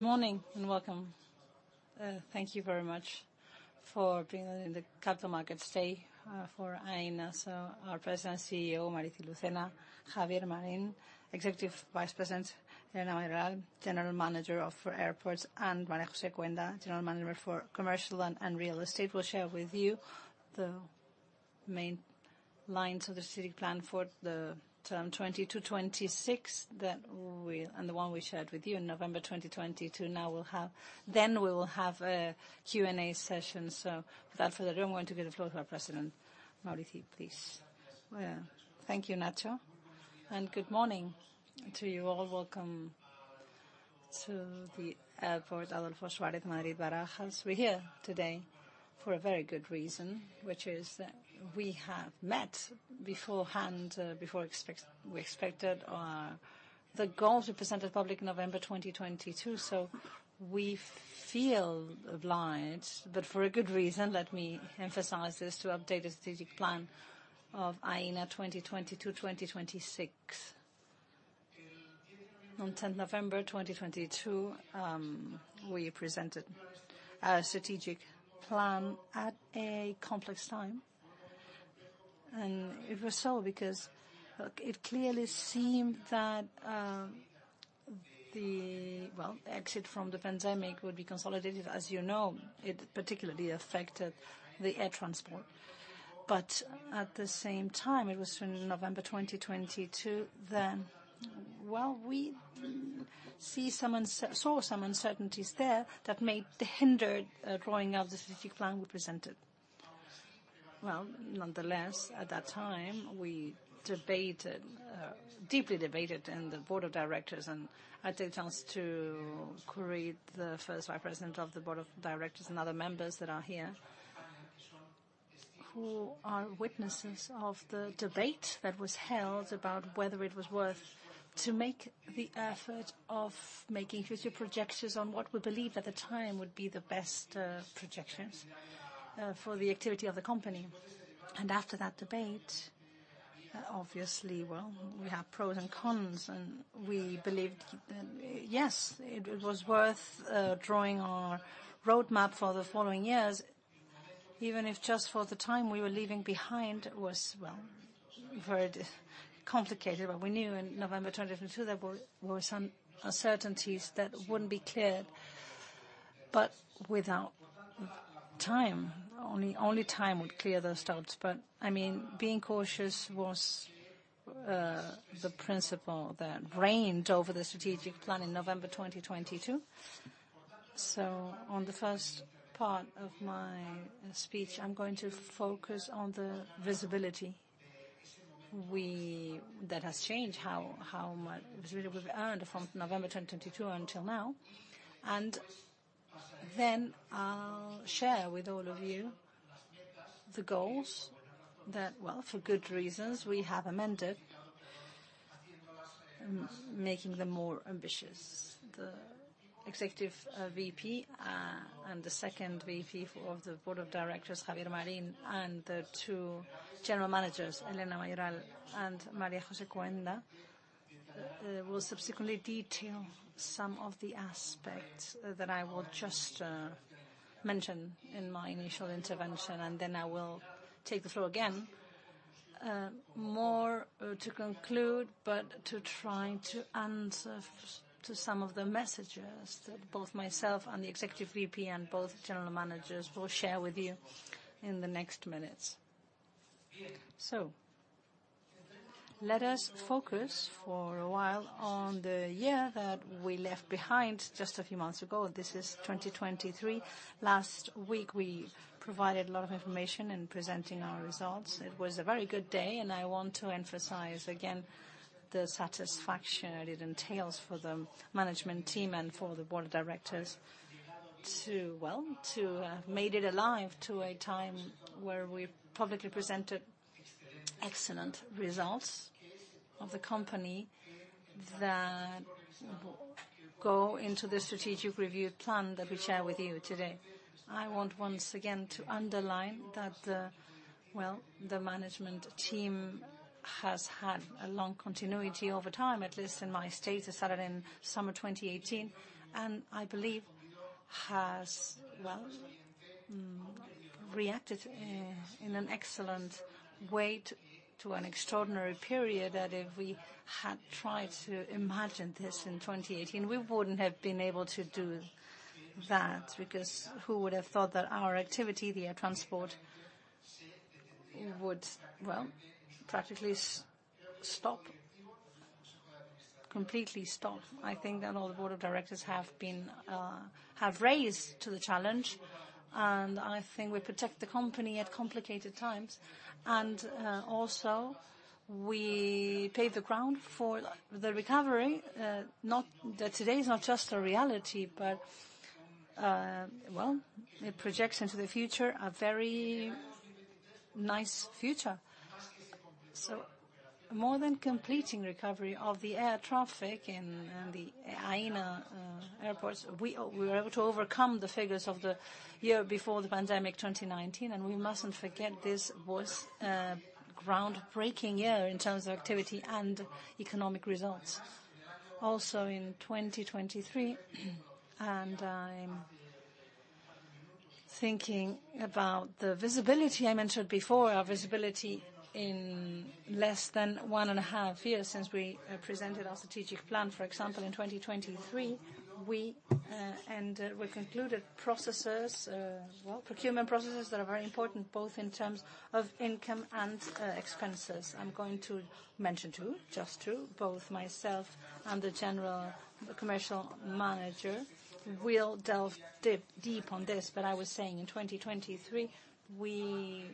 Good morning and welcome. Thank you very much for being in the Capital Markets Day for Aena. So, our President and CEO, Maurici Lucena, Javier Marín, Executive Vice President, Elena Mayoral, General Manager of Airports, and María José Cuenda, General Manager for Commercial and Real Estate. We'll share with you the main lines of the strategic plan for the term 2026 and the one we shared with you in November 2020. To now we'll have Q&A sessions. So without further ado, I'm going to give the floor to our President, Maurici, please. Thank you, Ignacio. Good morning to you all. Welcome to the airport, Adolfo Suárez Madrid-Barajas. We're here today for a very good reason, which is that we have met beforehand, before we expected, the goals we presented publicly in November 2022, so we feel obliged. But for a good reason, let me emphasize this: to update the strategic plan of Aena 2020 to 2026. On 10 November 2022, we presented a strategic plan at a complex time, and it was so because, look, it clearly seemed that, well, the exit from the pandemic would be consolidated. As you know, it particularly affected the air transport. But at the same time, it was in November 2022 that, well, we saw some uncertainties there that hindered drawing up the strategic plan we presented. Well, nonetheless, at that time, we deeply debated in the board of directors. I take the chance to greet the first Vice President of the Board of Directors and other members that are here, who are witnesses of the debate that was held about whether it was worth to make the effort of making future projections on what we believed at the time would be the best projections for the activity of the company. After that debate, obviously, well, we have pros and cons, and we believed that, yes, it was worth drawing our roadmap for the following years, even if just for the time we were leaving behind was, well, very complicated. But we knew in November 2022 there were some uncertainties that wouldn't be cleared but without time. Only time would clear those doubts. But I mean, being cautious was the principle that reigned over the strategic plan in November 2022. So on the first part of my speech, I'm going to focus on the visibility that has changed, how much visibility we've earned from November 2022 until now. And then I'll share with all of you the goals that, well, for good reasons, we have amended, making them more ambitious. The Executive VP and the second VP of the Board of Directors, Javier Marín, and the two general managers, Elena Mayoral and María José Cuenda, will subsequently detail some of the aspects that I will just mention in my initial intervention. And then I will take the floor again, more, to conclude but to try to answer to some of the messages that both myself and the Executive VP and both general managers will share with you in the next minutes. So let us focus for a while on the year that we left behind just a few months ago. This is 2023. Last week, we provided a lot of information in presenting our results. It was a very good day, and I want to emphasize again the satisfaction it entails for the management team and for the board of directors to have made it to a time where we publicly presented excellent results of the company that we go into the strategic review plan that we share with you today. I want once again to underline that the, well, the management team has had a long continuity over time, at least in my tenure, since the start of summer 2018, and I believe has, well, reacted, in an excellent way to, to an extraordinary period that if we had tried to imagine this in 2018, we wouldn't have been able to do that because who would have thought that our activity, the air transport, would, well, practically stop, completely stop. I think that all the board of directors have been, have risen to the challenge, and I think we've protected the company at complicated times. Also, we paved the ground for the recovery, now that today is not just a reality but, well, it projects into the future, a very nice future. So more than completing recovery of the air traffic in the Aena airports, we were able to overcome the figures of the year before the pandemic, 2019. We mustn't forget this was a groundbreaking year in terms of activity and economic results. Also in 2023, and I'm thinking about the visibility I mentioned before, our visibility in less than 1.5 years since we presented our strategic plan. For example, in 2023, we concluded processes, well, procurement processes that are very important both in terms of income and expenses. I'm going to mention two, just two. Both myself and the general commercial manager will delve deep on this. But I was saying, in 2023, we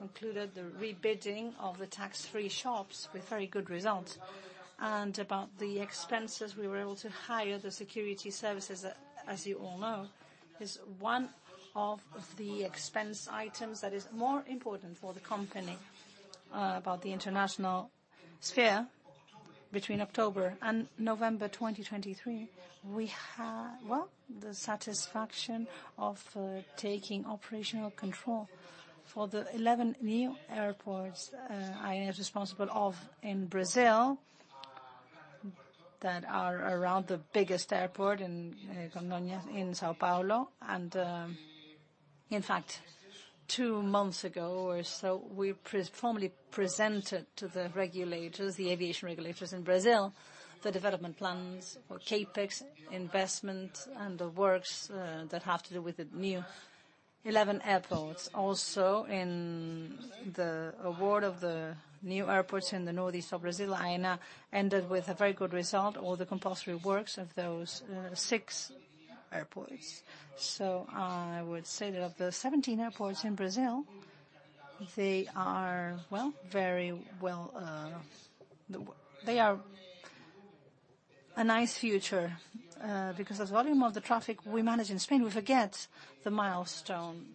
concluded the rebidding of the tax-free shops with very good results. About the expenses, we were able to hire the security services, as you all know, is one of the expense items that is more important for the company, about the international sphere. Between October and November 2023, we had, well, the satisfaction of taking operational control for the 11 new airports Aena is responsible of in Brazil that are around the biggest airport in Congonhas in São Paulo. In fact, two months ago or so, we previously presented to the regulators, the aviation regulators in Brazil, the development plans for CapEx investment and the works that have to do with the new 11 airports. Also in the award of the new airports in the northeast of Brazil, Aena ended with a very good result, all the compulsory works of those 6 airports. So I would say that of the 17 airports in Brazil, they are, well, very well, the way they are a nice future, because of the volume of the traffic we manage in Spain. We forget the milestone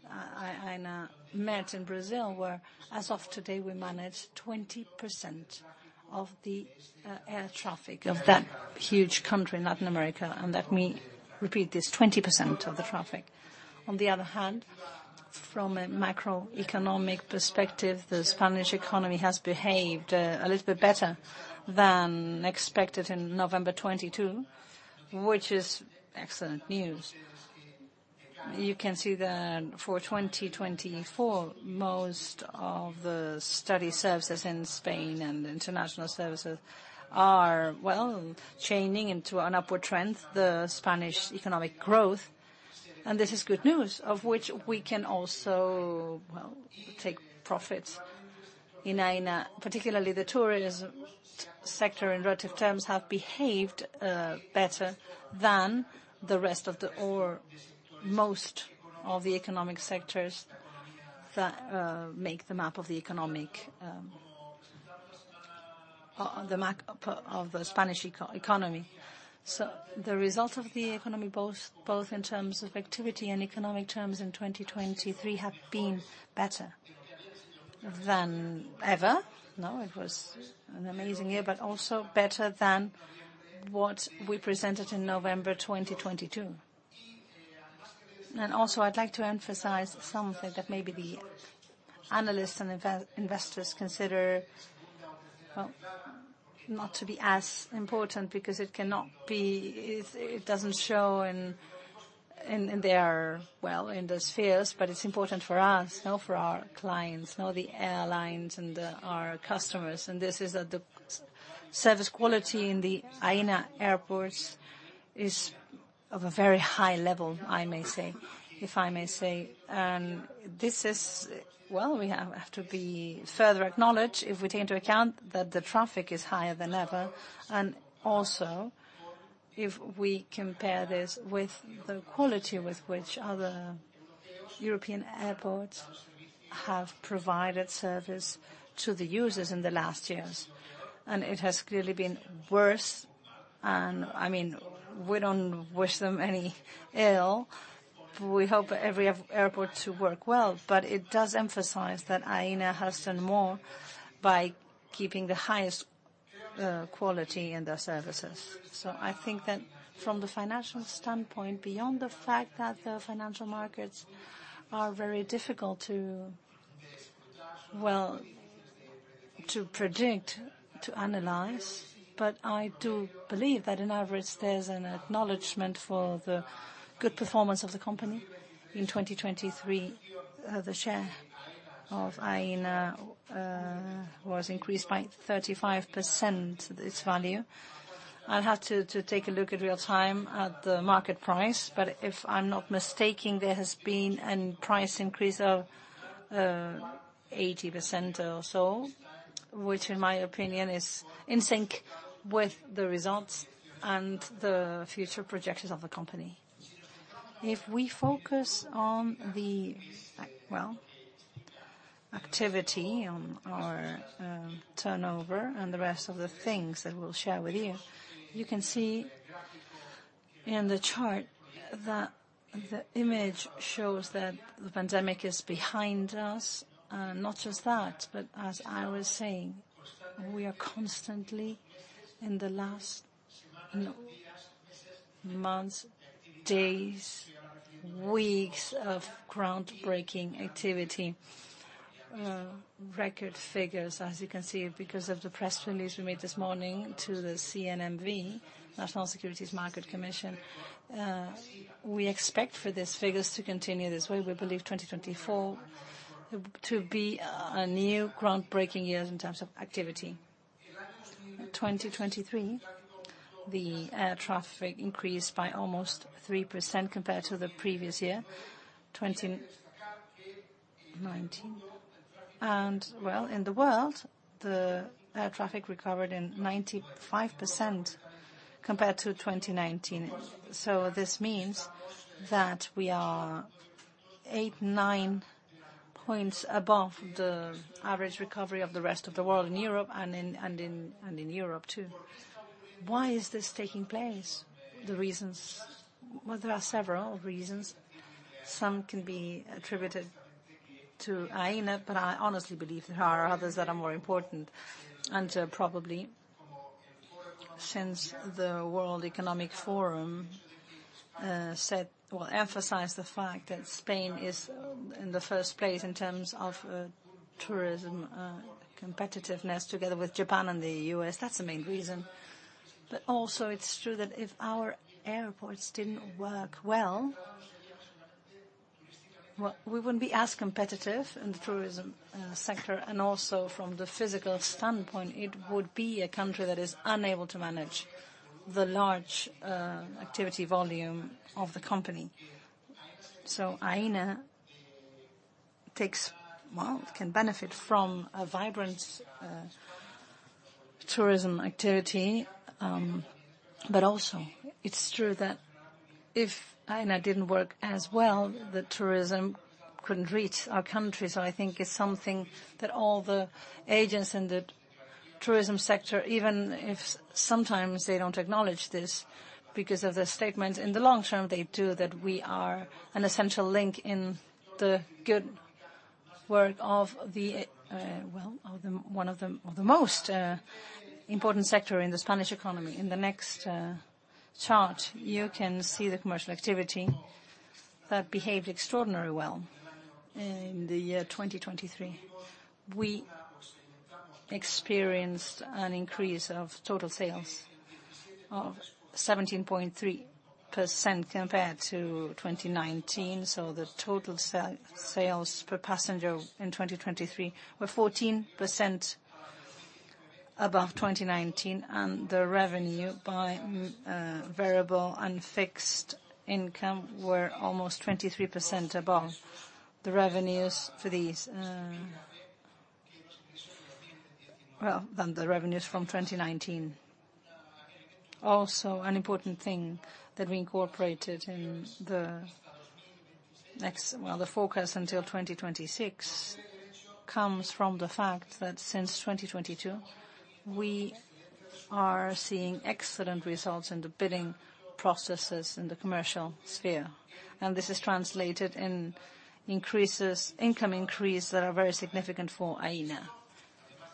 Aena met in Brazil where, as of today, we manage 20% of the air traffic of that huge country, Latin America. And let me repeat this: 20% of the traffic. On the other hand, from a macroeconomic perspective, the Spanish economy has behaved a little bit better than expected in November 2022, which is excellent news. You can see that for 2024, most of the retail services in Spain and international services are, well, chaining into an upward trend, the Spanish economic growth. And this is good news, of which we can also, well, take profits. In Aena, particularly the tourism sector in relative terms, have behaved better than the rest of the or most of the economic sectors that make the map of the Spanish economy. So the result of the economy both in terms of activity and economic terms in 2023 have been better than ever. No, it was an amazing year but also better than what we presented in November 2022. And also, I'd like to emphasize something that maybe the analysts and investors consider, well, not to be as important because it cannot be it, it doesn't show in their, well, in the spheres. But it's important for us, no, for our clients, no, the airlines and our customers. This is that the service quality in the Aena airports is of a very high level, I may say, if I may say. This is, well, we have to be further acknowledged if we take into account that the traffic is higher than ever. Also, if we compare this with the quality with which other European airports have provided service to the users in the last years, and it has clearly been worse. I mean, we don't wish them any ill, but we hope every airport to work well. But it does emphasize that Aena has done more by keeping the highest quality in their services. So I think that from the financial standpoint, beyond the fact that the financial markets are very difficult to, well, to predict, to analyze, but I do believe that, on average, there's an acknowledgment for the good performance of the company in 2023. The share of Aena was increased by 35% its value. I'll have to take a look at real time at the market price. But if I'm not mistaken, there has been a price increase of 80% or so, which, in my opinion, is in sync with the results and the future projections of the company. If we focus on the activity, well, on our turnover and the rest of the things that we'll share with you, you can see in the chart that the image shows that the pandemic is behind us. And not just that, but as I was saying, we are constantly in the last, you know, months, days, weeks of groundbreaking activity, record figures, as you can see, because of the press release we made this morning to the CNMV, National Securities Market Commission. We expect for these figures to continue this way. We believe 2024 to be a new groundbreaking year in terms of activity. 2023, the air traffic increased by almost 3% compared to the previous year, 2019. Well, in the world, the air traffic recovered in 95% compared to 2019. So this means that we are eight, nine points above the average recovery of the rest of the world in Europe and in and in and in Europe too. Why is this taking place? The reasons, well, there are several reasons. Some can be attributed to Aena, but I honestly believe there are others that are more important. And probably since the World Economic Forum said well, emphasized the fact that Spain is, in the first place, in terms of, tourism, competitiveness together with Japan and the U.S., that's the main reason. But also, it's true that if our airports didn't work well, well, we wouldn't be as competitive in the tourism sector. And also, from the physical standpoint, it would be a country that is unable to manage the large activity volume of the company. So Aena takes well, can benefit from a vibrant tourism activity, but also, it's true that if Aena didn't work as well, the tourism couldn't reach our country. So I think it's something that all the agents in the tourism sector, even if sometimes they don't acknowledge this because of their statements, in the long term, they do, that we are an essential link in the good work of the most important sector in the Spanish economy. In the next chart, you can see the commercial activity that behaved extraordinarily well in the year 2023. We experienced an increase of total sales of 17.3% compared to 2019. So the total sales per passenger in 2023 were 14% above 2019. And the revenue by variable and fixed income were almost 23% above the revenues from 2019. Also, an important thing that we incorporated in the next, well, the forecast until 2026 comes from the fact that since 2022, we are seeing excellent results in the bidding processes in the commercial sphere. And this is translated in increases income increase that are very significant for Aena.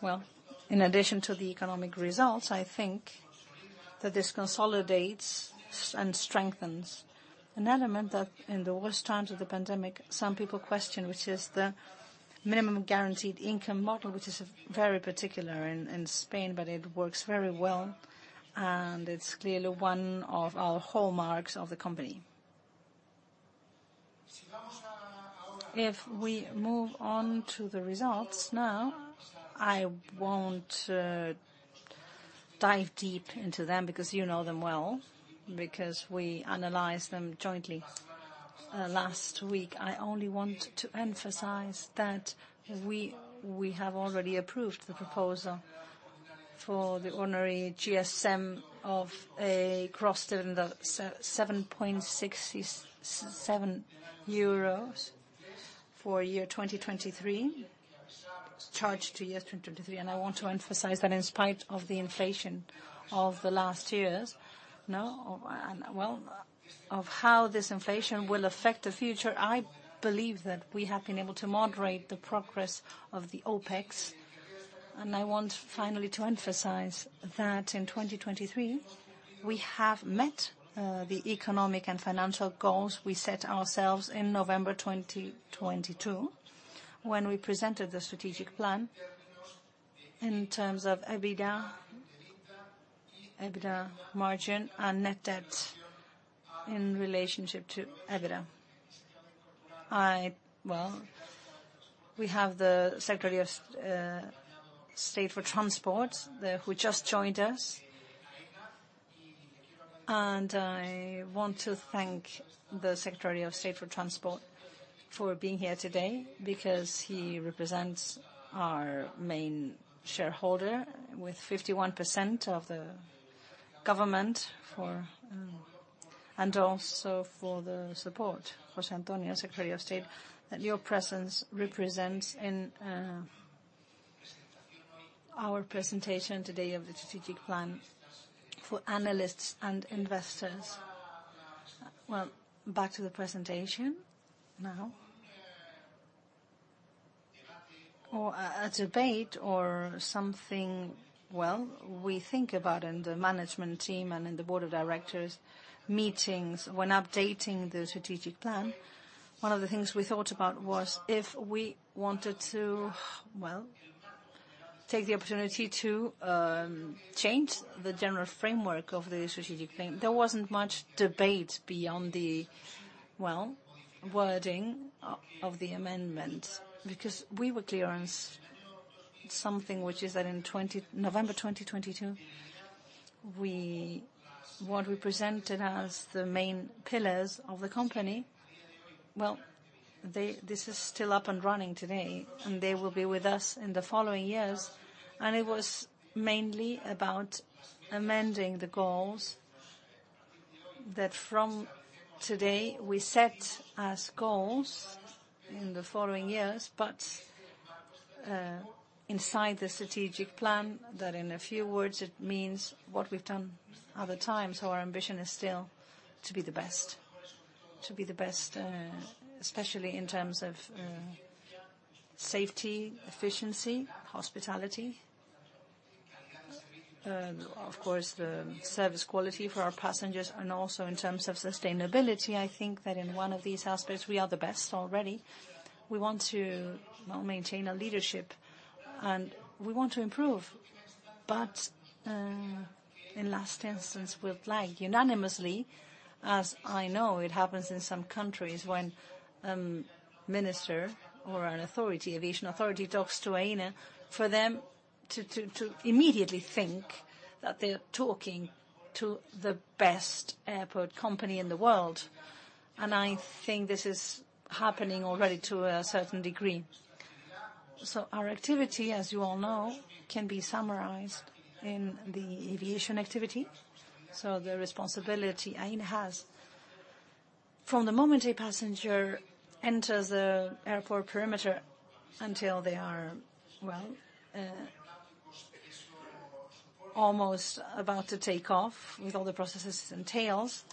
Well, in addition to the economic results, I think that this consolidates and strengthens an element that, in the worst times of the pandemic, some people questioned, which is the minimum guaranteed income model, which is very particular in, in Spain, but it works very well. And it's clearly one of our hallmarks of the company. If we move on to the results now, I won't dive deep into them because you know them well, because we analyzed them jointly last week. I only want to emphasize that we, we have already approved the proposal for the ordinary GSM of a gross dividend of 7.67 euros for year 2023, charge to year 2023. I want to emphasize that in spite of the inflation of the last years, well, of how this inflation will affect the future, I believe that we have been able to moderate the progress of the OpEx. I want finally to emphasize that in 2023, we have met the economic and financial goals we set ourselves in November 2022 when we presented the strategic plan in terms of EBITDA, EBITDA margin, and net debt in relationship to EBITDA. Well, we have the Secretary of State for Transport, who just joined us. I want to thank the Secretary of State for Transport for being here today because he represents our main shareholder with 51% of the government for, and also for the support. José Antonio, Secretary of State, that your presence represents in, our presentation today of the strategic plan for analysts and investors. Well, back to the presentation now. Well, we think about in the management team and in the board of directors meetings when updating the strategic plan, one of the things we thought about was if we wanted to, well, take the opportunity to, change the general framework of the strategic plan. There wasn't much debate beyond the, well, wording of the amendment because we were clear on something, which is that in November 2022, we what we presented as the main pillars of the company, well, they this is still up and running today, and they will be with us in the following years. It was mainly about amending the goals that from today, we set as goals in the following years. Inside the strategic plan, that in a few words, it means what we've done other times. Our ambition is still to be the best, to be the best, especially in terms of safety, efficiency, hospitality, of course, the service quality for our passengers. Also in terms of sustainability, I think that in one of these aspects, we are the best already. We want to, well, maintain our leadership, and we want to improve. But, in the last instance, we'd like unanimously, as I know it happens in some countries when a minister or an authority, aviation authority, talks to Aena, for them to immediately think that they're talking to the best airport company in the world. And I think this is happening already to a certain degree. So our activity, as you all know, can be summarized in the aviation activity. So the responsibility Aena has from the moment a passenger enters the airport perimeter until they are, well, almost about to take off with all the processes it entails.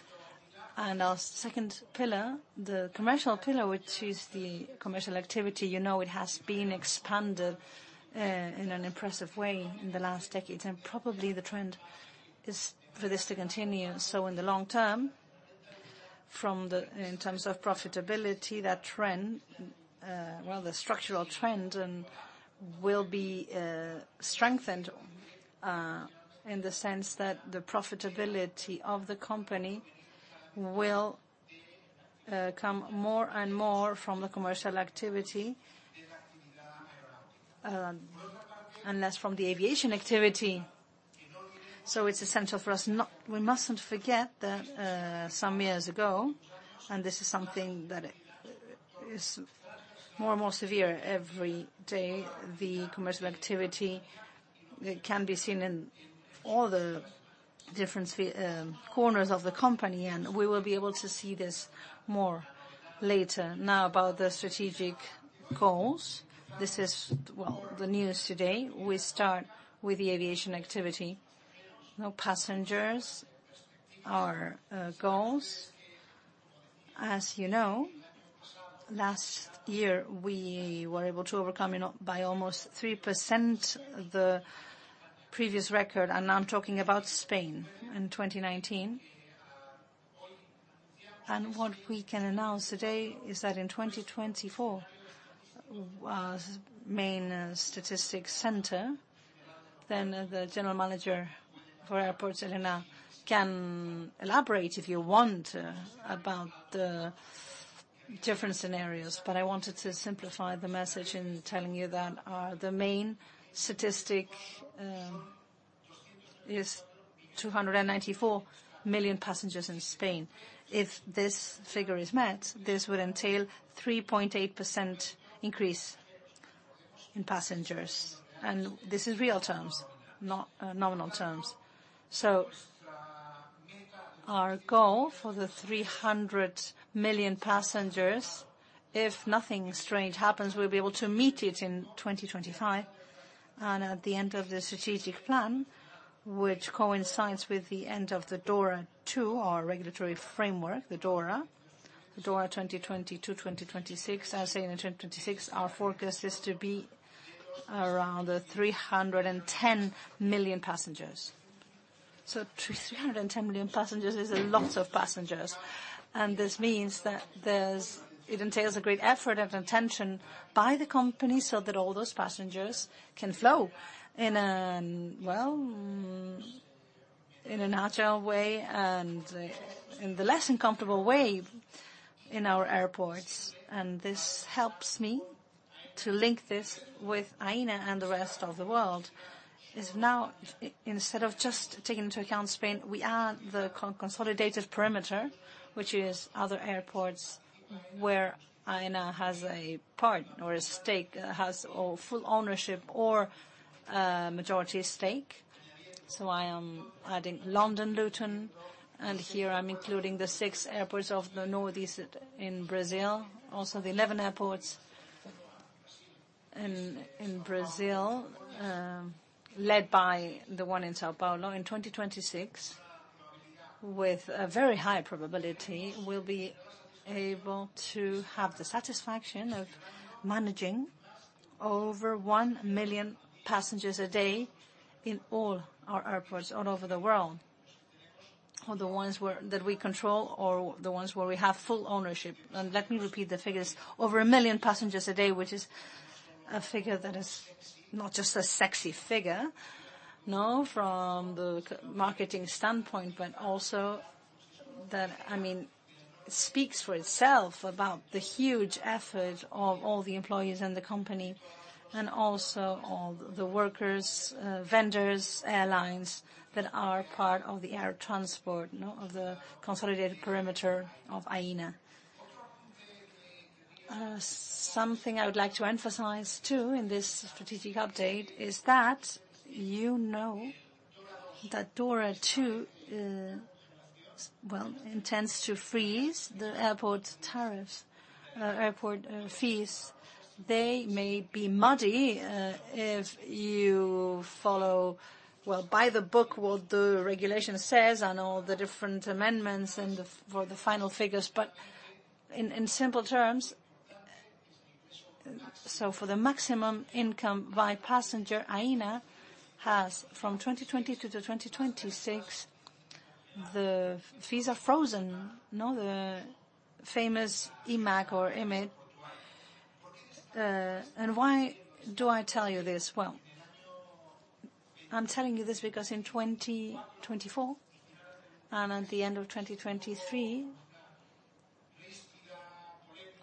And our second pillar, the commercial pillar, which is the commercial activity, you know it has been expanded in an impressive way in the last decades. And probably the trend is for this to continue. So in the long term, in terms of profitability, that trend, well, the structural trend, will be strengthened, in the sense that the profitability of the company will come more and more from the commercial activity, less from the aviation activity. So it's essential for us that we mustn't forget that, some years ago, and this is something that it is more and more severe every day, the commercial activity, it can be seen in all the different spheres, corners of the company. And we will be able to see this more later. Now, about the strategic goals, this is, well, the news today. We start with the aviation activity. Now, passenger goals. As you know, last year, we were able to overcome it by almost 3% the previous record. And I'm talking about Spain in 2019. And what we can announce today is that in 2024, our main statistic center, then the general manager for airports, Elena, can elaborate, if you want, about the different scenarios. But I wanted to simplify the message in telling you that our main statistic is 294 million passengers in Spain. If this figure is met, this would entail 3.8% increase in passengers. And this is real terms, not nominal terms. So our goal for the 300 million passengers, if nothing strange happens, we'll be able to meet it in 2025. And at the end of the strategic plan, which coincides with the end of the DORA II, our regulatory framework, the DORA, the DORA 2022-2026, as Aena 2026, our focus is to be around the 310 million passengers. So 310 million passengers is a lot of passengers. And this means that it entails a great effort and attention by the company so that all those passengers can flow in an, well, in a natural way and, in the less uncomfortable way in our airports. And this helps me to link this with Aena and the rest of the world. It's now, instead of just taking into account Spain, we add the consolidated perimeter, which is other airports where Aena has a part or a stake, full ownership or majority stake. So I am adding London Luton. And here, I'm including the six airports of the northeast in Brazil, also the 11 airports in Brazil, led by the one in São Paulo. In 2026, with a very high probability, we'll be able to have the satisfaction of managing over 1 million passengers a day in all our airports all over the world, or the ones where that we control or the ones where we have full ownership. And let me repeat the figures. Over 1 million passengers a day, which is a figure that is not just a sexy figure, no, from the marketing standpoint, but also that, I mean, speaks for itself about the huge effort of all the employees in the company and also all the workers, vendors, airlines that are part of the air transport, no, of the consolidated perimeter of Aena. Something I would like to emphasize too in this strategic update is that you know that DORA II, well, intends to freeze the airport tariffs, airport, fees. They may be muddy, if you follow, well, by the book, what the regulation says and all the different amendments and the for the final figures. But in simple terms, so for the maximum income by passenger, Aena has from 2022 to 2026, the fees are frozen, no, the famous IMAAJ or IMAG. And why do I tell you this? Well, I'm telling you this because in 2024 and at the end of 2023,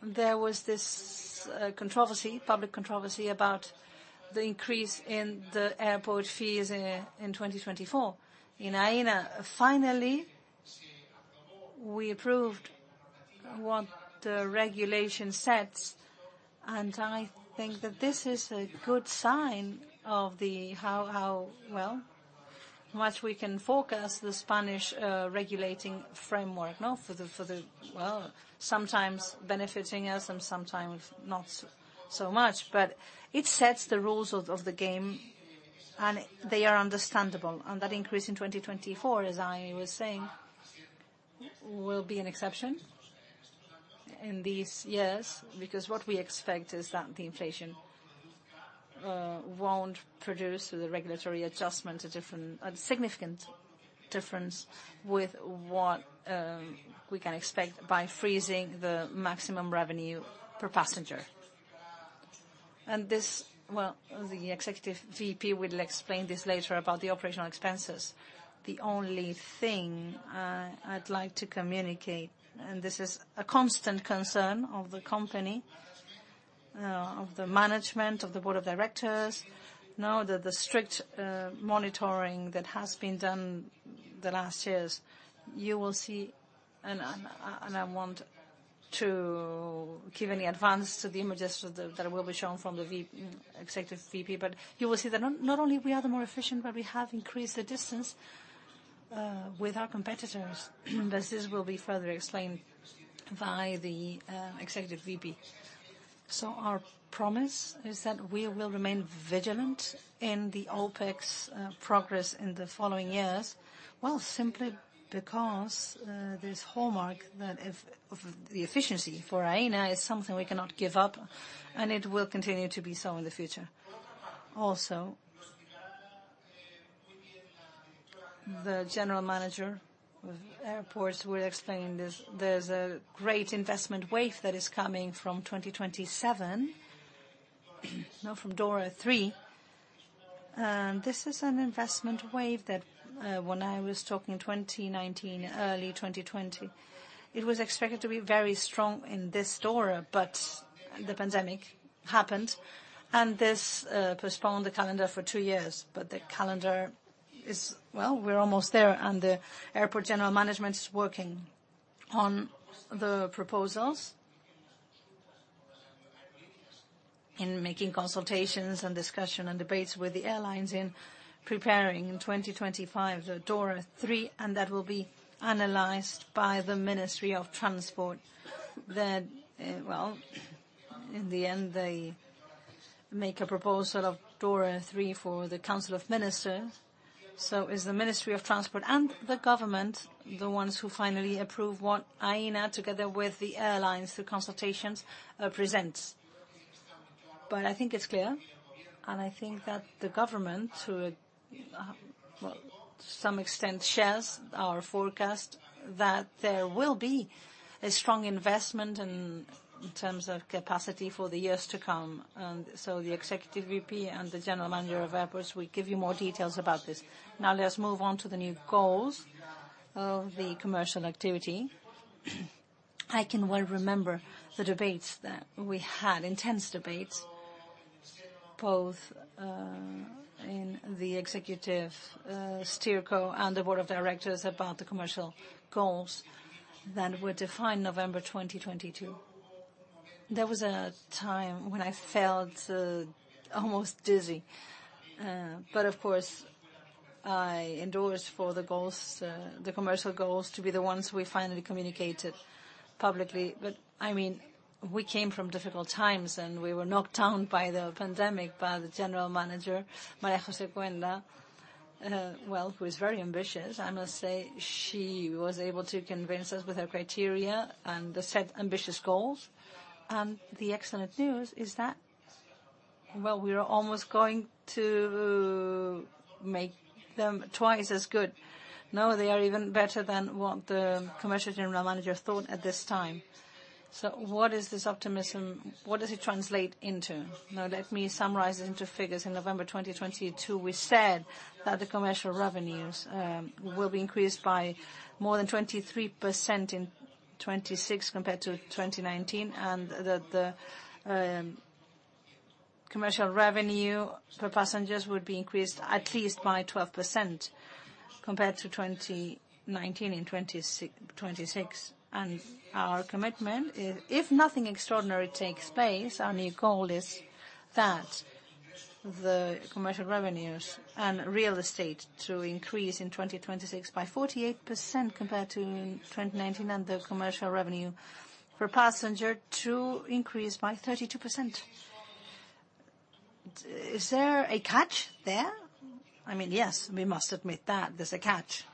there was this controversy, public controversy about the increase in the airport fees in 2024. In Aena, finally, we approved what the regulation sets. And I think that this is a good sign of the how, well, much we can focus the Spanish regulating framework, no, for the, well, sometimes benefiting us and sometimes not so much. But it sets the rules of the game, and they are understandable. That increase in 2024, as I was saying, will be an exception in these years because what we expect is that the inflation won't produce the regulatory adjustment, a different significant difference with what we can expect by freezing the maximum revenue per passenger. And this, well, the Executive VP will explain this later about the operational expenses. The only thing I'd like to communicate, and this is a constant concern of the company, of the management, of the board of directors, that the strict monitoring that has been done the last years, you will see and I don't want to give any advance to the images that will be shown from the Executive VP. But you will see that not only we are the more efficient, but we have increased the distance with our competitors. But this will be further explained by the Executive VP. So our promise is that we will remain vigilant in the OpEx progress in the following years, well, simply because there's a hallmark of the efficiency for Aena is something we cannot give up, and it will continue to be so in the future. Also, the General Manager of Airports will explain this. There's a great investment wave that is coming from 2027, no, from DORA III. And this is an investment wave that, when I was talking 2019, early 2020, it was expected to be very strong in this DORA, but the pandemic happened, and this postponed the calendar for two years. But the calendar is, well, we're almost there, and the airport general management is working on the proposals in making consultations and discussion and debates with the airlines in preparing in 2025 the DORA III. That will be analyzed by the Ministry of Transport. That, well, in the end, they make a proposal of DORA III for the Council of Ministers. So is the Ministry of Transport and the government the ones who finally approve what Aena, together with the airlines, through consultations, presents. But I think it's clear. And I think that the government, to a, well, to some extent, shares our forecast that there will be a strong investment in terms of capacity for the years to come. And so the Executive VP and the General Manager of Airports, we give you more details about this. Now, let's move on to the new goals of the commercial activity. I can well remember the debates that we had, intense debates, both, in the executive, SteerCo and the Board of Directors about the commercial goals that were defined November 2022. There was a time when I felt almost dizzy. But of course, I endorsed for the goals, the commercial goals to be the ones we finally communicated publicly. But I mean, we came from difficult times, and we were knocked down by the pandemic, by the general manager, María José Cuenda, well, who is very ambitious, I must say. She was able to convince us with her criteria and the set ambitious goals. The excellent news is that, well, we are almost going to make them twice as good, no, they are even better than what the commercial general manager thought at this time. So what is this optimism? What does it translate into? Now, let me summarize it into figures. In November 2022, we said that the commercial revenues will be increased by more than 23% in 2026 compared to 2019, and that the commercial revenue per passengers would be increased at least by 12% compared to 2019 in 2026. Our commitment is, if nothing extraordinary takes place, our new goal is that the commercial revenues and real estate to increase in 2026 by 48% compared to 2019, and the commercial revenue per passenger to increase by 32%. Is there a catch there? I mean, yes, we must admit that there's a catch.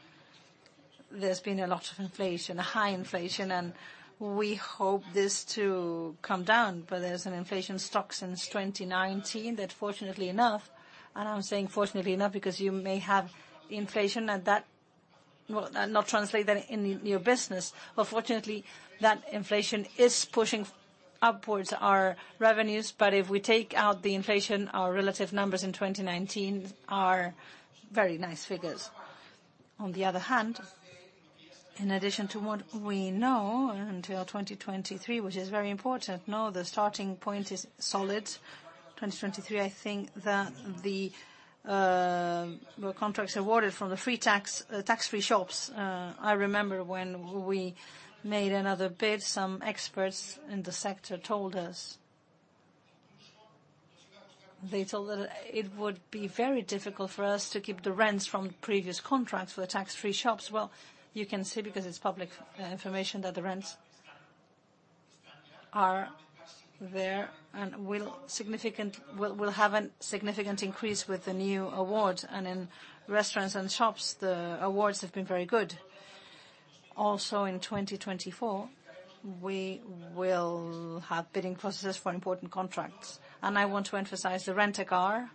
There's been a lot of inflation, a high inflation, and we hope this to come down. But there's an inflation stock since 2019 that, fortunately enough and I'm saying fortunately enough because you may have inflation at that well, not translate that in your business. But fortunately, that inflation is pushing upwards our revenues. But if we take out the inflation, our relative numbers in 2019 are very nice figures. On the other hand, in addition to what we know until 2023, which is very important, the starting point is solid. In 2023, I think that there were contracts awarded for the tax-free shops. I remember when we made another bid, some experts in the sector told us that it would be very difficult for us to keep the rents from previous contracts for the tax-free shops. Well, you can see because it's public information that the rents are higher and will have a significant increase with the new award. And in restaurants and shops, the awards have been very good. Also, in 2024, we will have bidding processes for important contracts. And I want to emphasize the rent-a-car,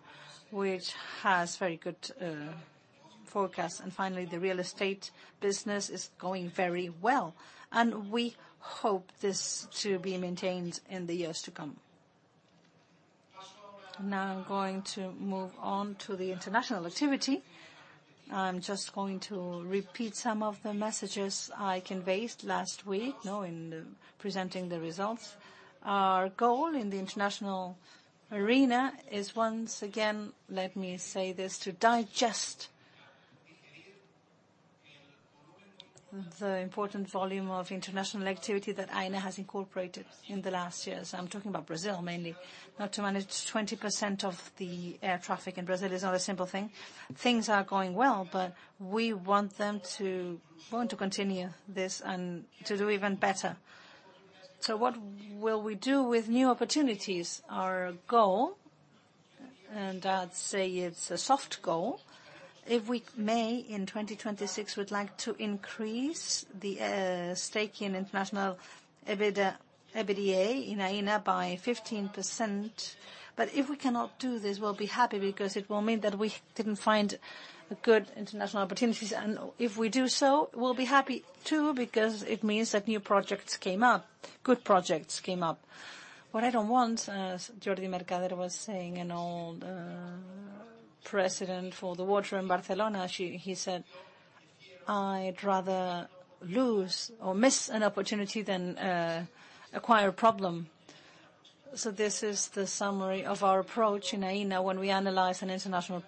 which has very good forecasts. And finally, the real estate business is going very well. And we hope this to be maintained in the years to come. Now, I'm going to move on to the international activity. I'm just going to repeat some of the messages I conveyed last week, no, in the presenting the results. Our goal in the international arena is once again, let me say this, to digest the important volume of international activity that Aena has incorporated in the last years. I'm talking about Brazil mainly, not to manage 20% of the air traffic in Brazil is not a simple thing. Things are going well, but we want them to want to continue this and to do even better. So what will we do with new opportunities? Our goal, and I'd say it's a soft goal, if we may in 2026, would like to increase the stake in international EBITDA in Aena by 15%. But if we cannot do this, we'll be happy because it will mean that we didn't find good international opportunities. And if we do so, we'll be happy too because it means that new projects came up, good projects came up. What I don't want, as Jordi Mercader was saying, the old President for the water in Barcelona. He said, "I'd rather lose or miss an opportunity than acquire a problem." So this is the summary of our approach in Aena when we analyze an international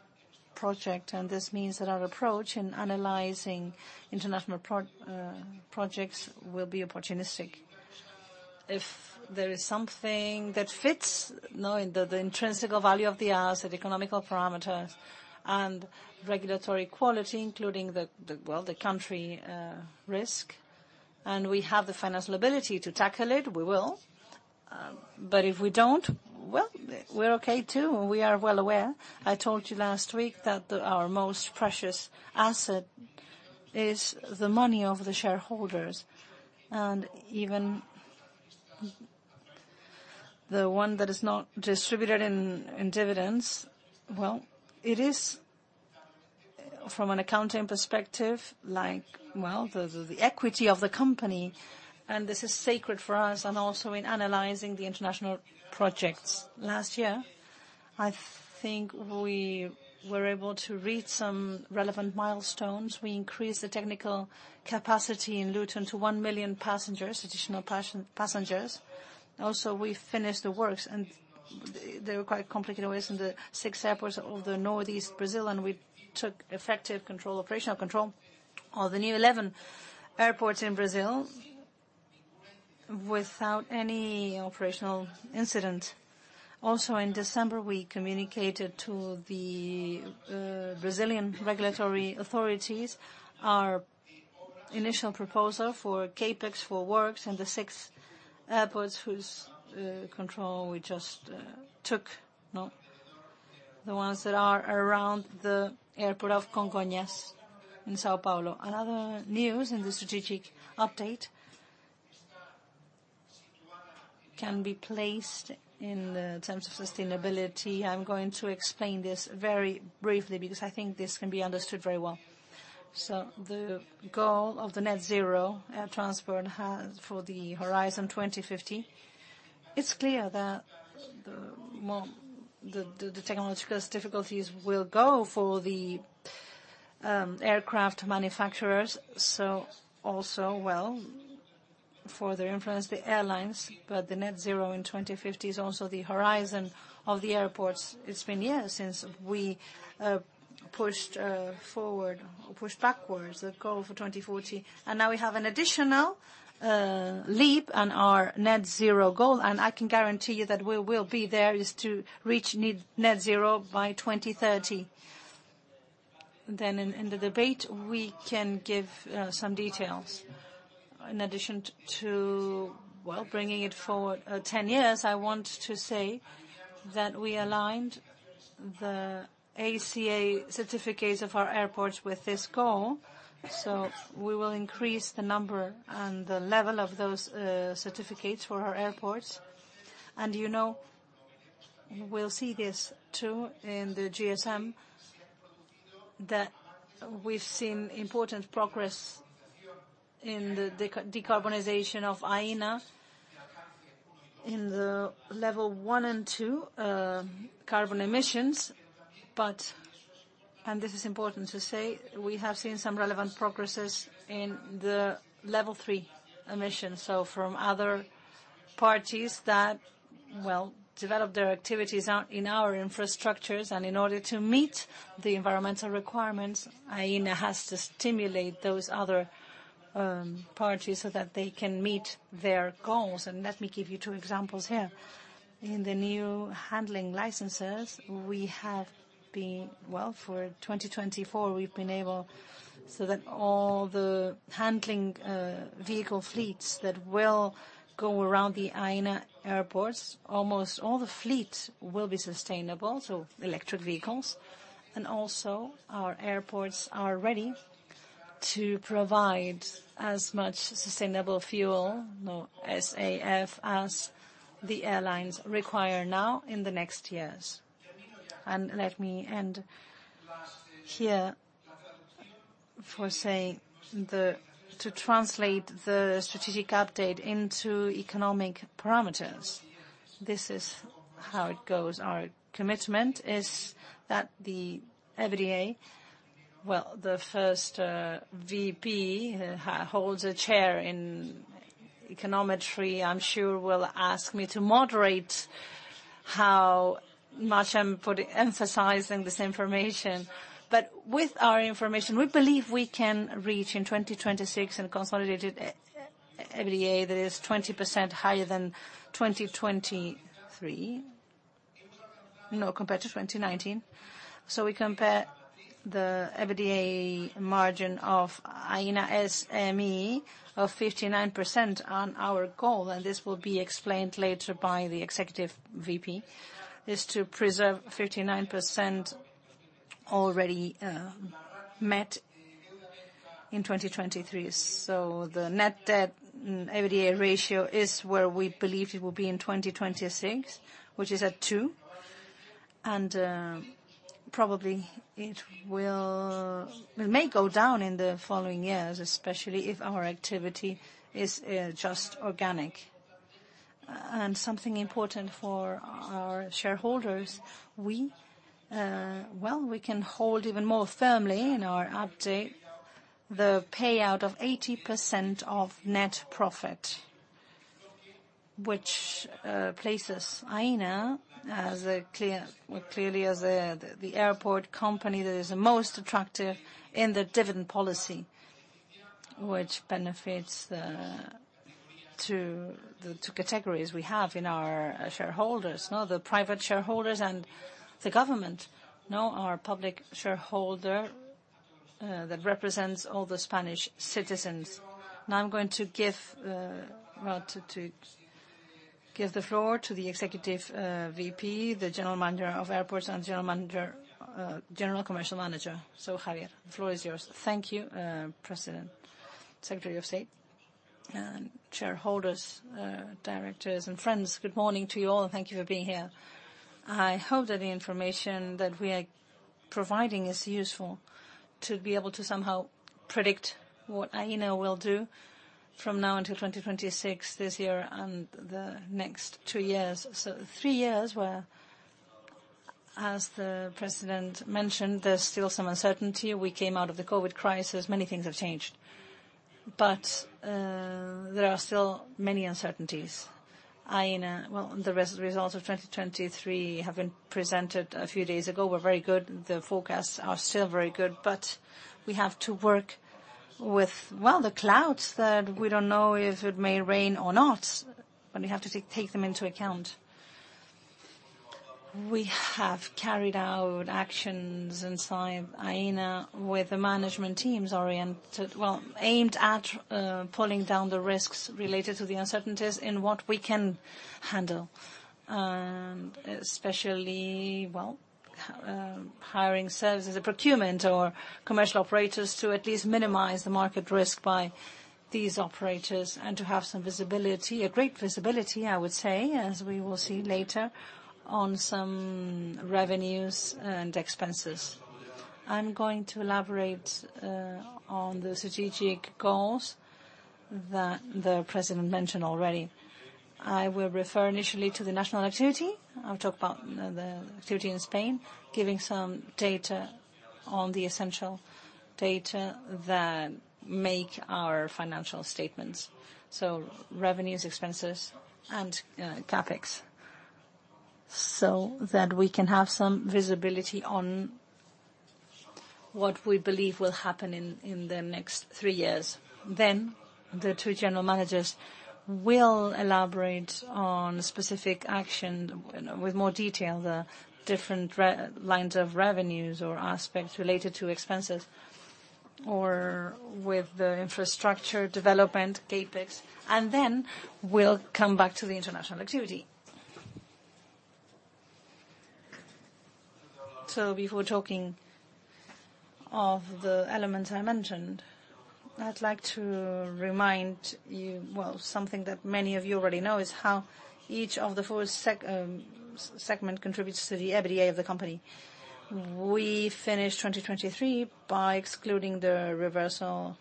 project. And this means that our approach in analyzing international projects will be opportunistic. If there is something that fits, no, in the intrinsic value of the asset, economical parameters, and regulatory quality, including the well, the country risk, and we have the financial ability to tackle it, we will. But if we don't, well, we're okay too. We are well aware. I told you last week that our most precious asset is the money of the shareholders. And even the one that is not distributed in dividends, well, it is from an accounting perspective, like well, the equity of the company. And this is sacred for us and also in analyzing the international projects. Last year, I think we were able to reach some relevant milestones. We increased the technical capacity in Luton to 1 million passengers, additional passengers. Also, we finished the works. They were quite complicated ways in the six airports of the northeast Brazil. We took effective control, operational control of the new 11 airports in Brazil without any operational incident. Also, in December, we communicated to the Brazilian regulatory authorities our initial proposal for CapEx for works in the six airports whose control we just took, no, the ones that are around the airport of Congonhas in São Paulo. Another news in the strategic update can be placed in terms of sustainability. I'm going to explain this very briefly because I think this can be understood very well. So the goal of the Net Zero air transport has for the horizon 2050. It's clear that the technological difficulties will go for the aircraft manufacturers. So also, well, further influence the airlines. But the Net Zero in 2050 is also the horizon of the airports. It's been years since we pushed forward or pushed backwards the goal for 2040. Now we have an additional leap in our net-zero goal. I can guarantee you that we will be there to reach net-zero by 2030. Then in the debate, we can give some details. In addition to, well, bringing it forward 10 years, I want to say that we aligned the ACA certificates of our airports with this goal. So we will increase the number and the level of those certificates for our airports. And you know, we'll see this too in the GSM that we've seen important progress in the decarbonization of Aena in the level one and two carbon emissions. But and this is important to say, we have seen some relevant progress in the level three emissions. So from other parties that, well, develop their activities in our infrastructures. In order to meet the environmental requirements, Aena has to stimulate those other parties so that they can meet their goals. Let me give you two examples here. In the new handling licenses, we have, well, for 2024, we've been able so that all the handling vehicle fleets that will go around the Aena airports, almost all the fleets will be sustainable, so electric vehicles. Also, our airports are ready to provide as much sustainable fuel, no, SAF, as the airlines require now in the next years. Let me end here for saying the to translate the strategic update into economic parameters. This is how it goes. Our commitment is that the EBITDA, well, the first VP holds a chair in econometry. I'm sure will ask me to moderate how much I'm putting emphasizing this information. But with our information, we believe we can reach in 2026 a consolidated EBITDA that is 20% higher than 2023, no, compared to 2019. So we compare the EBITDA margin of Aena S.M.E. of 59% on our goal. And this will be explained later by the Executive VP, is to preserve 59% already, met in 2023. So the net debt and EBITDA ratio is where we believe it will be in 2026, which is at 2. And, probably it will may go down in the following years, especially if our activity is, just organic. Something important for our shareholders, we, well, we can hold even more firmly in our update the payout of 80% of net profit, which places Aena as clearly the airport company that is the most attractive in the dividend policy, which benefits to the two categories we have in our shareholders, no, the private shareholders and the government, no, our public shareholder, that represents all the Spanish citizens. Now, I'm going to give the floor to the Executive VP, the General Manager of Airports, and the General Manager, General Commercial Manager, so Javier. The floor is yours. Thank you, President, Secretary of State, and shareholders, directors, and friends. Good morning to you all, and thank you for being here. I hope that the information that we are providing is useful to be able to somehow predict what Aena will do from now until 2026, this year, and the next two years. So three years where, as the president mentioned, there's still some uncertainty. We came out of the COVID crisis. Many things have changed. But there are still many uncertainties. Aena, well, the results of 2023 have been presented a few days ago. We're very good. The forecasts are still very good. But we have to work with, well, the clouds that we don't know if it may rain or not. But we have to take them into account. We have carried out actions inside Aena with the management teams oriented well, aimed at pulling down the risks related to the uncertainties in what we can handle, and especially, well, hiring services, the procurement or commercial operators to at least minimize the market risk by these operators and to have some visibility, a great visibility, I would say, as we will see later on some revenues and expenses. I'm going to elaborate on the strategic goals that the president mentioned already. I will refer initially to the national activity. I'll talk about the activity in Spain, giving some data on the essential data that make our financial statements, so revenues, expenses, and CapEx, so that we can have some visibility on what we believe will happen in the next three years. Then the two general managers will elaborate on specific action with more detail, the different lines of revenues or aspects related to expenses or with the infrastructure development, CapEx. And then we'll come back to the international activity. So before talking of the elements I mentioned, I'd like to remind you, well, something that many of you already know is how each of the four segment contributes to the EBITDA of the company. We finished 2023 by excluding the reversal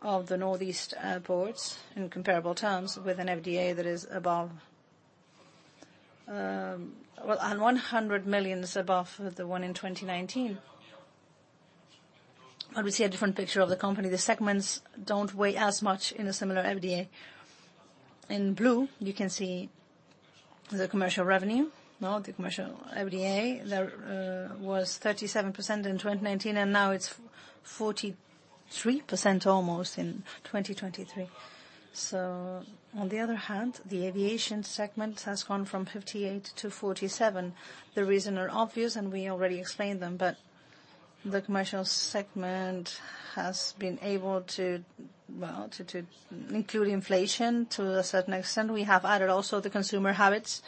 of the northeast airports in comparable terms with an EBITDA that is above, well, 100 million is above the one in 2019. But we see a different picture of the company. The segments don't weigh as much in a similar EBITDA. In blue, you can see the commercial revenue, no, the commercial EBITDA. There was 37% in 2019, and now it's almost 43% in 2023. So on the other hand, the aviation segment has gone from 58 to 47. The reasons are obvious, and we already explained them. But the commercial segment has been able to, well, to include inflation to a certain extent. We have added also the consumer habits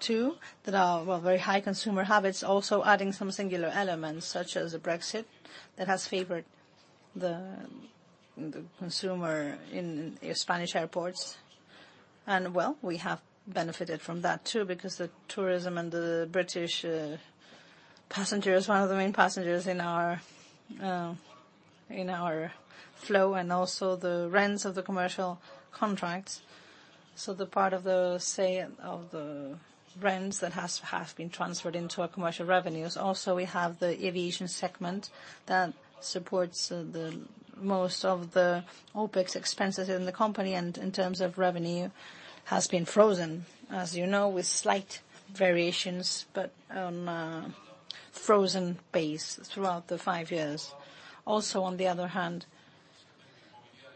too that are, well, very high consumer habits, also adding some singular elements such as the Brexit that has favored the consumer in Spanish airports. And, well, we have benefited from that too because the tourism and the British passengers, one of the main passengers in our flow and also the rents of the commercial contracts. So the part of the, say, of the rents that has been transferred into our commercial revenues. Also, we have the aviation segment that supports the most of the OpEx expenses in the company. And in terms of revenue, has been frozen, as you know, with slight variations, but on a frozen base throughout the five years. Also, on the other hand,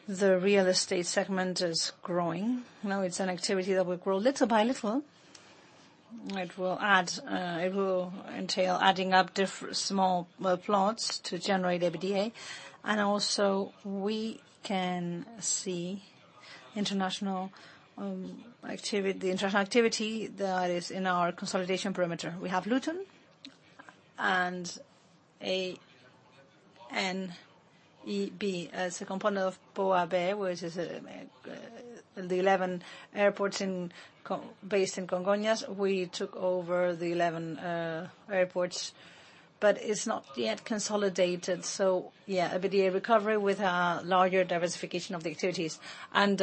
the real estate segment is growing, no. It's an activity that will grow little by little. It will add, it will entail adding up different small plots to generate EBITDA. And also, we can see international activity, the international activity that is in our consolidation perimeter. We have Luton and ANB as a component of BOAB, which is the 11 airports in São Paulo based in Congonhas. We took over the 11 airports, but it's not yet consolidated. So yeah, EBITDA recovery with a larger diversification of the activities and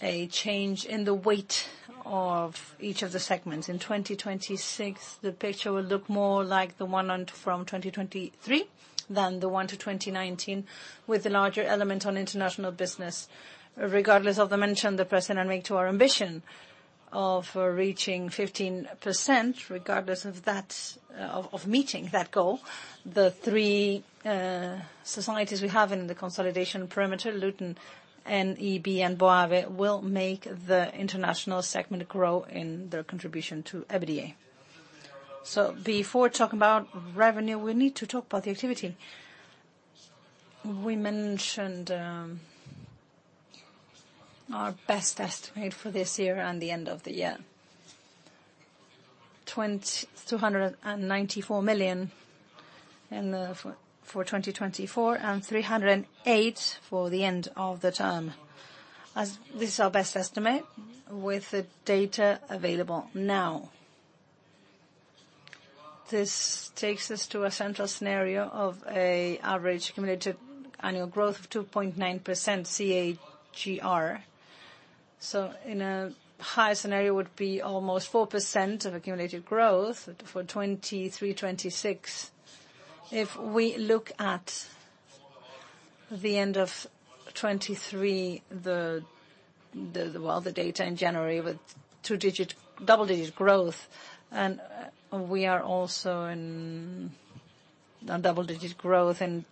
a change in the weight of each of the segments. In 2026, the picture will look more like the one from 2023 than the one from 2019 with a larger element on international business. Regardless of the mention the president made to our ambition of reaching 15%, regardless of that, of, of meeting that goal, the three societies we have in the consolidation perimeter, Luton, ANB, and BOAB, will make the international segment grow in their contribution to EBITDA. So before talking about revenue, we need to talk about the activity. We mentioned our best estimate for this year and the end of the year, 294 million for 2024 and 308 million for the end of the term. As this is our best estimate with the data available now. This takes us to a central scenario of an average accumulated annual growth of 2.9% CAGR. So in a higher scenario would be almost 4% of accumulated growth for 2023-2026. If we look at the end of 2023, the data in January with double-digit growth, and we are also on double-digit growth in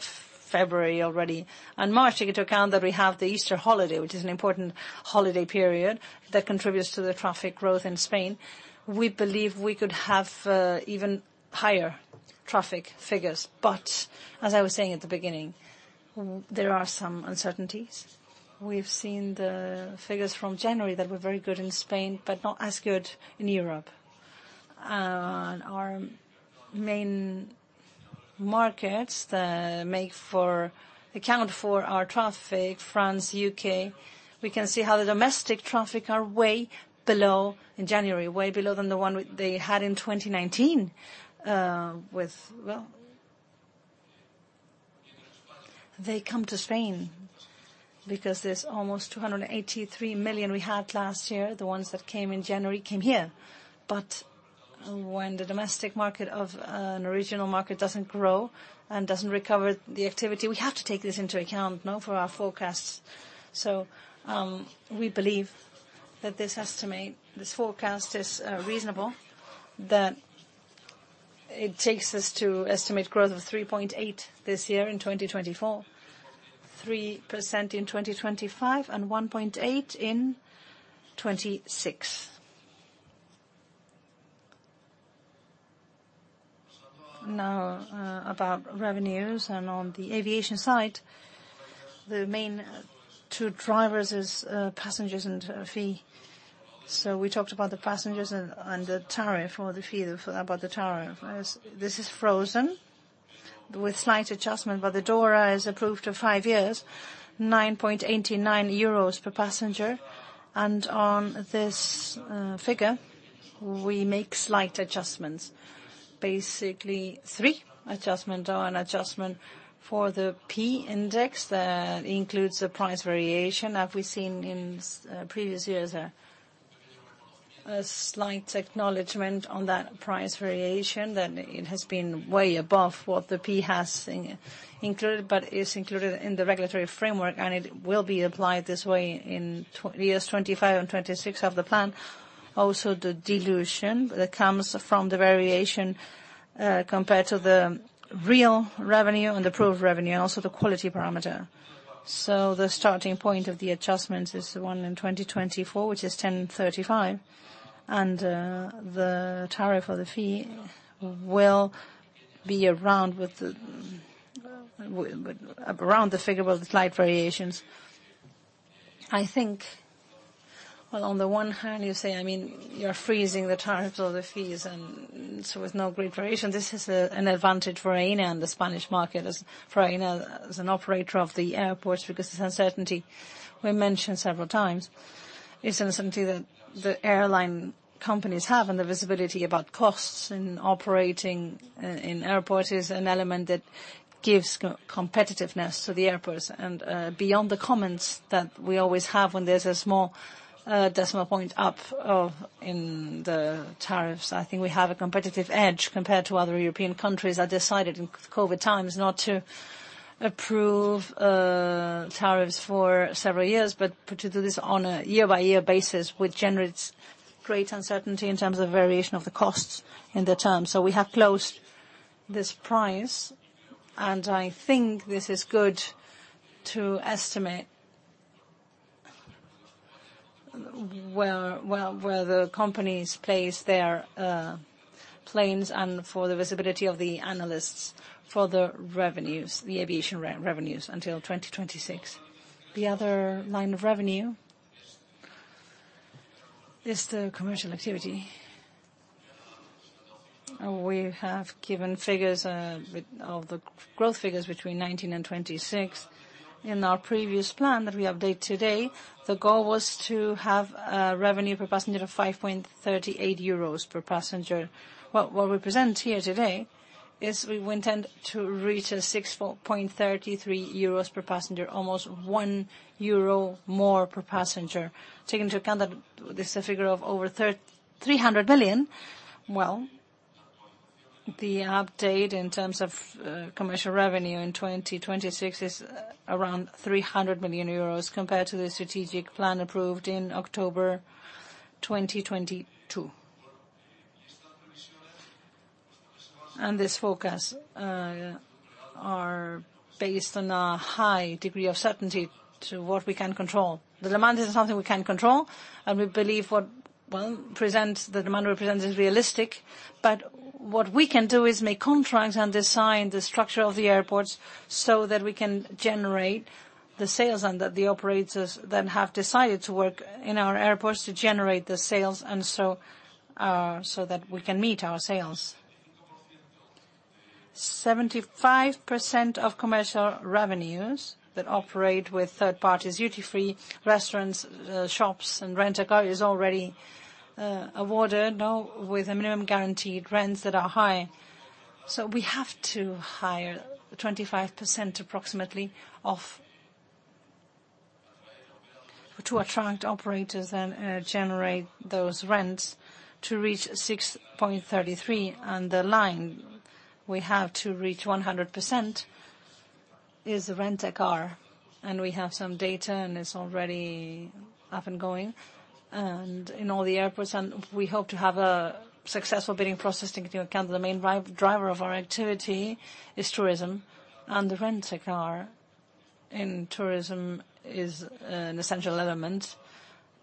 February already. March, take into account that we have the Easter holiday, which is an important holiday period that contributes to the traffic growth in Spain. We believe we could have even higher traffic figures. But as I was saying at the beginning, there are some uncertainties. We've seen the figures from January that were very good in Spain but not as good in Europe. Our main markets that make for account for our traffic, France, UK, we can see how the domestic traffic are way below in January, way below than the one they had in 2019, with, well, they come to Spain because there's almost 283 million we had last year. The ones that came in January came here. But when the domestic market of an original market doesn't grow and doesn't recover the activity, we have to take this into account, no, for our forecasts. So, we believe that this estimate, this forecast is, reasonable, that it takes us to estimate growth of 3.8% this year in 2024, 3% in 2025, and 1.8% in 2026. Now, about revenues and on the aviation side, the main two drivers is, passengers and fee. So we talked about the passengers and, and the tariff or the fee about the tariff. As this is frozen with slight adjustment, but the DORA is approved for five years, 9.89 euros per passenger. On this figure, we make slight adjustments, basically three adjustments, an adjustment for the P Index that includes the price variation that we've seen in previous years, a slight acknowledgment on that price variation that it has been way above what the P has included but is included in the regulatory framework, and it will be applied this way in years 2025 and 2026 of the plan. Also, the dilution that comes from the variation, compared to the real revenue and the proved revenue, and also the quality parameter. So the starting point of the adjustments is the one in 2024, which is 1,035. The tariff or the fee will be around the figure with the slight variations. I think, well, on the one hand, you say, I mean, you're freezing the tariffs or the fees, and so with no great variation, this is an advantage for Aena and the Spanish market as for Aena as an operator of the airports because this uncertainty we mentioned several times, it's an uncertainty that the airline companies have. The visibility about costs in operating in airports is an element that gives competitiveness to the airports. Beyond the comments that we always have when there's a small, decimal point up in the tariffs, I think we have a competitive edge compared to other European countries that decided in COVID times not to approve, tariffs for several years but to do this on a year-by-year basis, which generates great uncertainty in terms of variation of the costs in the term. So we have closed this price, and I think this is good to estimate where the companies place their planes and for the visibility of the analysts for the revenues, the aviation revenues until 2026. The other line of revenue is the commercial activity. We have given figures with the growth figures between 2019 and 2026. In our previous plan that we update today, the goal was to have a revenue per passenger of 5.38 euros per passenger. What we present here today is we intend to reach 6.33 euros per passenger, almost 1 euro more per passenger. Take into account that this is a figure of over 300 million. Well, the update in terms of commercial revenue in 2026 is around 300 million euros compared to the strategic plan approved in October 2022. And this forecast are based on a high degree of certainty to what we can control. The demand isn't something we can control, and we believe what, well, presents the demand represents is realistic. But what we can do is make contracts and design the structure of the airports so that we can generate the sales and that the operators then have decided to work in our airports to generate the sales and so, so that we can meet our sales. 75% of commercial revenues that operate with third parties duty-free, restaurants, shops, and rent-a-car is already awarded with a minimum guaranteed rents that are high. So we have to hire 25% approximately of to attract operators and generate those rents to reach 6.33 on the line. We have to reach 100% in rent-a-car. And we have some data, and it's already up and going. In all the airports, we hope to have a successful bidding process. Take into account that the main driver of our activity is tourism, and the rent-a-car in tourism is an essential element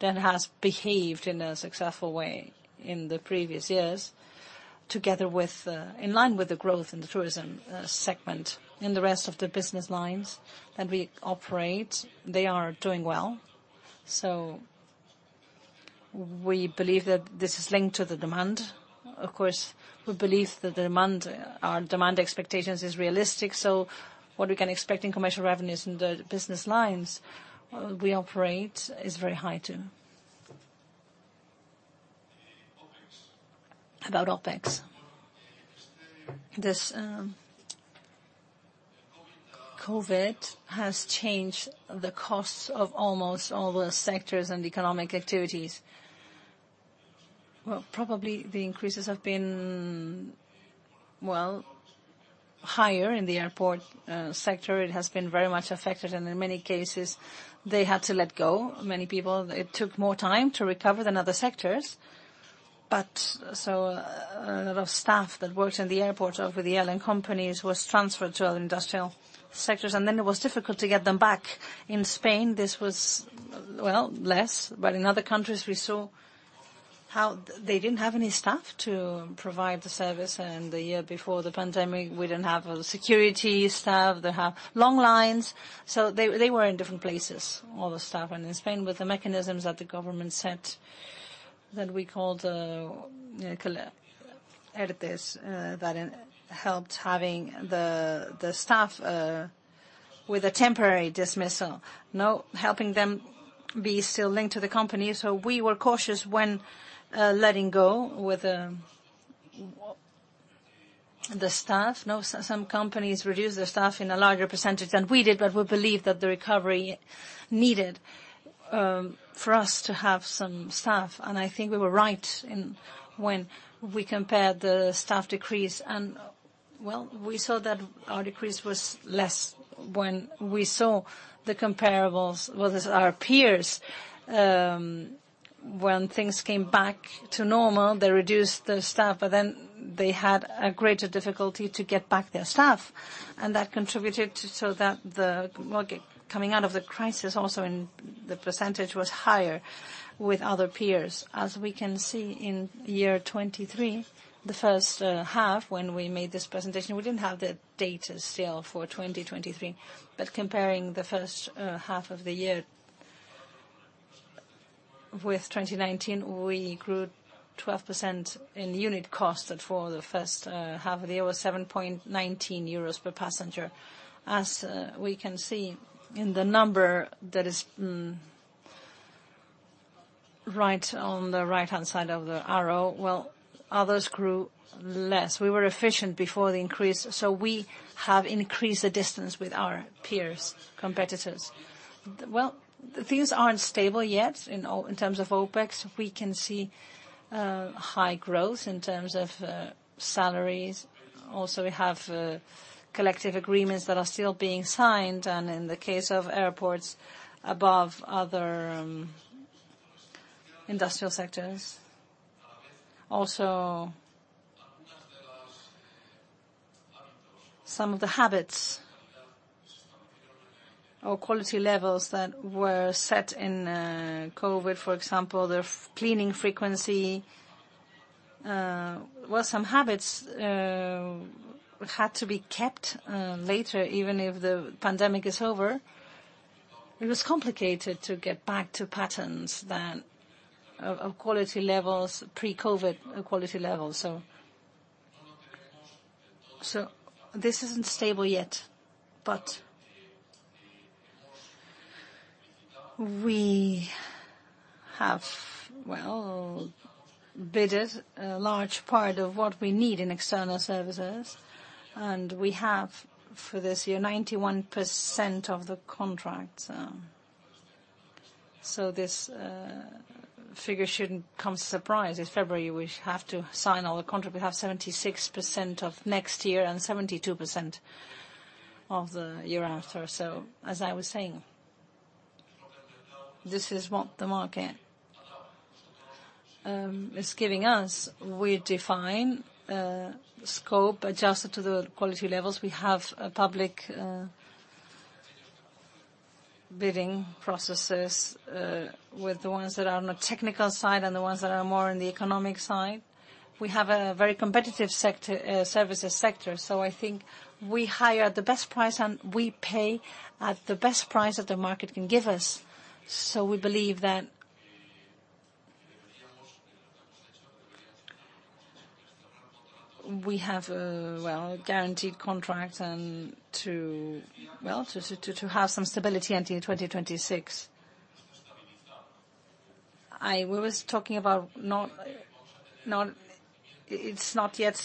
that has behaved in a successful way in the previous years together with, in line with the growth in the tourism segment. In the rest of the business lines that we operate, they are doing well. So we believe that this is linked to the demand. Of course, we believe that the demand, our demand expectations is realistic. So what we can expect in commercial revenues in the business lines we operate is very high too. About OpEx. This, COVID has changed the costs of almost all the sectors and economic activities. Well, probably the increases have been, well, higher in the airport sector. It has been very much affected. And in many cases, they had to let go many people. It took more time to recover than other sectors. But so, a lot of staff that worked in the airports over the airline companies was transferred to other industrial sectors. And then it was difficult to get them back in Spain. This was, well, less. But in other countries, we saw how they didn't have any staff to provide the service. And the year before the pandemic, we didn't have a security staff. They have long lines. So they were in different places, all the staff. And in Spain, with the mechanisms that the government set that we called ERTE, that helped having the staff with a temporary dismissal, no, helping them be still linked to the company. So we were cautious when letting go with the staff, no. Some companies reduce their staff in a larger percentage than we did, but we believe that the recovery needed, for us to have some staff. And I think we were right in when we compared the staff decrease. And, well, we saw that our decrease was less when we saw the comparables with our peers. When things came back to normal, they reduced the staff, but then they had a greater difficulty to get back their staff. And that contributed to so that the, well, coming out of the crisis also in the percentage was higher with other peers. As we can see in year 2023, the first half when we made this presentation, we didn't have the data still for 2023. But comparing the first half of the year with 2019, we grew 12% in unit costs for the first half of the year, was 7.19 euros per passenger. As we can see in the number that is right on the right-hand side of the arrow, well, others grew less. We were efficient before the increase. So we have increased the distance with our peers, competitors. Well, things aren't stable yet in terms of OpEx. We can see high growth in terms of salaries. Also, we have collective agreements that are still being signed. And in the case of airports, above other industrial sectors, also some of the habits or quality levels that were set in COVID, for example, the cleaning frequency, well, some habits had to be kept later, even if the pandemic is over. It was complicated to get back to patterns than of quality levels pre-COVID quality levels. So this isn't stable yet, but we have, well, bidded a large part of what we need in external services. And we have for this year, 91% of the contracts. So this figure shouldn't come as a surprise. It's February. We have to sign all the contracts. We have 76% of next year and 72% of the year after. So as I was saying, this is what the market is giving us. We define scope adjusted to the quality levels. We have a public bidding processes, with the ones that are on the technical side and the ones that are more in the economic side. We have a very competitive sector, services sector. So I think we hire at the best price, and we pay at the best price that the market can give us. So we believe that we have well guaranteed contracts and well to have some stability until 2026. As we were talking about, it's not yet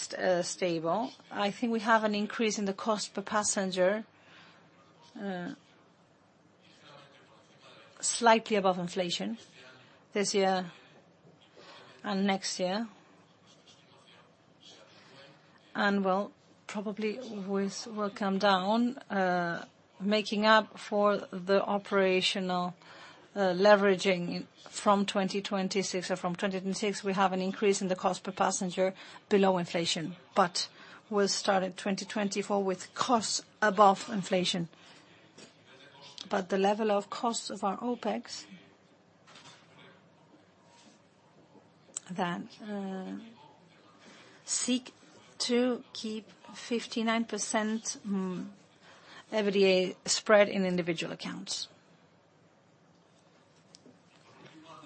stable. I think we have an increase in the cost per passenger, slightly above inflation this year and next year. And, well, probably which will come down, making up for the operational, leveraging from 2026 or from 2026, we have an increase in the cost per passenger below inflation, but we started 2024 with costs above inflation. But the level of costs of our OpEx then, seek to keep 59%, EBITDA spread in individual accounts.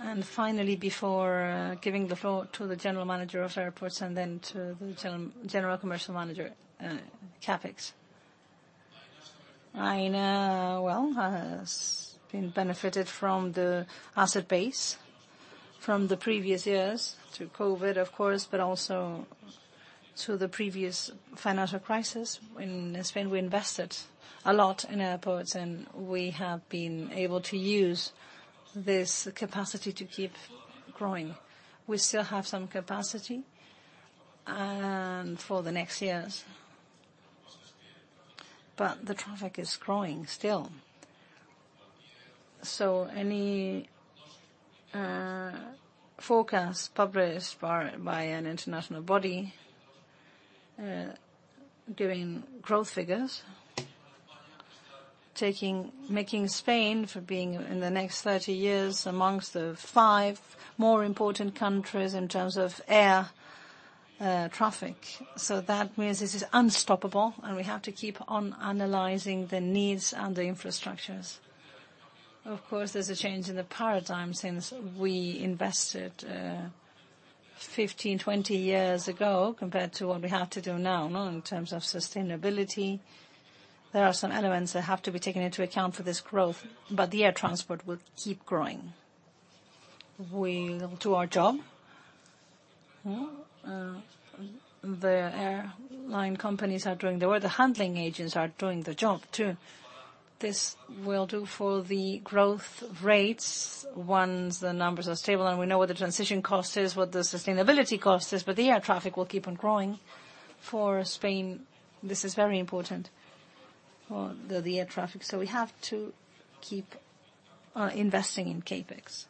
And finally, before, giving the floor to the general manager of airports and then to the general commercial manager, CapEx, Aena, well, has been benefited from the asset base from the previous years through COVID, of course, but also through the previous financial crisis. In Spain, we invested a lot in airports, and we have been able to use this capacity to keep growing. We still have some capacity for the next years, but the traffic is growing still. So any forecast published by an international body, giving growth figures, marking Spain for being in the next 30 years amongst the five more important countries in terms of air traffic. So that means this is unstoppable, and we have to keep on analyzing the needs and the infrastructures. Of course, there's a change in the paradigm since we invested 15, 20 years ago compared to what we have to do now, no, in terms of sustainability. There are some elements that have to be taken into account for this growth, but the air transport will keep growing. We will do our job. The airline companies are doing the work. The handling agents are doing the job too. This will do for the growth rates once the numbers are stable. We know what the transition cost is, what the sustainability cost is, but the air traffic will keep on growing for Spain. This is very important for the air traffic. We have to keep investing in CapEx,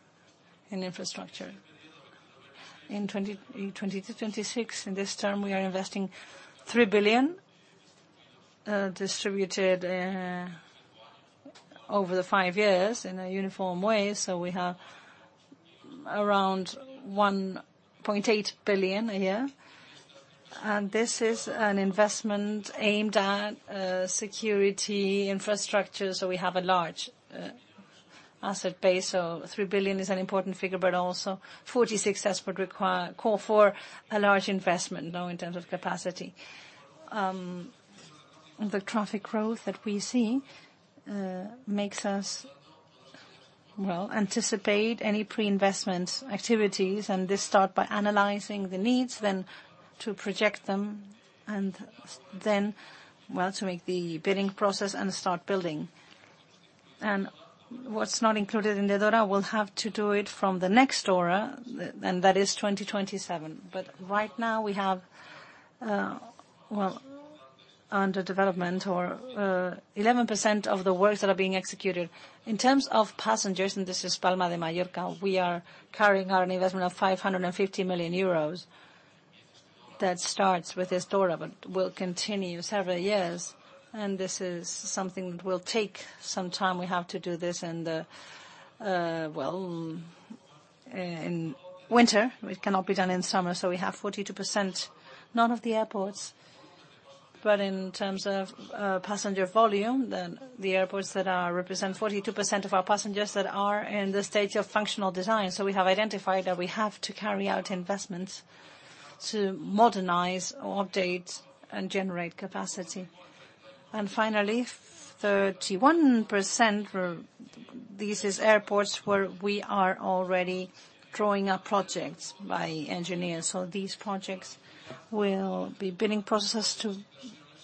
in infrastructure. In 2026, in this term, we are investing 3 billion, distributed over the five years in a uniform way. We have around 1.8 billion a year. This is an investment aimed at security infrastructure. We have a large asset base. 3 billion is an important figure, but also 46 airports require call for a large investment, no, in terms of capacity. The traffic growth that we see makes us, well, anticipate any pre-investment activities. This starts by analyzing the needs, then to project them, and then, well, to make the bidding process and start building. What's not included in the DORA will have to do it from the next DORA, and that is 2027. But right now, we have, well, under development or 11% of the works that are being executed. In terms of passengers, and this is Palma de Mallorca, we are carrying on an investment of 550 million euros that starts with this DORA but will continue several years. This is something that will take some time. We have to do this in the, well, in winter. It cannot be done in summer. We have 42% not of the airports, but in terms of passenger volume, the airports that represent 42% of our passengers that are in the stage of functional design. We have identified that we have to carry out investments to modernize or update and generate capacity. And finally, 31% were these is airports where we are already drawing up projects by engineers. So these projects will be bidding processes to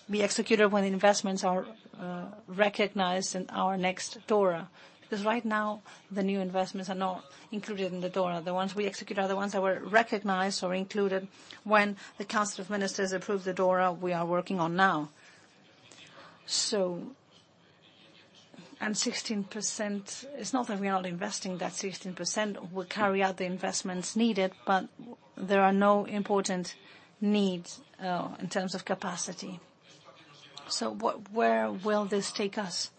be executed when the investments are recognized in our next DORA because right now, the new investments are not included in the DORA. The ones we execute are the ones that were recognized or included when the Council of Ministers approved the DORA we are working on now. And 16% it's not that we are not investing that 16%. We carry out the investments needed, but there are no important needs in terms of capacity. So where will this take us?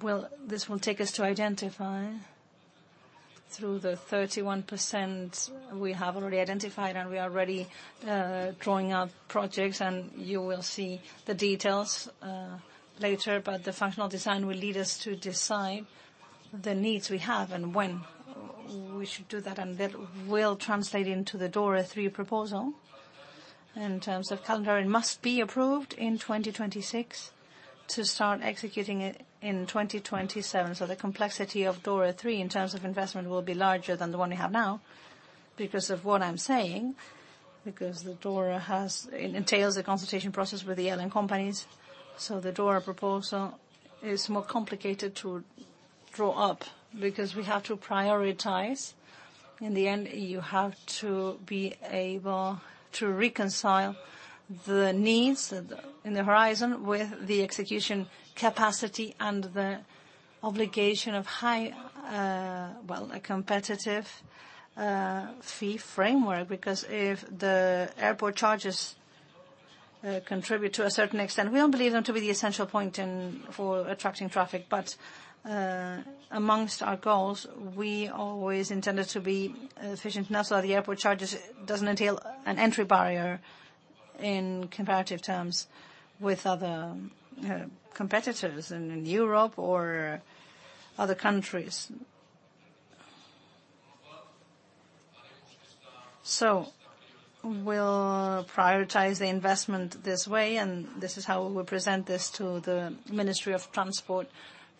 Will this will take us to identify through the 31% we have already identified, and we are already drawing up projects. And you will see the details later. But the functional design will lead us to decide the needs we have and when we should do that. And that will translate into the DORA III proposal in terms of calendar. It must be approved in 2026 to start executing it in 2027. So the complexity of DORA III in terms of investment will be larger than the one we have now because of what I'm saying, because the DORA entails a consultation process with the airline companies. So the DORA proposal is more complicated to draw up because we have to prioritize. In the end, you have to be able to reconcile the needs in the horizon with the execution capacity and the obligation of high, well, a competitive, fee framework because if the airport charges, contribute to a certain extent we don't believe them to be the essential point in for attracting traffic. But amongst our goals, we always intended to be efficient enough so that the airport charges doesn't entail an entry barrier in comparative terms with other competitors in Europe or other countries. So we'll prioritize the investment this way. And this is how we will present this to the Ministry of Transport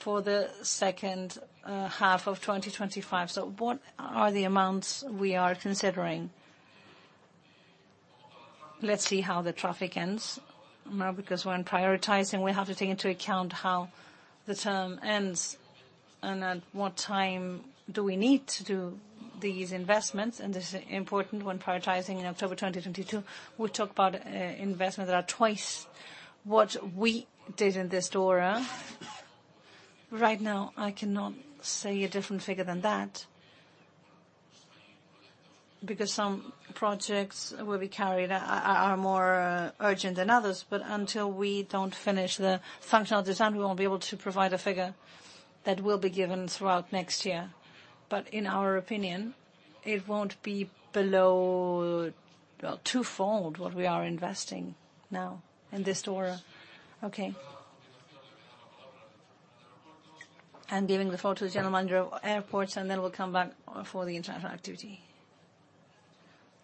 for the second half of 2025. So what are the amounts we are considering? Let's see how the traffic ends, no, because when prioritizing, we have to take into account how the term ends and at what time do we need to do these investments. And this is important when prioritizing in October 2022. We talk about investments that are twice what we did in this DORA. Right now, I cannot say a different figure than that because some projects will be carried are more urgent than others. But until we don't finish the functional design, we won't be able to provide a figure that will be given throughout next year. But in our opinion, it won't be below, well, twofold what we are investing now in this DORA. Okay. And giving the floor to the General Manager of Airports, and then we'll come back for the international activity.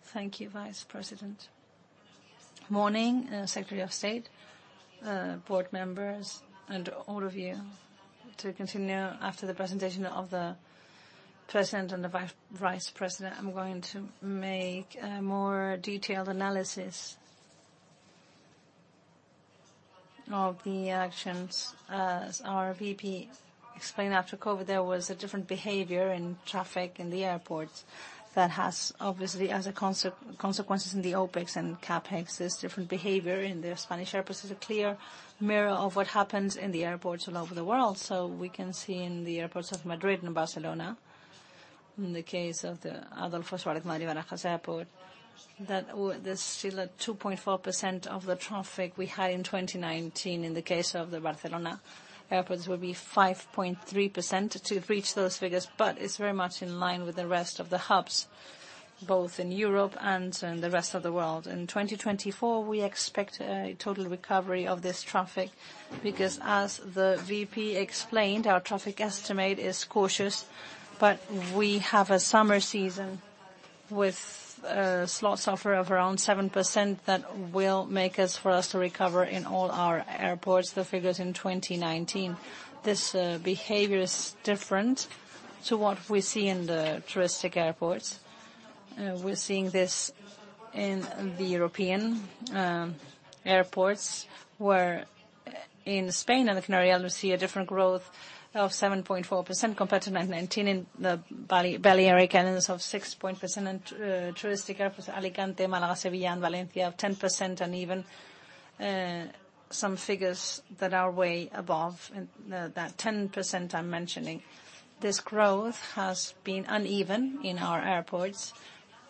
Thank you, Vice President. Morning, Secretary of State, board members, and all of you. To continue after the presentation of the President and the Vice President, I'm going to make a more detailed analysis of the actions as our VP explained. After COVID, there was a different behavior in traffic in the airports that has obviously as a consequences in the OpEx and CapEx. This different behavior in the Spanish airports is a clear mirror of what happens in the airports all over the world. So we can see in the airports of Madrid and Barcelona, in the case of the Adolfo Suárez Madrid-Barajas Airport, that this still at 2.4% of the traffic we had in 2019 in the case of the Barcelona airports will be 5.3% to reach those figures. But it's very much in line with the rest of the hubs, both in Europe and in the rest of the world. In 2024, we expect a total recovery of this traffic because, as the VP explained, our traffic estimate is cautious. But we have a summer season with a slot surplus of around 7% that will make it for us to recover in all our airports, the figures in 2019. This behavior is different to what we see in the touristic airports. We're seeing this in the European airports where in Spain and the Canary Islands we see a different growth of 7.4% compared to 2019 in the Balearic Islands of 6% and touristic airports Alicante, Málaga, Sevilla, and Valencia of 10% and even some figures that are way above that 10% I'm mentioning. This growth has been uneven in our airports,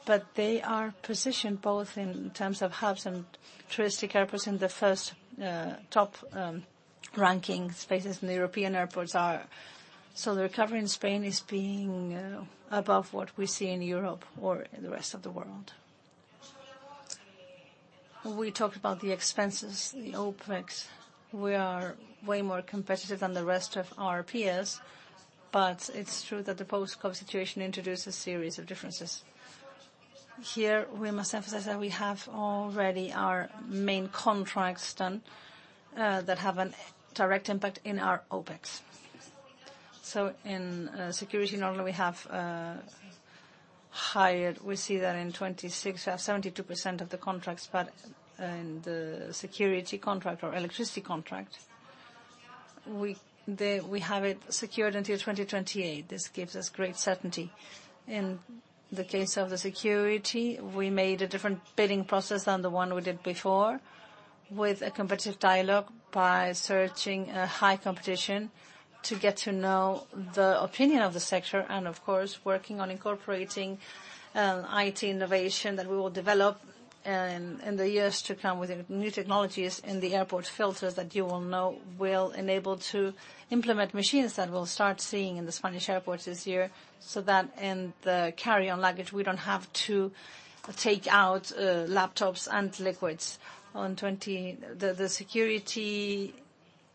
but they are positioned both in terms of hubs and touristic airports in the first top ranking spaces in the European airports are. So the recovery in Spain is being above what we see in Europe or the rest of the world. We talked about the expenses, the OpEx. We are way more competitive than the rest of our peers. But it's true that the post-COVID situation introduced a series of differences. Here, we must emphasize that we have already our main contracts done, that have a direct impact in our OpEx. So in security normally, we have hired we see that in 2026, we have 72% of the contracts. But in the security contract or electricity contract, we have it secured until 2028. This gives us great certainty. In the case of the security, we made a different bidding process than the one we did before with a competitive dialogue by searching high competition to get to know the opinion of the sector and, of course, working on incorporating IT innovation that we will develop in the years to come with new technologies in the airport filters that you will know will enable to implement machines that we'll start seeing in the Spanish airports this year so that in the carry-on luggage, we don't have to take out laptops and liquids in 2020. The security,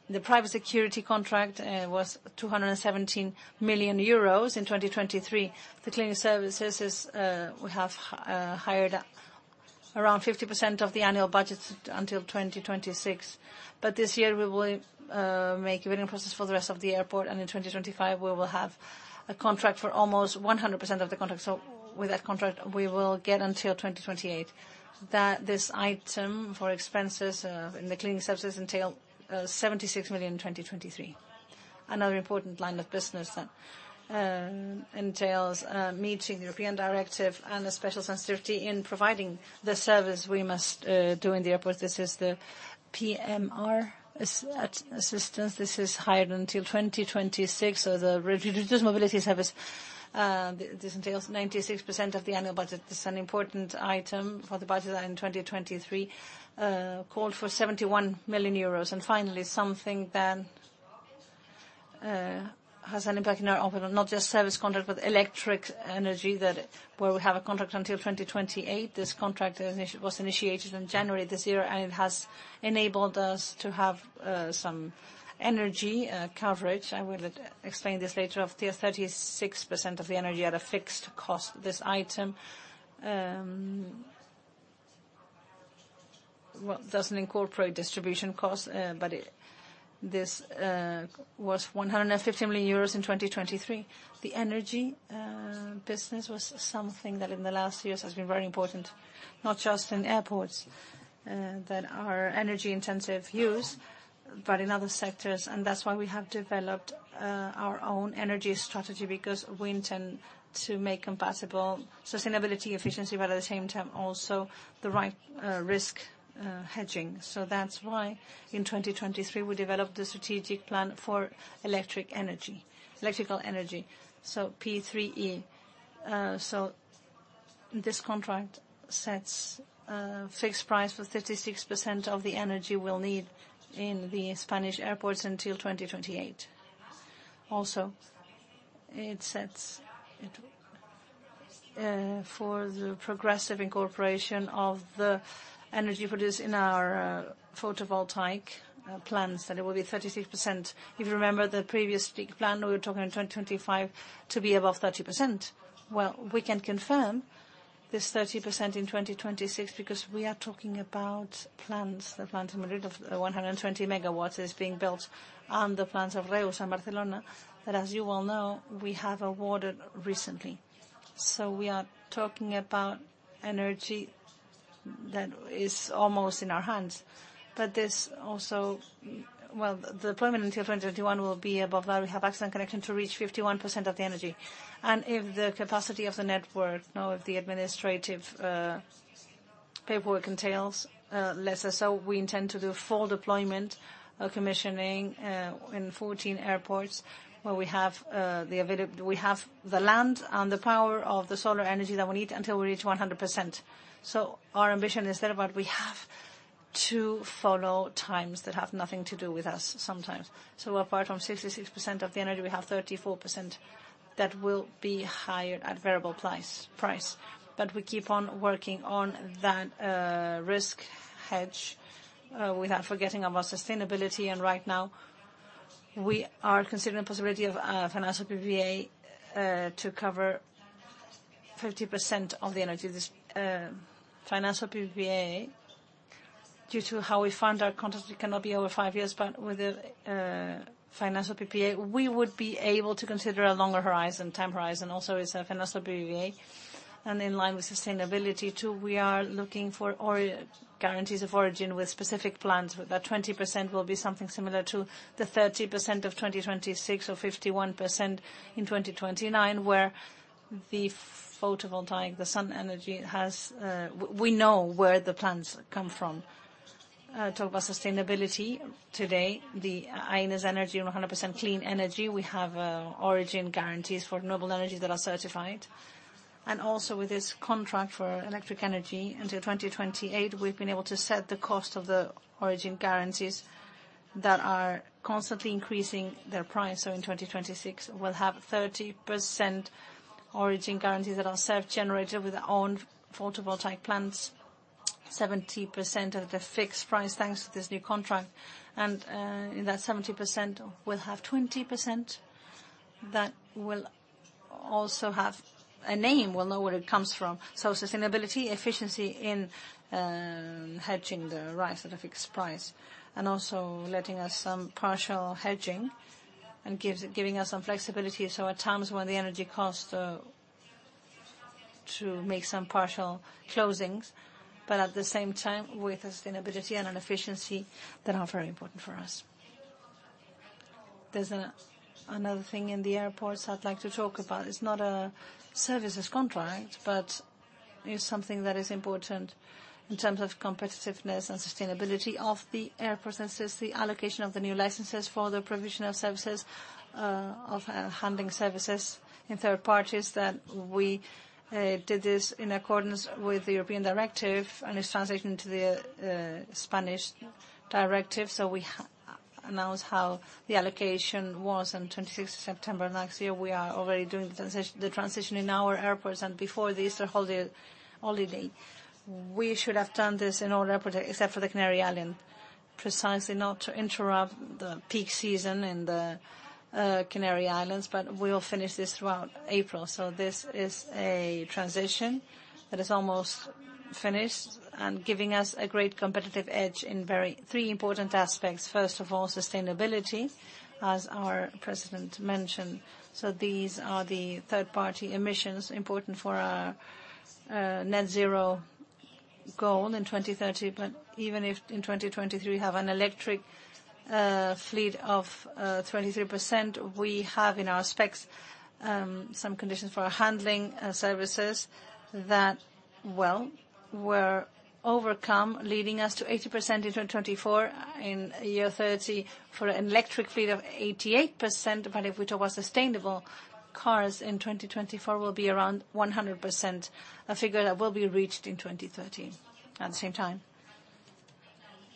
the private security contract, was 217 million euros in 2023. The cleaning services is, we have, hired around 50% of the annual budget until 2026. But this year, we will, make a bidding process for the rest of the airport. In 2025, we will have a contract for almost 100% of the contract. So with that contract, we will get until 2028 that this item for expenses, in the cleaning services entails 76 million in 2023. Another important line of business that entails meeting the European directive and a special sensitivity in providing the service we must do in the airports. This is the PMR assistance. This is hired until 2026. So the reduced mobility service, this entails 96% of the annual budget. This is an important item for the budget in 2023, called for 71 million euros. Finally, something that has an impact in our operation, not just service contract but electric energy where we have a contract until 2028. This contract was initiated in January this year, and it has enabled us to have some energy coverage. I will explain this later, of 36% of the energy at a fixed cost. This item, well, doesn't incorporate distribution costs, but this was 150 million euros in 2023. The energy business was something that in the last years has been very important, not just in airports, that are energy-intensive uses but in other sectors. And that's why we have developed our own energy strategy because we want to make compatible sustainability, efficiency, but at the same time also the right risk hedging. So that's why in 2023, we developed the strategic plan for electric energy, electrical energy. So P3E. So this contract sets a fixed price for 36% of the energy we'll need in the Spanish airports until 2028. Also, it sets it for the progressive incorporation of the energy produced in our photovoltaic plants that will be 36%. If you remember the previous big plan, we were talking in 2025 to be above 30%. Well, we can confirm this 30% in 2026 because we are talking about plans, the plans in Madrid of the 120 MW that is being built on the plans of Reus and Barcelona that, as you well know, we have awarded recently. So we are talking about energy that is almost in our hands. But this also well, the deployment until 2021 will be above that. We have excellent connection to reach 51% of the energy. And if the capacity of the network, no, if the administrative, paperwork entails, less or so, we intend to do full deployment, commissioning, in 14 airports where we have, the available we have the land and the power of the solar energy that we need until we reach 100%. So our ambition is thereabout we have to follow times that have nothing to do with us sometimes. So apart from 66% of the energy, we have 34% that will be hired at variable price. But we keep on working on that, risk hedge, without forgetting about sustainability. And right now, we are considering the possibility of financial PPA to cover 50% of the energy. This financial PPA due to how we fund our contracts cannot be over five years. But with the financial PPA, we would be able to consider a longer horizon; time horizon also is a financial PPA. And in line with sustainability too, we are looking for guarantees of origin with specific plans that 20% will be something similar to the 30% of 2026 or 51% in 2029 where the photovoltaic, the sun energy has, we know where the plans come from. I talk about sustainability today. Aena's energy on 100% clean energy. We have origin guarantees for renewable energy that are certified. And also with this contract for electric energy until 2028, we've been able to set the cost of the origin guarantees that are constantly increasing their price. So in 2026, we'll have 30% origin guarantees that are self-generated with our own photovoltaic plants, 70% at a fixed price thanks to this new contract. And, in that 70%, we'll have 20% that will also have a name. We'll know where it comes from. So sustainability, efficiency in hedging the rise at a fixed price and also letting us some partial hedging and giving us some flexibility. So at times when the energy cost, to make some partial closings. But at the same time, with sustainability and an efficiency that are very important for us. There's another thing in the airports I'd like to talk about. It's not a services contract, but it's something that is important in terms of competitiveness and sustainability of the airports. And it's the allocation of the new licenses for the provision of services, of handling services in third parties that we did this in accordance with the European directive and its translation into the Spanish directive. So we announced how the allocation was on 26th September next year. We are already doing the transition in our airports. And before the Easter holiday, we should have done this in all airports except for the Canary Islands, precisely not to interrupt the peak season in the Canary Islands. But we'll finish this throughout April. So this is a transition that is almost finished and giving us a great competitive edge in three very important aspects. First of all, sustainability, as our President mentioned. So these are the third-party emissions important for our net-zero goal in 2030. But even if in 2023, we have an electric fleet of 23%, we have in our specs some conditions for our handling services that, well, were overcome, leading us to 80% in 2024. In 2030, for an electric fleet of 88%. But if we talk about sustainable cars in 2024, we'll be around 100%, a figure that will be reached in 2030 at the same time.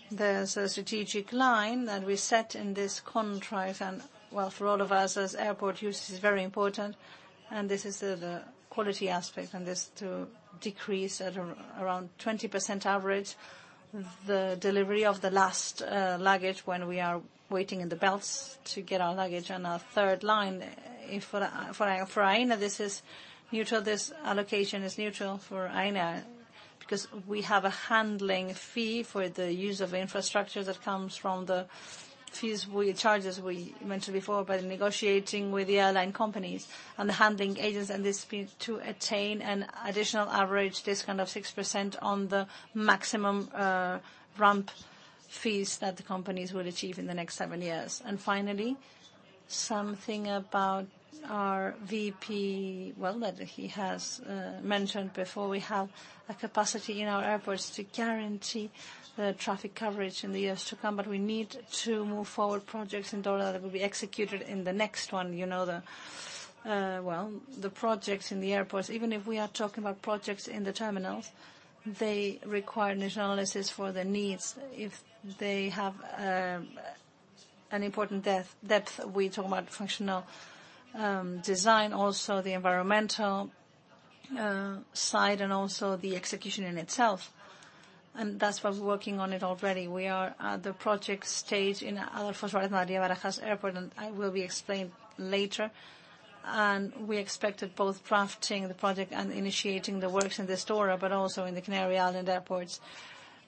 There's a strategic line that we set in this contract. And, well, for all of us, as airport users, it's very important. And this is the quality aspect. And this to decrease at around 20% average the delivery of the last luggage when we are waiting in the belts to get our luggage. And our third line, if for Aena this is neutral, this allocation is neutral for Aena because we have a handling fee for the use of infrastructure that comes from the fees we charge we mentioned before by negotiating with the airline companies and the handling agents. And this is to attain an additional average, this kind of 6% on the maximum, ramp fees that the companies will achieve in the next seven years. And finally, something about our VIP, well, that he has mentioned before. We have a capacity in our airports to guarantee the traffic coverage in the years to come. But we need to move forward projects in DORA that will be executed in the next one. You know the, well, the projects in the airports, even if we are talking about projects in the terminals, they require initial analysis for the needs. If they have an important depth, we talk about functional design, also the environmental side, and also the execution in itself. And that's why we're working on it already. We are at the project stage in Adolfo Suárez Madrid-Barajas Airport. And it will be explained later. And we expect both drafting the project and initiating the works in this DORA but also in the Canary Islands airports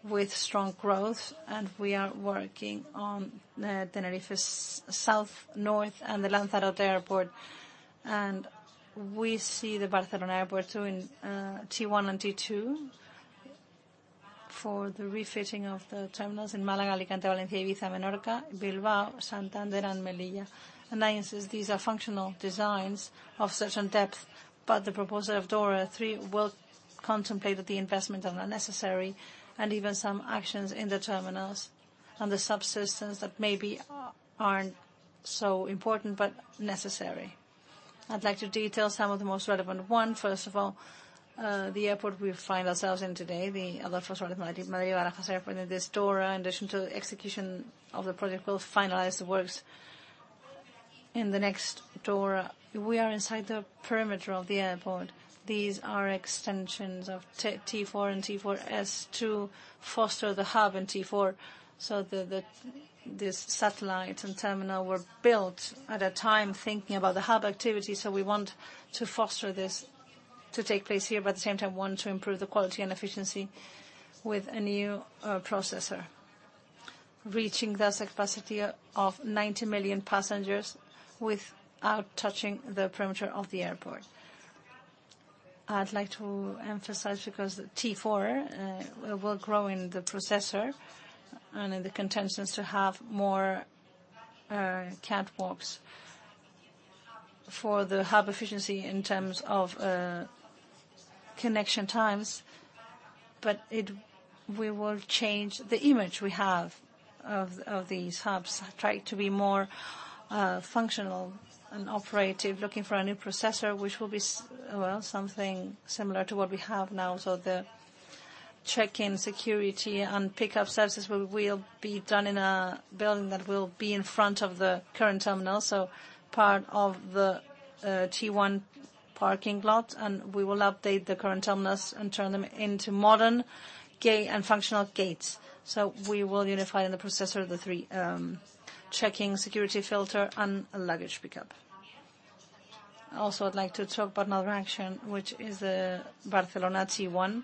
with strong growth. And we are working on Tenerife South, North, and the Lanzarote Airport. And we see the Barcelona Airport too in T1 and T2 for the refitting of the terminals in Málaga, Alicante, Valencia, Ibiza, Menorca, Bilbao, Santander, and Melilla. And I insist, these are functional designs of certain depth. But the proposal of DORA III will contemplate that the investment is unnecessary and even some actions in the terminals and the systems that maybe aren't so important but necessary. I'd like to detail some of the most relevant ones. First of all, the airport we find ourselves in today, Adolfo Suárez Madrid-Barajas Airport, in this DORA, in addition to execution of the project, will finalize the works in the next DORA. We are inside the perimeter of the airport. These are extensions of T4 and T4S to foster the hub in T4. So these satellites and terminal were built at a time thinking about the hub activity. So we want to foster this to take place here. But at the same time, we want to improve the quality and efficiency with a new pier, reaching that capacity of 90 million passengers without touching the perimeter of the airport. I'd like to emphasize because T4 will grow in the pier and in the connections to have more catwalks for the hub efficiency in terms of connection times. But we will change the image we have of these hubs, try to be more functional and operative, looking for a new pier which will be, well, something similar to what we have now. So the check-in, security, and pickup services will be done in a building that will be in front of the current terminal. So part of the T1 parking lot. And we will update the current terminals and turn them into modern, great, and functional gates. So we will unify in the process area the three, check-in security filter and luggage pickup. Also, I'd like to talk about another action which is the Barcelona T1.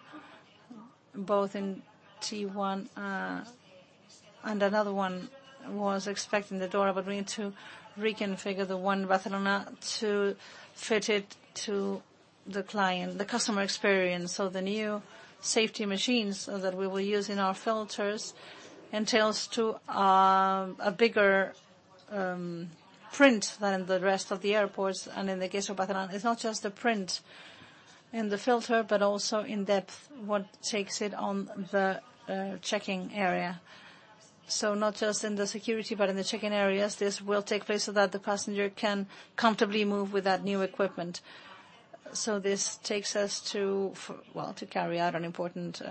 Both in T1, and another one was expected in the DORA. But we need to reconfigure the one in Barcelona to fit it to the client, the customer experience. So the new safety machines that we will use in our filters entail a bigger footprint than in the rest of the airports. And in the case of Barcelona, it's not just the footprint in the filter but also the depth that it takes in the checking area. So not just in the security but in the check-in areas, this will take place so that the passenger can comfortably move with that new equipment. So this takes us to, well, to carry out an important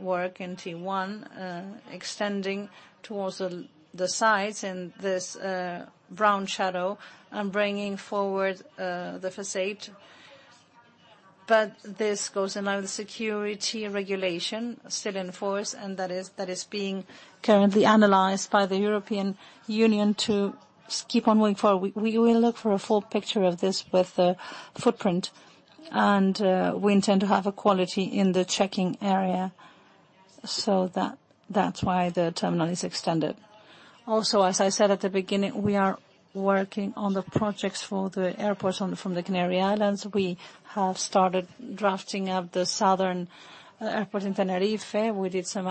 work in T1, extending towards the sides in this brown shadow and bringing forward the facade. But this goes in line with security regulation still in force. And that is being currently analyzed by the European Union to keep on moving forward. We will look for a full picture of this with the footprint. And we intend to have a quality in the checking area. So that's why the terminal is extended. Also, as I said at the beginning, we are working on the projects for the airports in the Canary Islands. We have started drafting up the southern airport in Tenerife. We did some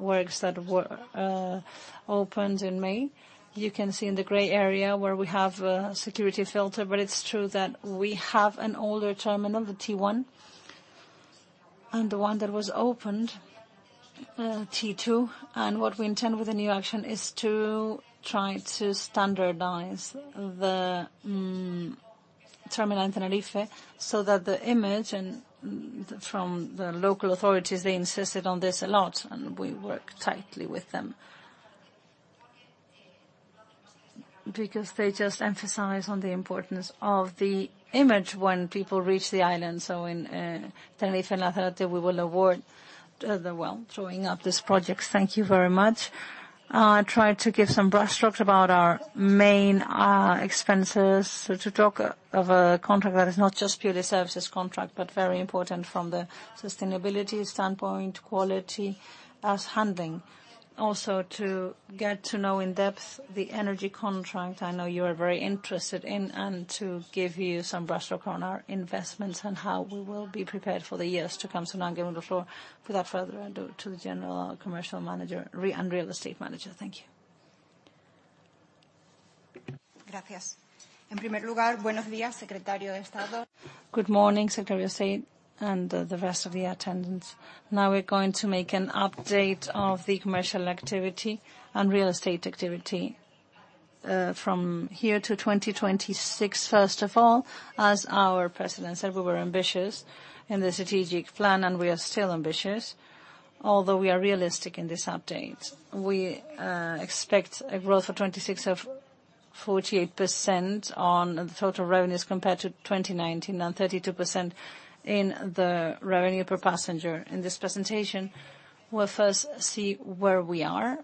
works that were opened in May. You can see in the gray area where we have a security filter. But it's true that we have an older terminal, the T1, and the one that was opened, T2. What we intend with the new action is to try to standardize the terminal in Tenerife so that the image, and from the local authorities, they insisted on this a lot. We work closely with them because they just emphasize on the importance of the image when people reach the island. So in Tenerife and Lanzarote, we will award the tender for this project. Thank you very much. Try to give some broad strokes about our main expenses to talk of a contract that is not just purely a services contract but very important from the sustainability standpoint, quality and handling. Also, to get to know in depth the energy contract I know you are very interested in and to give you some brush strokes on our investments and how we will be prepared for the years to come soon. I'm giving the floor without further ado to the General Commercial Manager and Real Estate Manager. Thank you. Good morning, Secretary of State, and the rest of the attendants. Now, we're going to make an update of the commercial activity and real estate activity, from here to 2026. First of all, as our President said, we were ambitious in the strategic plan. We are still ambitious, although we are realistic in this update. We expect a growth of 26%-48% on the total revenues compared to 2019 and 32% in the revenue per passenger. In this presentation, we'll first see where we are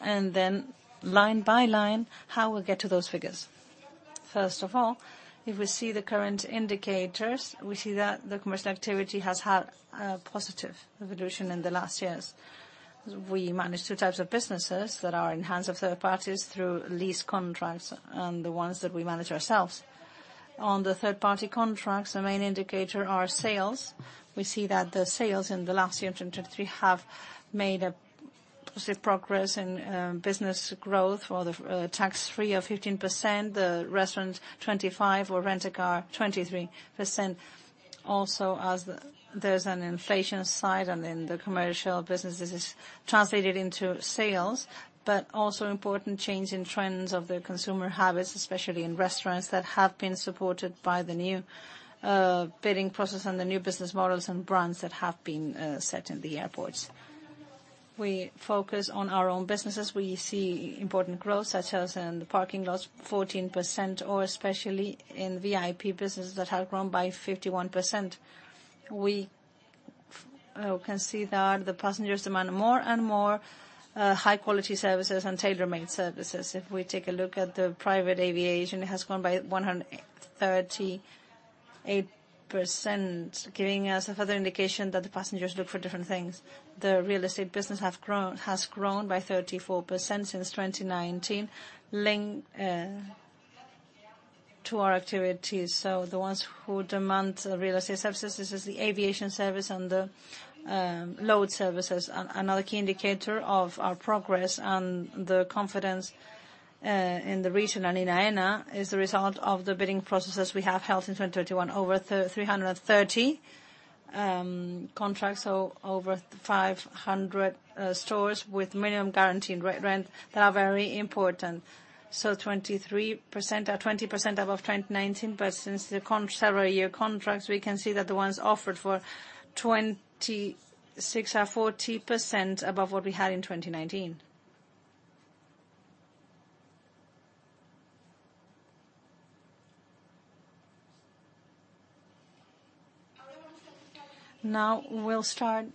and then line by line how we'll get to those figures. First of all, if we see the current indicators, we see that the commercial activity has had a positive evolution in the last years. We manage two types of businesses that are in hands of third parties through lease contracts and the ones that we manage ourselves. On the third-party contracts, the main indicator are sales. We see that the sales in the last year in 2023 have made a positive progress in, business growth for the, tax-free of 15%, the restaurants 25%, or rent-a-car 23%. Also, as there's an inflation side and in the commercial business, this is translated into sales. But also important change in trends of the consumer habits, especially in restaurants, that have been supported by the new bidding process and the new business models and brands that have been set in the airports. We focus on our own businesses. We see important growth such as in the parking lots, 14%, or especially in VIP businesses that have grown by 51%. We can see that the passengers demand more and more high-quality services and tailor-made services. If we take a look at the private aviation, it has grown by 138%, giving us a further indication that the passengers look for different things. The real estate business has grown by 34% since 2019, linked to our activities. So the ones who demand real estate services, this is the aviation service and the cargo services. Another key indicator of our progress and the confidence in the region and in Aena is the result of the bidding processes we have held in 2021. Over 330 contracts, so over 500 stores with minimum guaranteed rent that are very important. So 23% are 20% above 2019. But since the longer several-year contracts, we can see that the ones offered for 2026 are 40% above what we had in 2019. Now, we'll start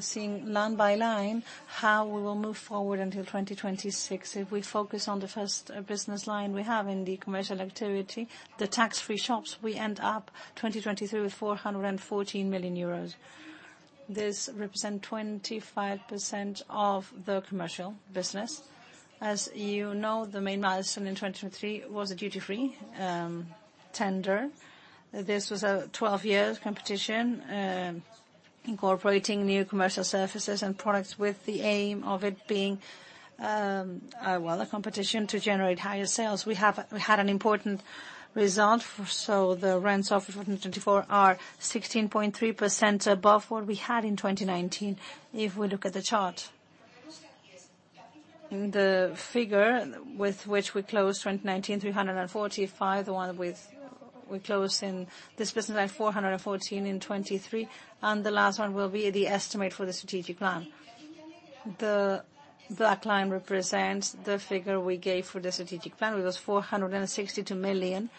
seeing line by line how we will move forward until 2026. If we focus on the first business line we have in the commercial activity, the tax-free shops, we ended 2023 with 414 million euros. This represents 25% of the commercial business. As you know, the main milestone in 2023 was a duty-free tender. This was a 12-year competition, incorporating new commercial services and products with the aim of it being, well, a competition to generate higher sales. We had an important result. So the rents of 2024 are 16.3% above what we had in 2019 if we look at the chart. The figure with which we closed 2019, 345 million, the one with which we closed in this business line, 414 million in 2023. The last one will be the estimate for the strategic plan. The client represents the figure we gave for the strategic plan. It was 462 million.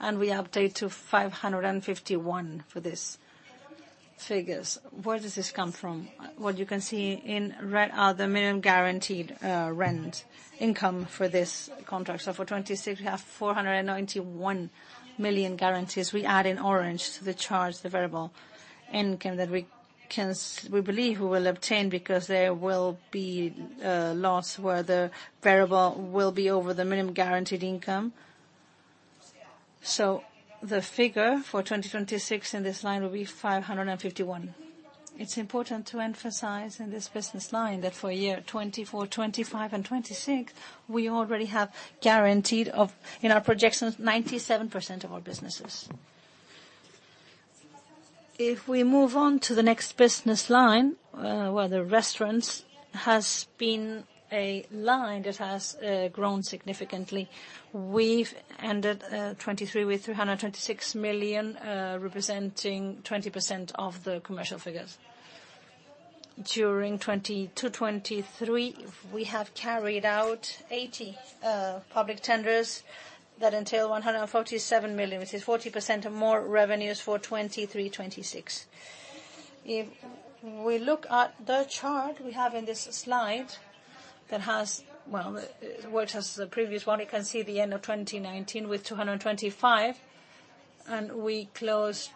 We update to 551 million for these figures. Where does this come from? What you can see in red are the minimum guaranteed rent income for this contract. So for 2026, we have 491 million guarantees. We add in orange to the chart, the variable income that we can we believe we will obtain because there will be slots where the variable will be over the minimum guaranteed income. So the figure for 2026 in this line will be 551. It's important to emphasize in this business line that for year 2024, 2025, and 2026, we already have guaranteed of in our projections, 97% of our businesses. If we move on to the next business line, well, the restaurants has been a line that has grown significantly. We've ended 2023 with 326 million, representing 20% of the commercial figures. During 2023, we have carried out 80 public tenders that entail 147 million, which is 40% more revenues for 2023, 2026. If we look at the chart we have in this slide that has, well, the works as the previous one, you can see the end of 2019 with 225. And we closed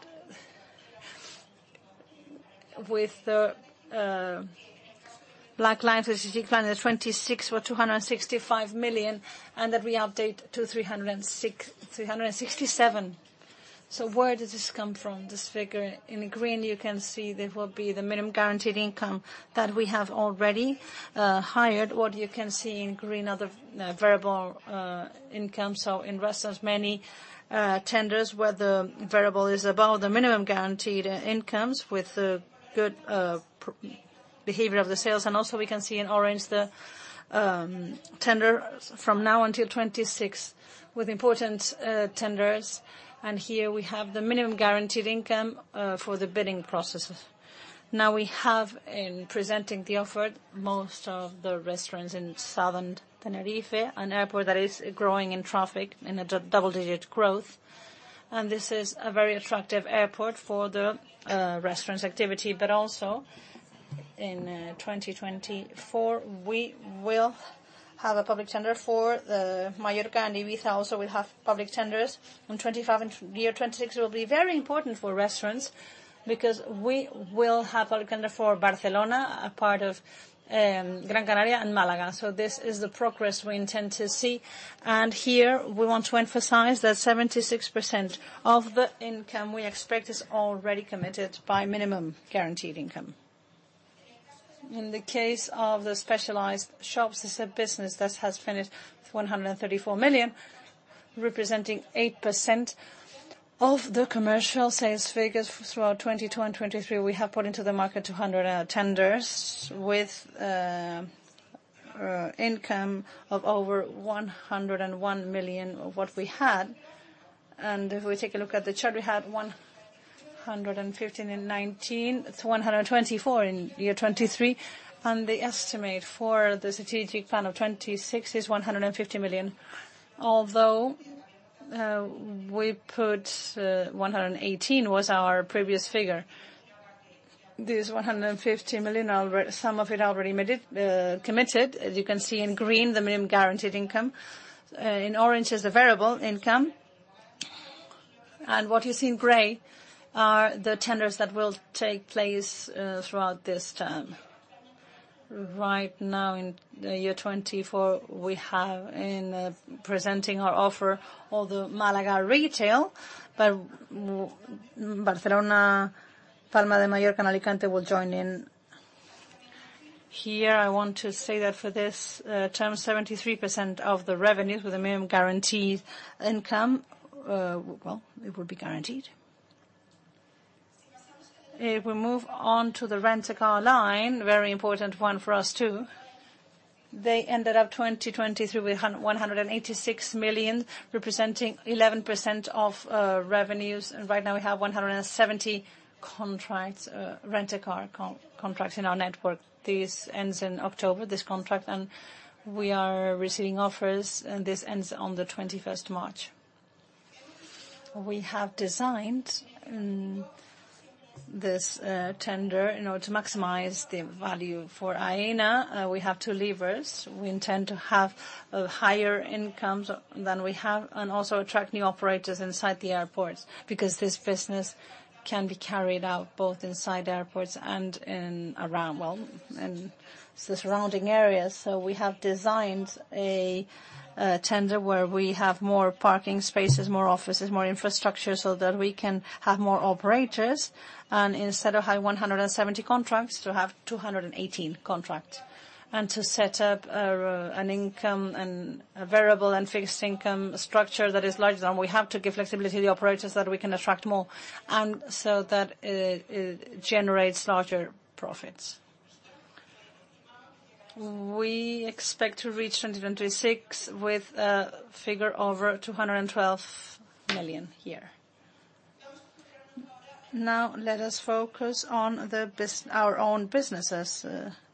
with the black line for the strategic plan in 2026 were 265 million. And that we update to 306-367. So where does this come from, this figure? In green, you can see there will be the minimum guaranteed income that we have already hired. What you can see in green are the variable income. So in restaurants, many tenders where the variable is above the minimum guaranteed incomes with the good behavior of the sales. And also, we can see in orange the tenders from now until 2026 with important tenders. And here, we have the minimum guaranteed income for the bidding processes. Now, we have in presenting the offered, most of the restaurants in southern Tenerife, an airport that is growing in traffic in a double-digit growth. And this is a very attractive airport for the restaurants activity. But also, in 2024, we will have a public tender for the Mallorca and Ibiza. Also, we'll have public tenders. And in 2025 in year 2026 will be very important for restaurants because we will have public tender for Barcelona, a part of Gran Canaria, and Málaga. So this is the progress we intend to see. And here, we want to emphasize that 76% of the income we expect is already committed by minimum guaranteed income. In the case of the specialized shops, this is a business that has finished with 134 million, representing 8% of the commercial sales figures throughout 2022 and 2023. We have put into the market 200 tenders with income of over 101 million of what we had. And if we take a look at the chart, we had 115 in 2019. It's 124 in year 2023. And the estimate for the strategic plan of 2026 is 150 million, although we put 118 was our previous figure. This 150 million, some of it already committed, as you can see in green, the minimum guaranteed income. In orange is the variable income. And what you see in gray are the tenders that will take place throughout this term. Right now, in the year 2024, we have in presenting our offer, although Málaga retail, but Barcelona, Palma de Mallorca, and Alicante will join in. Here, I want to say that for this term, 73% of the revenues with the minimum guaranteed income, well, it will be guaranteed. If we move on to the rent-a-car line, very important one for us too, they ended up 2023 with 186 million, representing 11% of revenues. And right now, we have 170 rent-a-car contracts in our network. This ends in October, this contract. And we are receiving offers. And this ends on the 21st March. We have designed this tender in order to maximize the value for Aena. We have two levers. We intend to have a higher income than we have and also attract new operators inside the airports because this business can be carried out both inside airports and in around, well, in the surrounding areas. So we have designed a tender where we have more parking spaces, more offices, more infrastructure so that we can have more operators. Instead of having 170 contracts, to have 218 contracts and to set up an income and a variable and fixed income structure that is larger than we have to give flexibility to the operators that we can attract more and so that it generates larger profits. We expect to reach 2026 with a figure over 212 million here. Now, let us focus on our own businesses,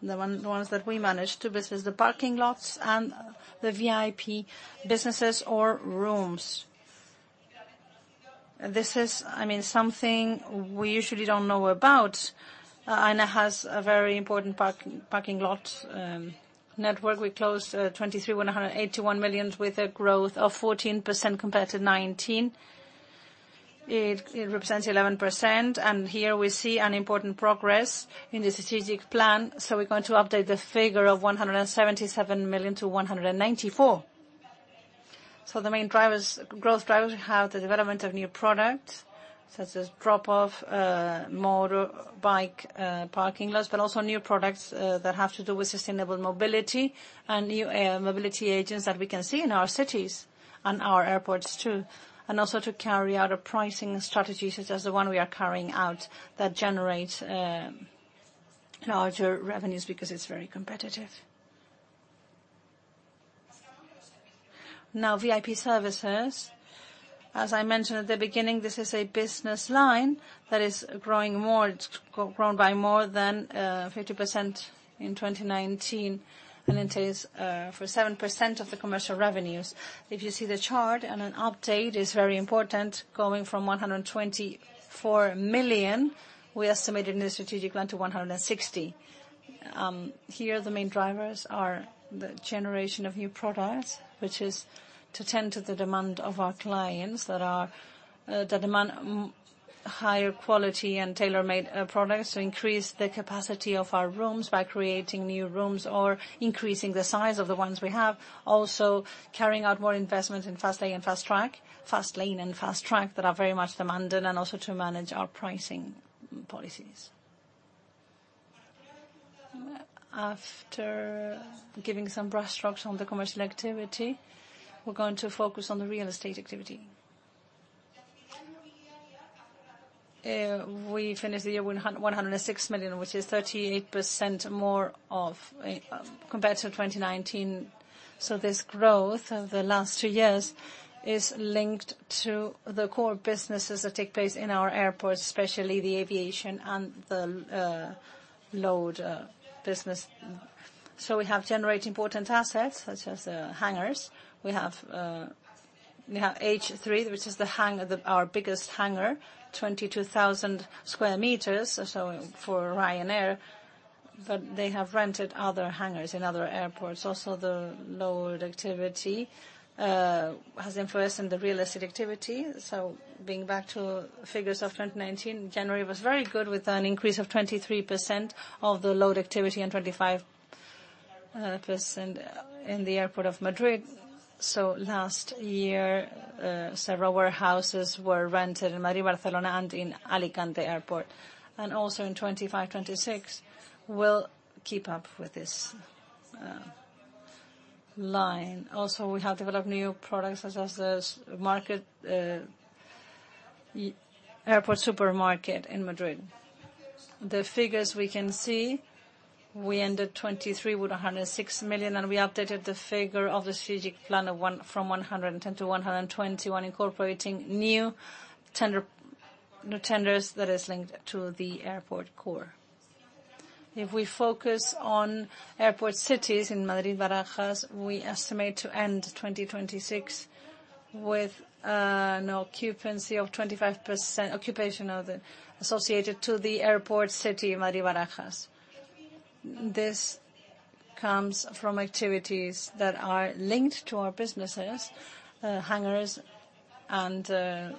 the ones that we manage, two businesses, the parking lots and the VIP businesses or rooms. This is, I mean, something we usually don't know about. Aena has a very important parking lots network. We closed 2023 with 181 million with a growth of 14% compared to 2019. It represents 11%. And here, we see an important progress in the strategic plan. So we're going to update the figure of 177 million to 194. So the main drivers, growth drivers, we have the development of new products such as drop-off, motorbike, parking lots, but also new products that have to do with sustainable mobility and new mobility agents that we can see in our cities and our airports too. And also to carry out a pricing strategy such as the one we are carrying out that generates larger revenues because it's very competitive. Now, VIP services. As I mentioned at the beginning, this is a business line that is growing more. It's grown by more than 50% in 2019. And it entails for 7% of the commercial revenues. If you see the chart and an update, it's very important, going from 124 million we estimated in the strategic plan, to 160 million. Here, the main drivers are the generation of new products, which is to tend to the demand of our clients that are, the demand, higher quality and tailor-made, products to increase the capacity of our rooms by creating new rooms or increasing the size of the ones we have. Also, carrying out more investment in Fast Lane and Fast Track that are very much demanded and also to manage our pricing policies. After giving some broad strokes on the commercial activity, we're going to focus on the real estate activity. We finished the year with 106 million, which is 38% more of, compared to 2019. So this growth of the last two years is linked to the core businesses that take place in our airports, especially the aviation and the, retail, business. So we have generated important assets such as, hangars. We have, we have H3, which is the hangar, our biggest hangar, 22,000 sqm, so for Ryanair. But they have rented other hangars in other airports. Also, the load activity has influenced in the real estate activity. So being back to figures of 2019, January was very good with an increase of 23% of the load activity and 25% in the airport of Madrid. So last year, several warehouses were rented in Madrid, Barcelona, and in Alicante airport. And also, in 2025-2026, we'll keep up with this line. Also, we have developed new products such as the market/airport supermarket in Madrid. The figures we can see, we ended 2023 with 106 million. And we updated the figure of the strategic plan of 1 from 110 million to 121 million, incorporating new tender new tenders that is linked to the airport core. If we focus on airport cities in Madrid, Barajas, we estimate to end 2026 with an occupancy of 25% occupation of the associated to the airport city, Madrid, Barajas. This comes from activities that are linked to our businesses, hangars and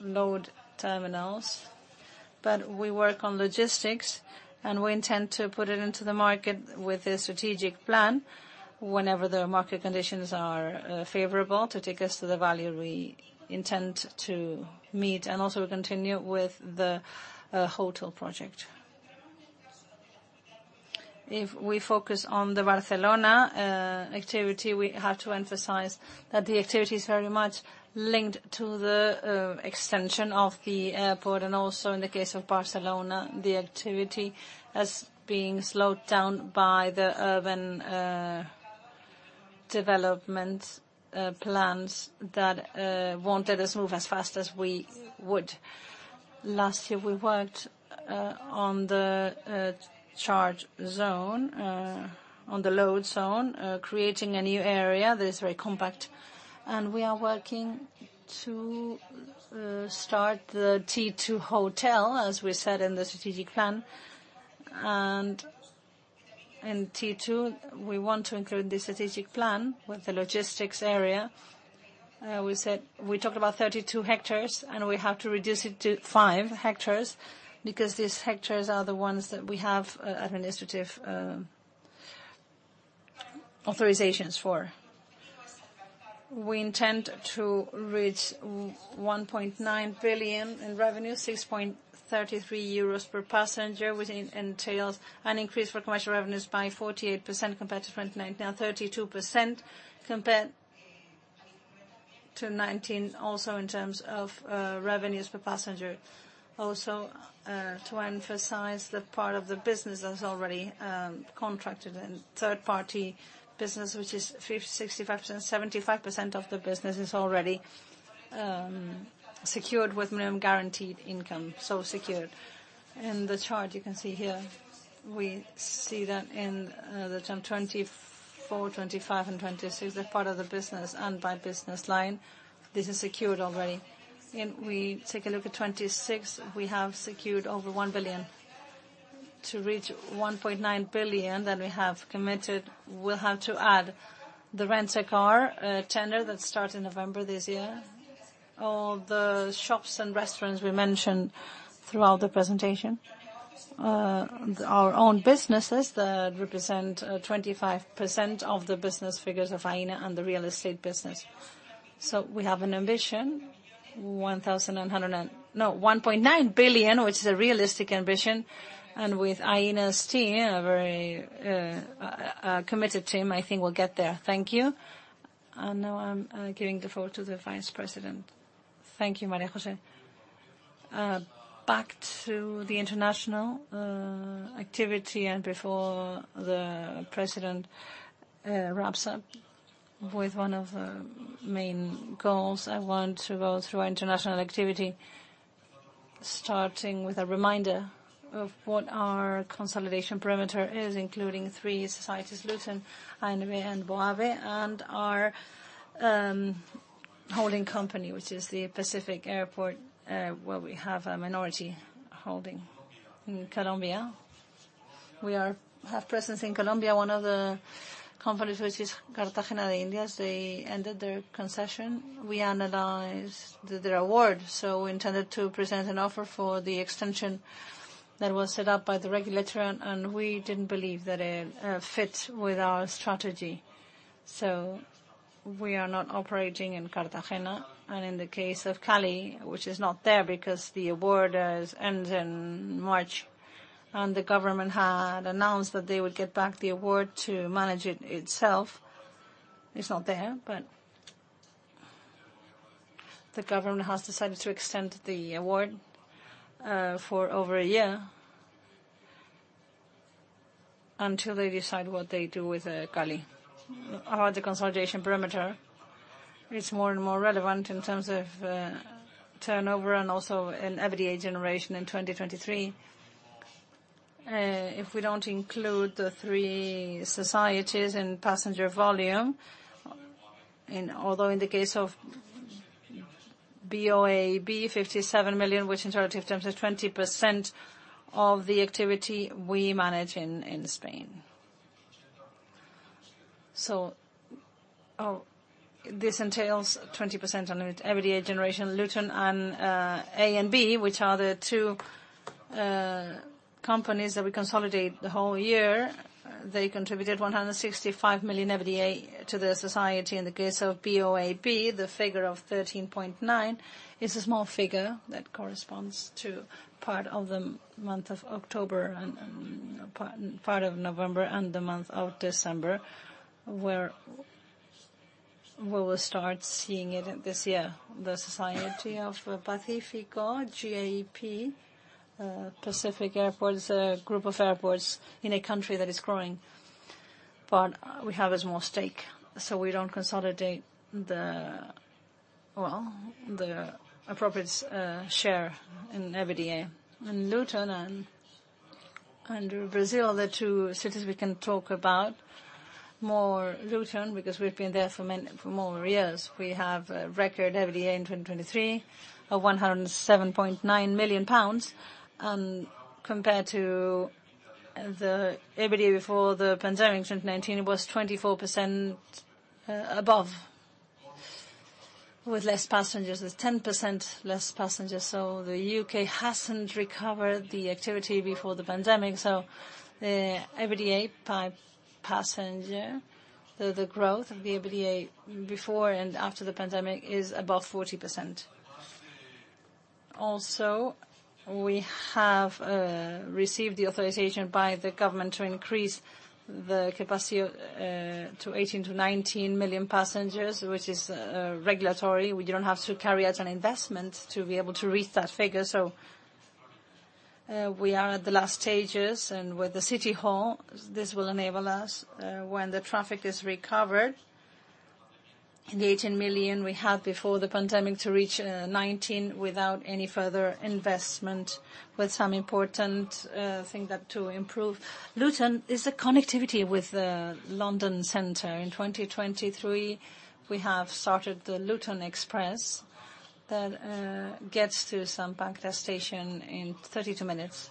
load terminals. But we work on logistics. And we intend to put it into the market with this strategic plan whenever the market conditions are favorable to take us to the value we intend to meet. And also, we continue with the hotel project. If we focus on the Barcelona activity, we have to emphasize that the activity is very much linked to the extension of the airport. And also, in the case of Barcelona, the activity is being slowed down by the urban development plans that won't let us move as fast as we would. Last year, we worked on the charge zone, on the load zone, creating a new area that is very compact. We are working to start the T2 hotel, as we said in the strategic plan. In T2, we want to include in the strategic plan with the logistics area. We said we talked about 32 hectares. We have to reduce it to 5 hectares because these hectares are the ones that we have administrative authorizations for. We intend to reach 1.9 billion in revenue, 6.33 euros per passenger, which entails an increase for commercial revenues by 48% compared to 2019, now 32% compared to 2019 also in terms of revenues per passenger. Also, to emphasize the part of the business that's already contracted and third-party business, which is 65%-75% of the business is already secured with minimum guaranteed income, so secured. In the chart, you can see here, we see that in the term 2024, 2025, and 2026, that part of the business and by business line, this is secured already. We take a look at 2026, we have secured over 1 billion. To reach 1.9 billion, then we have committed we'll have to add the rent-a-car tender that starts in November this year, all the shops and restaurants we mentioned throughout the presentation, our own businesses that represent 25% of the business figures of Aena and the real estate business. So we have an ambition, 1,900 and no, 1.9 billion, which is a realistic ambition. And with Aena's team, a very committed team, I think we'll get there. Thank you. And now I'm giving the floor to the Vice President. Thank you, María José. Back to the international activity. Before the president wraps up with one of the main goals, I want to go through our international activity, starting with a reminder of what our consolidation perimeter is, including three societies, Luton, ANB, and BOAB, and our holding company, which is the Pacific Airports, where we have a minority holding in Colombia. We have presence in Colombia. One of the companies, which is Cartagena de Indias, they ended their concession. We analyzed their award. So we intended to present an offer for the extension that was set up by the regulator. And we didn't believe that it fit with our strategy. So we are not operating in Cartagena. And in the case of Cali, which is not there because the award ends in March. And the government had announced that they would get back the award to manage it itself. It's not there. But the government has decided to extend the award for over a year until they decide what they do with Cali. However, the consolidation perimeter is more and more relevant in terms of turnover and also in EBITDA generation in 2023. If we don't include the three societies in passenger volume, although in the case of BOAB, 57 million, which in relative terms is 20% of the activity we manage in Spain. So, oh, this entails 20% of EBITDA generation. Luton and ANB, which are the two companies that we consolidate the whole year, contributed 165 million EBITDA to the society. In the case of BOAB, the figure of 13.9 million is a small figure that corresponds to part of the month of October and part of November and the month of December where we will start seeing it this year, the society of Pacífico, GAP, Pacific Airports, a group of airports in a country that is growing. But we have a small stake. So we don't consolidate the appropriate share in EBITDA. Luton and Brazil, the two cities we can talk about more, Luton, because we've been there for many more years. We have a record EBITDA in 2023 of 107.9 million pounds. And compared to the EBITDA before the pandemic in 2019, it was 24% above with less passengers, with 10% less passengers. So the U.K. hasn't recovered the activity before the pandemic. So the EBITDA by passenger, the growth of the EBITDA before and after the pandemic is above 40%. Also, we have received the authorization by the government to increase the capacity to 18 million-19 million passengers, which is regulatory. We don't have to carry out an investment to be able to reach that figure. So, we are at the last stages. With the city hall, this will enable us, when the traffic is recovered in the 18 million we had before the pandemic to reach 19 without any further investment with some important thing that to improve. Luton is the connectivity with the London Center. In 2023, we have started the Luton Express that gets to St. Pancras station in 32 minutes.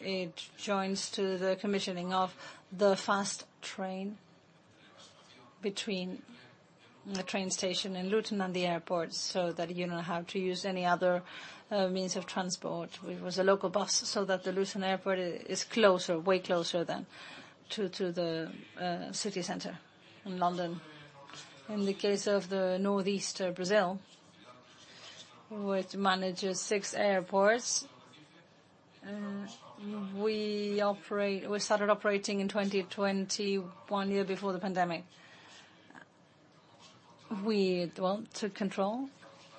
It joins to the commissioning of the fast train between the train station in Luton and the airport so that you don't have to use any other means of transport. It was a local bus so that the Luton airport is closer, way closer than to the city center in London. In the case of the Northeast Brazil, which manages six airports, we started operating in 2020, one year before the pandemic. We, well, took control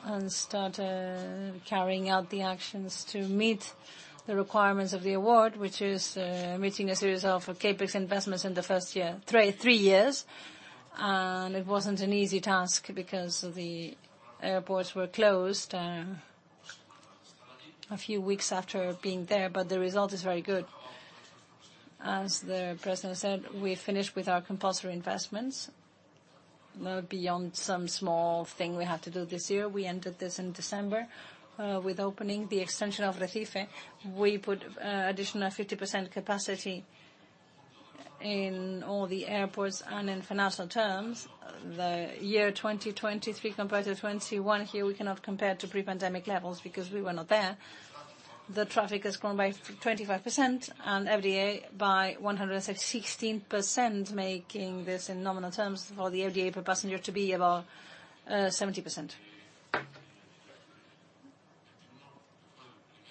and started carrying out the actions to meet the requirements of the award, which is meeting a series of CapEx investments in the first three years. And it wasn't an easy task because the airports were closed a few weeks after being there. But the result is very good. As the President said, we finished with our compulsory investments, beyond some small thing we have to do this year. We ended this in December, with opening the extension of Recife. We put additional 50% capacity in all the airports. In financial terms, the year 2023 compared to 2021 here, we cannot compare to pre-pandemic levels because we were not there. The traffic has grown by 25% and EBITDA by 116%, making this in nominal terms for the EBITDA per passenger to be about 70%.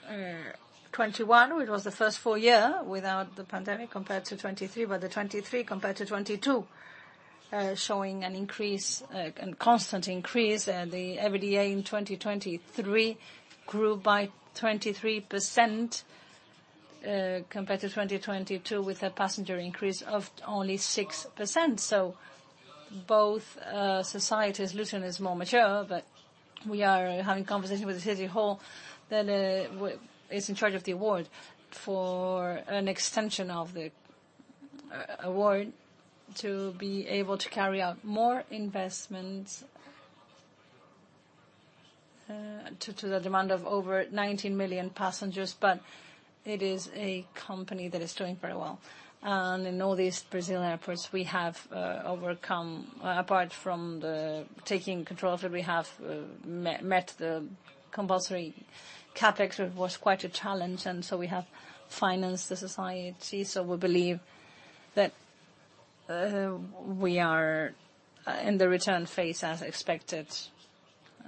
2021, it was the first four years without the pandemic compared to 2023. But the 2023 compared to 2022, showing an increase, and constant increase. And the EBITDA in 2023 grew by 23%, compared to 2022 with a passenger increase of only 6%. So both subsidiaries, Luton is more mature. But we are having a conversation with the city hall that is in charge of the award for an extension of the award to be able to carry out more investments to the demand of over 19 million passengers. But it is a company that is doing very well. And in northeast Brazil airports, we have overcome, apart from the taking control of it, we have met the compulsory CapEx, which was quite a challenge. And so we have financed the society. So we believe that we are in the return phase as expected.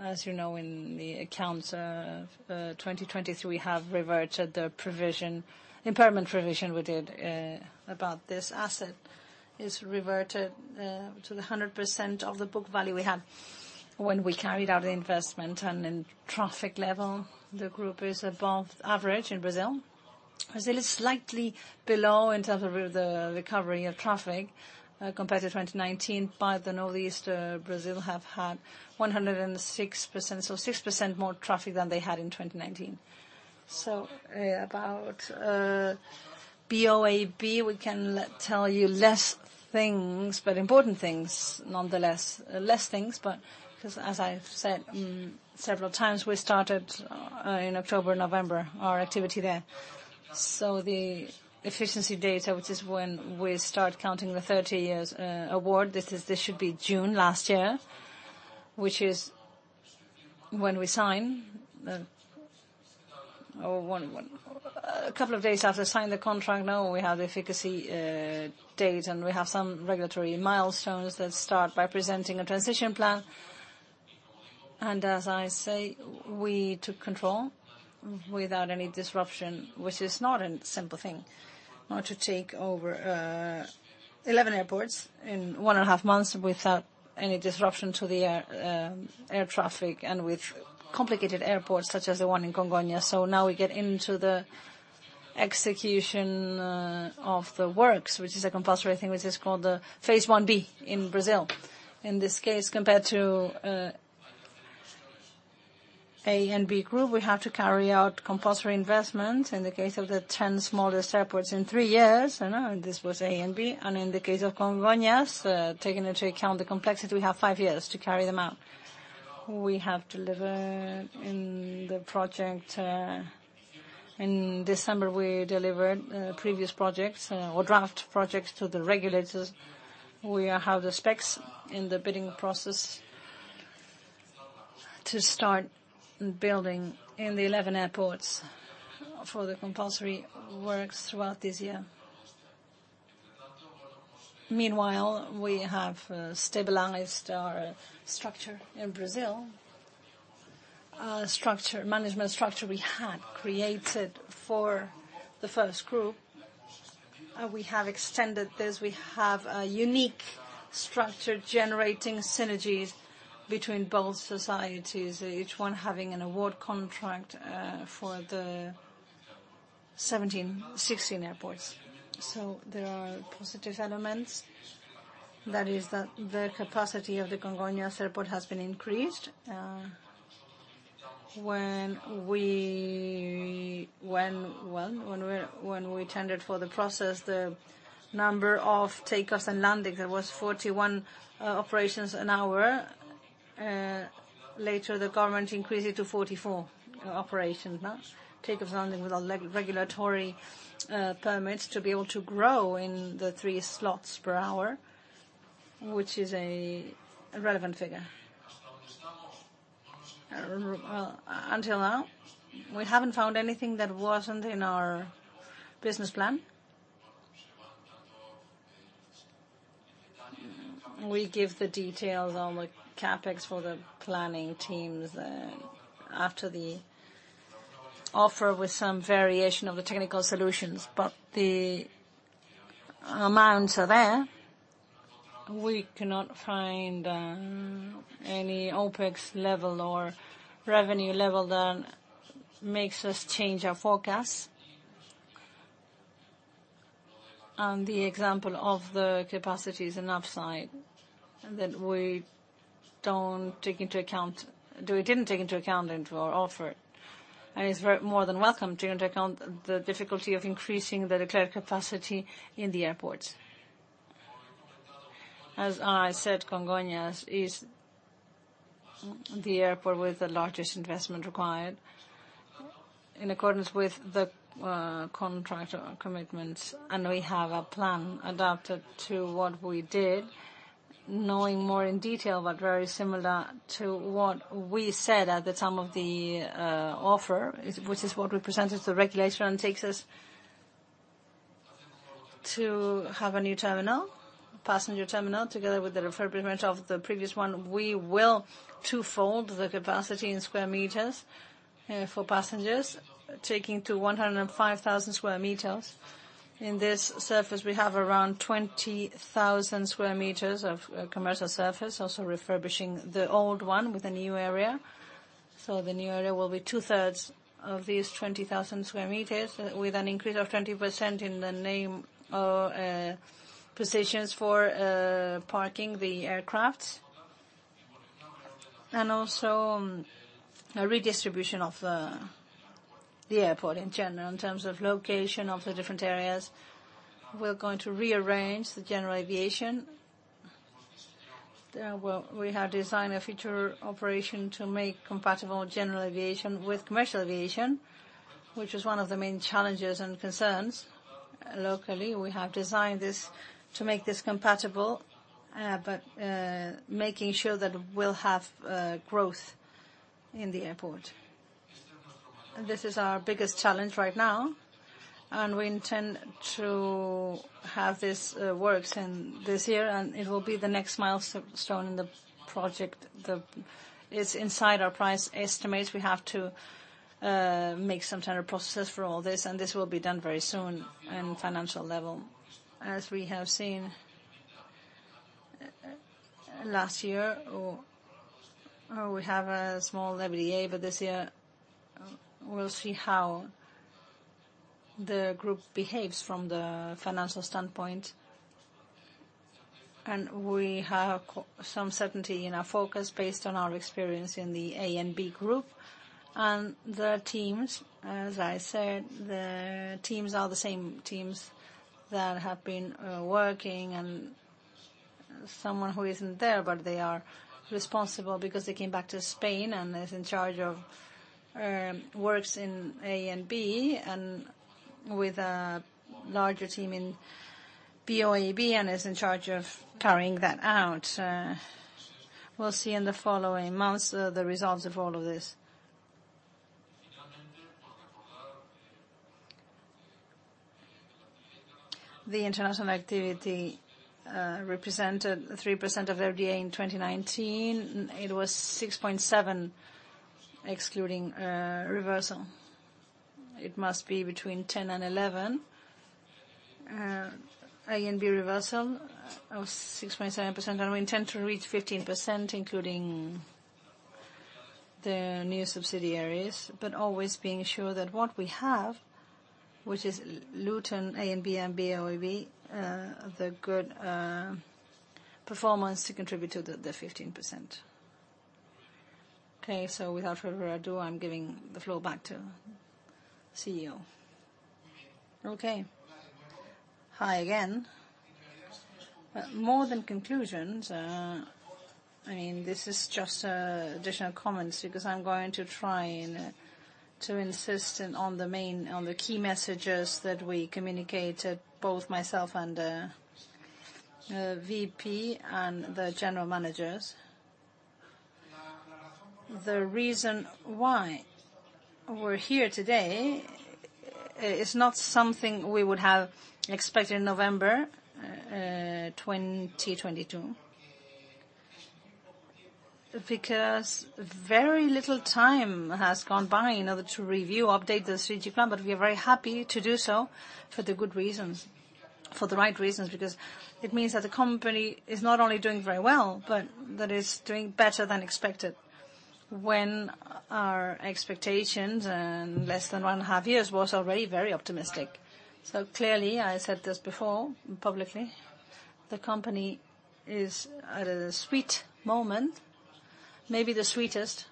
As you know, in the accounts 2023, we have reverted the provision, impairment provision we did about this asset; it is reverted to 100% of the book value we had when we carried out the investment. And in traffic level, the group is above average in Brazil. Brazil is slightly below in terms of the recovery of traffic, compared to 2019. But the Northeast Brazil have had 106%, so 6% more traffic than they had in 2019. So, about, BOAB, we can tell you less things, but important things nonetheless, less things. But because, as I've said, several times, we started, in October, November, our activity there. So the effective date, which is when we start counting the 30 years, award, this should be June last year, which is when we sign the oh, one, one, a couple of days after signing the contract, now we have the effective date. And we have some regulatory milestones that start by presenting a transition plan. As I say, we took control without any disruption, which is not a simple thing, to take over 11 airports in one and a half months without any disruption to the air, air traffic and with complicated airports such as the one in Congonhas. Now we get into the execution of the works, which is a compulsory thing, which is called the phase 1B in Brazil. In this case, compared to ANB group, we have to carry out compulsory investments in the case of the 10 smallest airports in three years. I know this was ANB. In the case of Congonhas, taking into account the complexity, we have five years to carry them out. We have delivered in the project; in December, we delivered previous projects, or draft projects to the regulators. We have the specs in the bidding process to start building in the 11 airports for the compulsory works throughout this year. Meanwhile, we have stabilized our structure in Brazil, management structure we had created for the first group. We have extended this. We have a unique structure generating synergies between both societies, each one having an award contract, for the 17, 16 airports. So there are positive elements. That is that the capacity of the Congonhas Airport has been increased, when we tendered for the process, the number of takeoffs and landings, there was 41 operations an hour. Later, the government increased it to 44 operations now, takeoffs and landings without regulatory permits to be able to grow in the 3 slots per hour, which is a relevant figure. Well, until now, we haven't found anything that wasn't in our business plan. We give the details on the CapEx for the planning teams after the offer with some variation of the technical solutions. But the amounts are there. We cannot find any OpEx level or revenue level that makes us change our forecast. The example of the capacity is enough said that we don't take into account. Do we? We didn't take into account it or offer it. It's very more than welcome to take into account the difficulty of increasing the declared capacity in the airports. As I said, Congonhas is the airport with the largest investment required in accordance with the contract commitments. We have a plan adapted to what we did, knowing more in detail, but very similar to what we said at the time of the offer, which is what we presented to the regulator and takes us to have a new terminal, passenger terminal, together with the refurbishment of the previous one. We will twofold the capacity in square meters, for passengers, taking to 105,000 sqm. In this surface, we have around 20,000 sqm of commercial surface, also refurbishing the old one with a new area. The new area will be two-thirds of these 20,000 sqm with an increase of 20% in the number of positions for parking the aircraft and also a redistribution of the airport in general in terms of location of the different areas. We're going to rearrange the general aviation. We have designed a future operation to make compatible general aviation with commercial aviation, which was one of the main challenges and concerns locally. We have designed this to make this compatible, but making sure that we'll have growth in the airport. This is our biggest challenge right now. We intend to have this works in this year. It will be the next milestone in the project. It's inside our price estimates. We have to make some tender processes for all this. This will be done very soon in financial level. As we have seen last year, oh, we have a small EBITDA. But this year, we'll see how the group behaves from the financial standpoint. We have some certainty in our focus based on our experience in the ANB group and the teams. As I said, the teams are the same teams that have been working. And someone who isn't there, but they are responsible because they came back to Spain and is in charge of works in ANB and with a larger team in BOAB and is in charge of carrying that out. We'll see in the following months the results of all of this. The international activity represented 3% of EBITDA in 2019. It was 6.7% excluding reversal. It must be between 10%-11%, ANB reversal of 6.7%. And we intend to reach 15% including the new subsidiaries, but always being sure that what we have, which is Luton, ANB, and BOAB, the good performance to contribute to the 15%. Okay. So without further ado, I'm giving the floor back to CEO. Okay. Hi again. More than conclusions, I mean, this is just additional comments because I'm going to try and to insist on the main on the key messages that we communicated, both myself and the VP and the general managers. The reason why we're here today is not something we would have expected in November 2022 because very little time has gone by in order to review, update the strategic plan. But we are very happy to do so for the good reasons, for the right reasons, because it means that the company is not only doing very well, but that it's doing better than expected when our expectations in less than one and a half years was already very optimistic. So clearly, I said this before publicly, the company is at a sweet moment, maybe the sweetest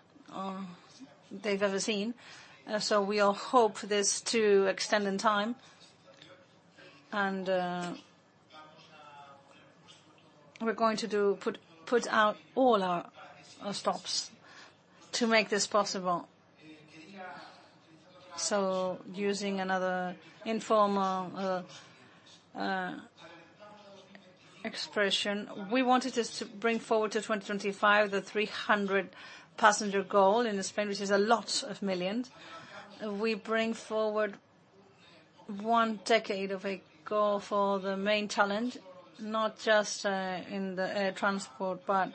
they've ever seen. So we all hope this to extend in time. We're going to pull out all our stops to make this possible. So using another informal expression, we want to bring forward to 2025 the 300-passenger goal in Spain, which is a lot of millions. We bring forward one decade of a goal for the mainland, not just in the air transport, but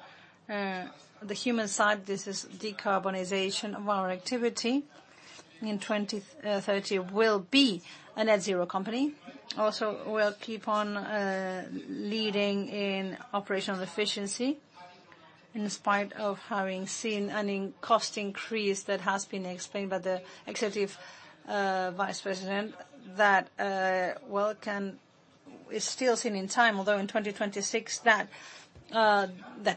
the human side. This is decarbonization of our activity. In 2030, we'll be a net-zero company. Also, we'll keep on leading in operational efficiency in spite of having seen a cost increase that has been explained by the Executive Vice President that well can still be seen in time, although in 2026, that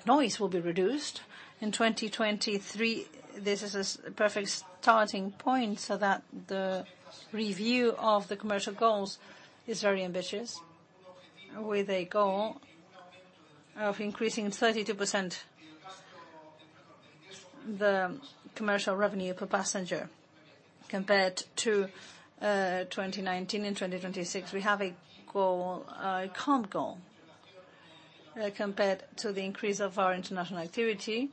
noise will be reduced. In 2023, this is a perfect starting point so that the review of the commercial goals is very ambitious with a goal of increasing 32% the commercial revenue per passenger compared to 2019 and 2026. We have a goal, a comp goal, compared to the increase of our international activity.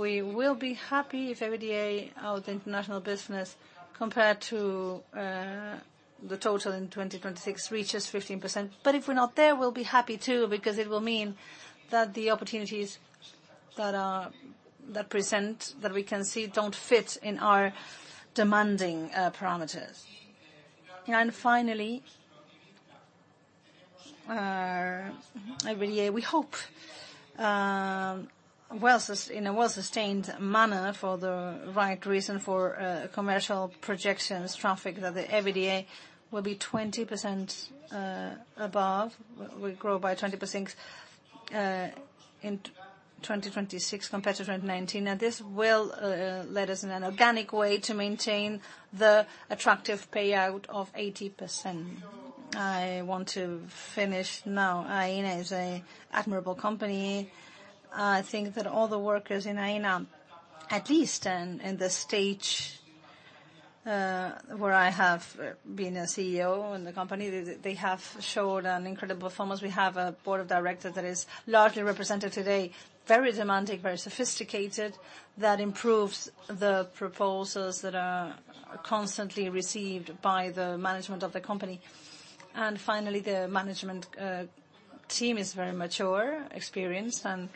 We will be happy if EBITDA of the international business compared to the total in 2026 reaches 15%. But if we're not there, we'll be happy too because it will mean that the opportunities that are that present that we can see don't fit in our demanding parameters. And finally, EBITDA, we hope, well, in a well-sustained manner for the right reason for commercial projections, traffic, that the EBITDA will be 20% above. We grow by 20% in 2026 compared to 2019. And this will let us in an organic way to maintain the attractive payout of 80%. I want to finish now. Aena is an admirable company. I think that all the workers in Aena, at least in the stage, where I have been a CEO in the company, they have showed an incredible performance. We have a board of directors that is largely represented today, very demanding, very sophisticated, that improves the proposals that are constantly received by the management of the company. And finally, the management team is very mature, experienced, and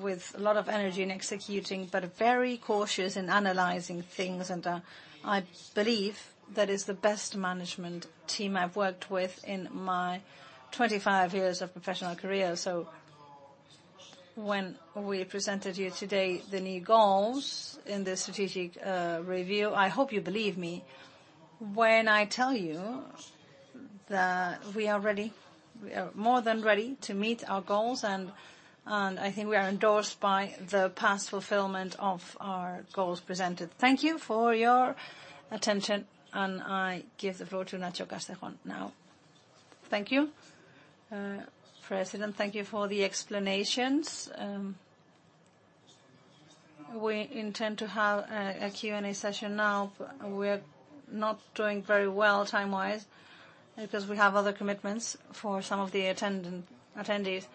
with a lot of energy in executing but very cautious in analyzing things. And I believe that is the best management team I've worked with in my 25 years of professional career. So when we presented you today the new goals in the strategic review, I hope you believe me when I tell you that we are ready. We are more than ready to meet our goals. I think we are endorsed by the past fulfillment of our goals presented. Thank you for your attention. I give the floor to Ignacio Castejón now. Thank you, President. Thank you for the explanations. We intend to have a Q&A session now. We're not doing very well time-wise because we have other commitments for some of the attendees.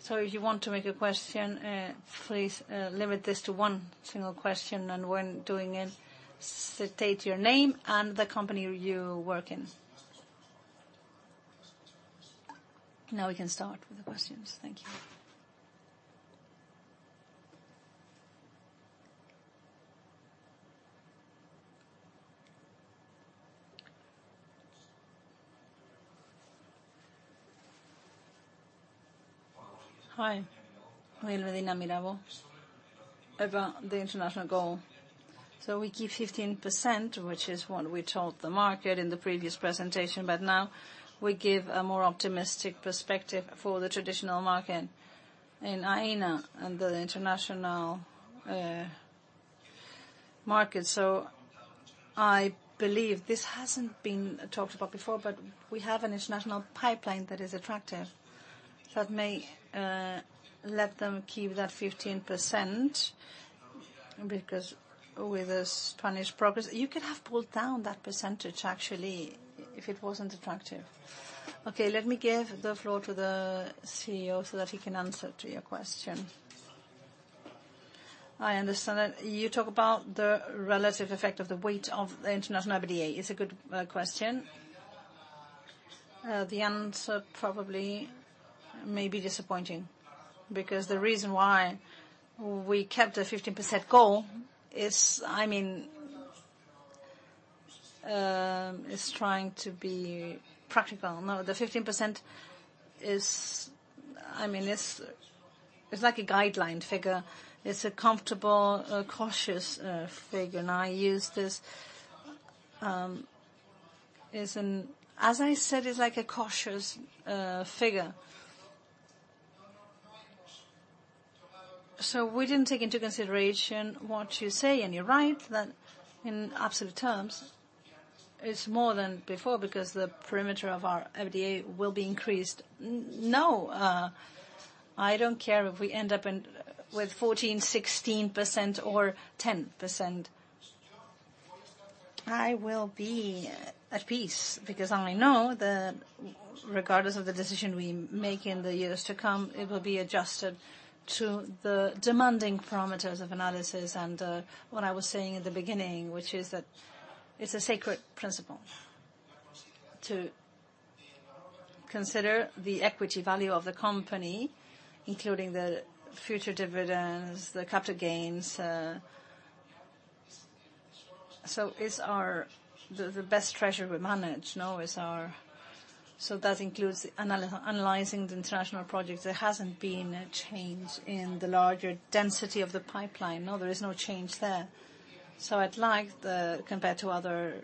So if you want to make a question, please, limit this to one single question. And when doing it, state your name and the company you work in. Now we can start with the questions. Thank you. Hi. About the international goal. So we give 15%, which is what we told the market in the previous presentation. But now, we give a more optimistic perspective for the traditional market in Aena and the international, market. So I believe this hasn't been talked about before, but we have an international pipeline that is attractive that may let them keep that 15% because with the Spanish progress, you could have pulled down that percentage, actually, if it wasn't attractive. Okay. Let me give the floor to the CEO so that he can answer to your question. I understand that you talk about the relative effect of the weight of the international EBITDA. It's a good question. The answer probably may be disappointing because the reason why we kept a 15% goal is, I mean, is trying to be practical. No, the 15% is, I mean, it's, it's like a guideline figure. It's a comfortable, cautious figure. And I use this, as, as I said, it's like a cautious figure. So we didn't take into consideration what you say. You're right that in absolute terms, it's more than before because the perimeter of our EBITDA will be increased. No, I don't care if we end up in with 14%, 16%, or 10%. I will be at peace because I know that regardless of the decision we make in the years to come, it will be adjusted to the demanding parameters of analysis and, what I was saying in the beginning, which is that it's a sacred principle to consider the equity value of the company, including the future dividends, the captured gains. So it's our the best treasure we manage. No, it's our so that includes analyzing the international projects. There hasn't been a change in the larger density of the pipeline. No, there is no change there. So I'd like the, compared to other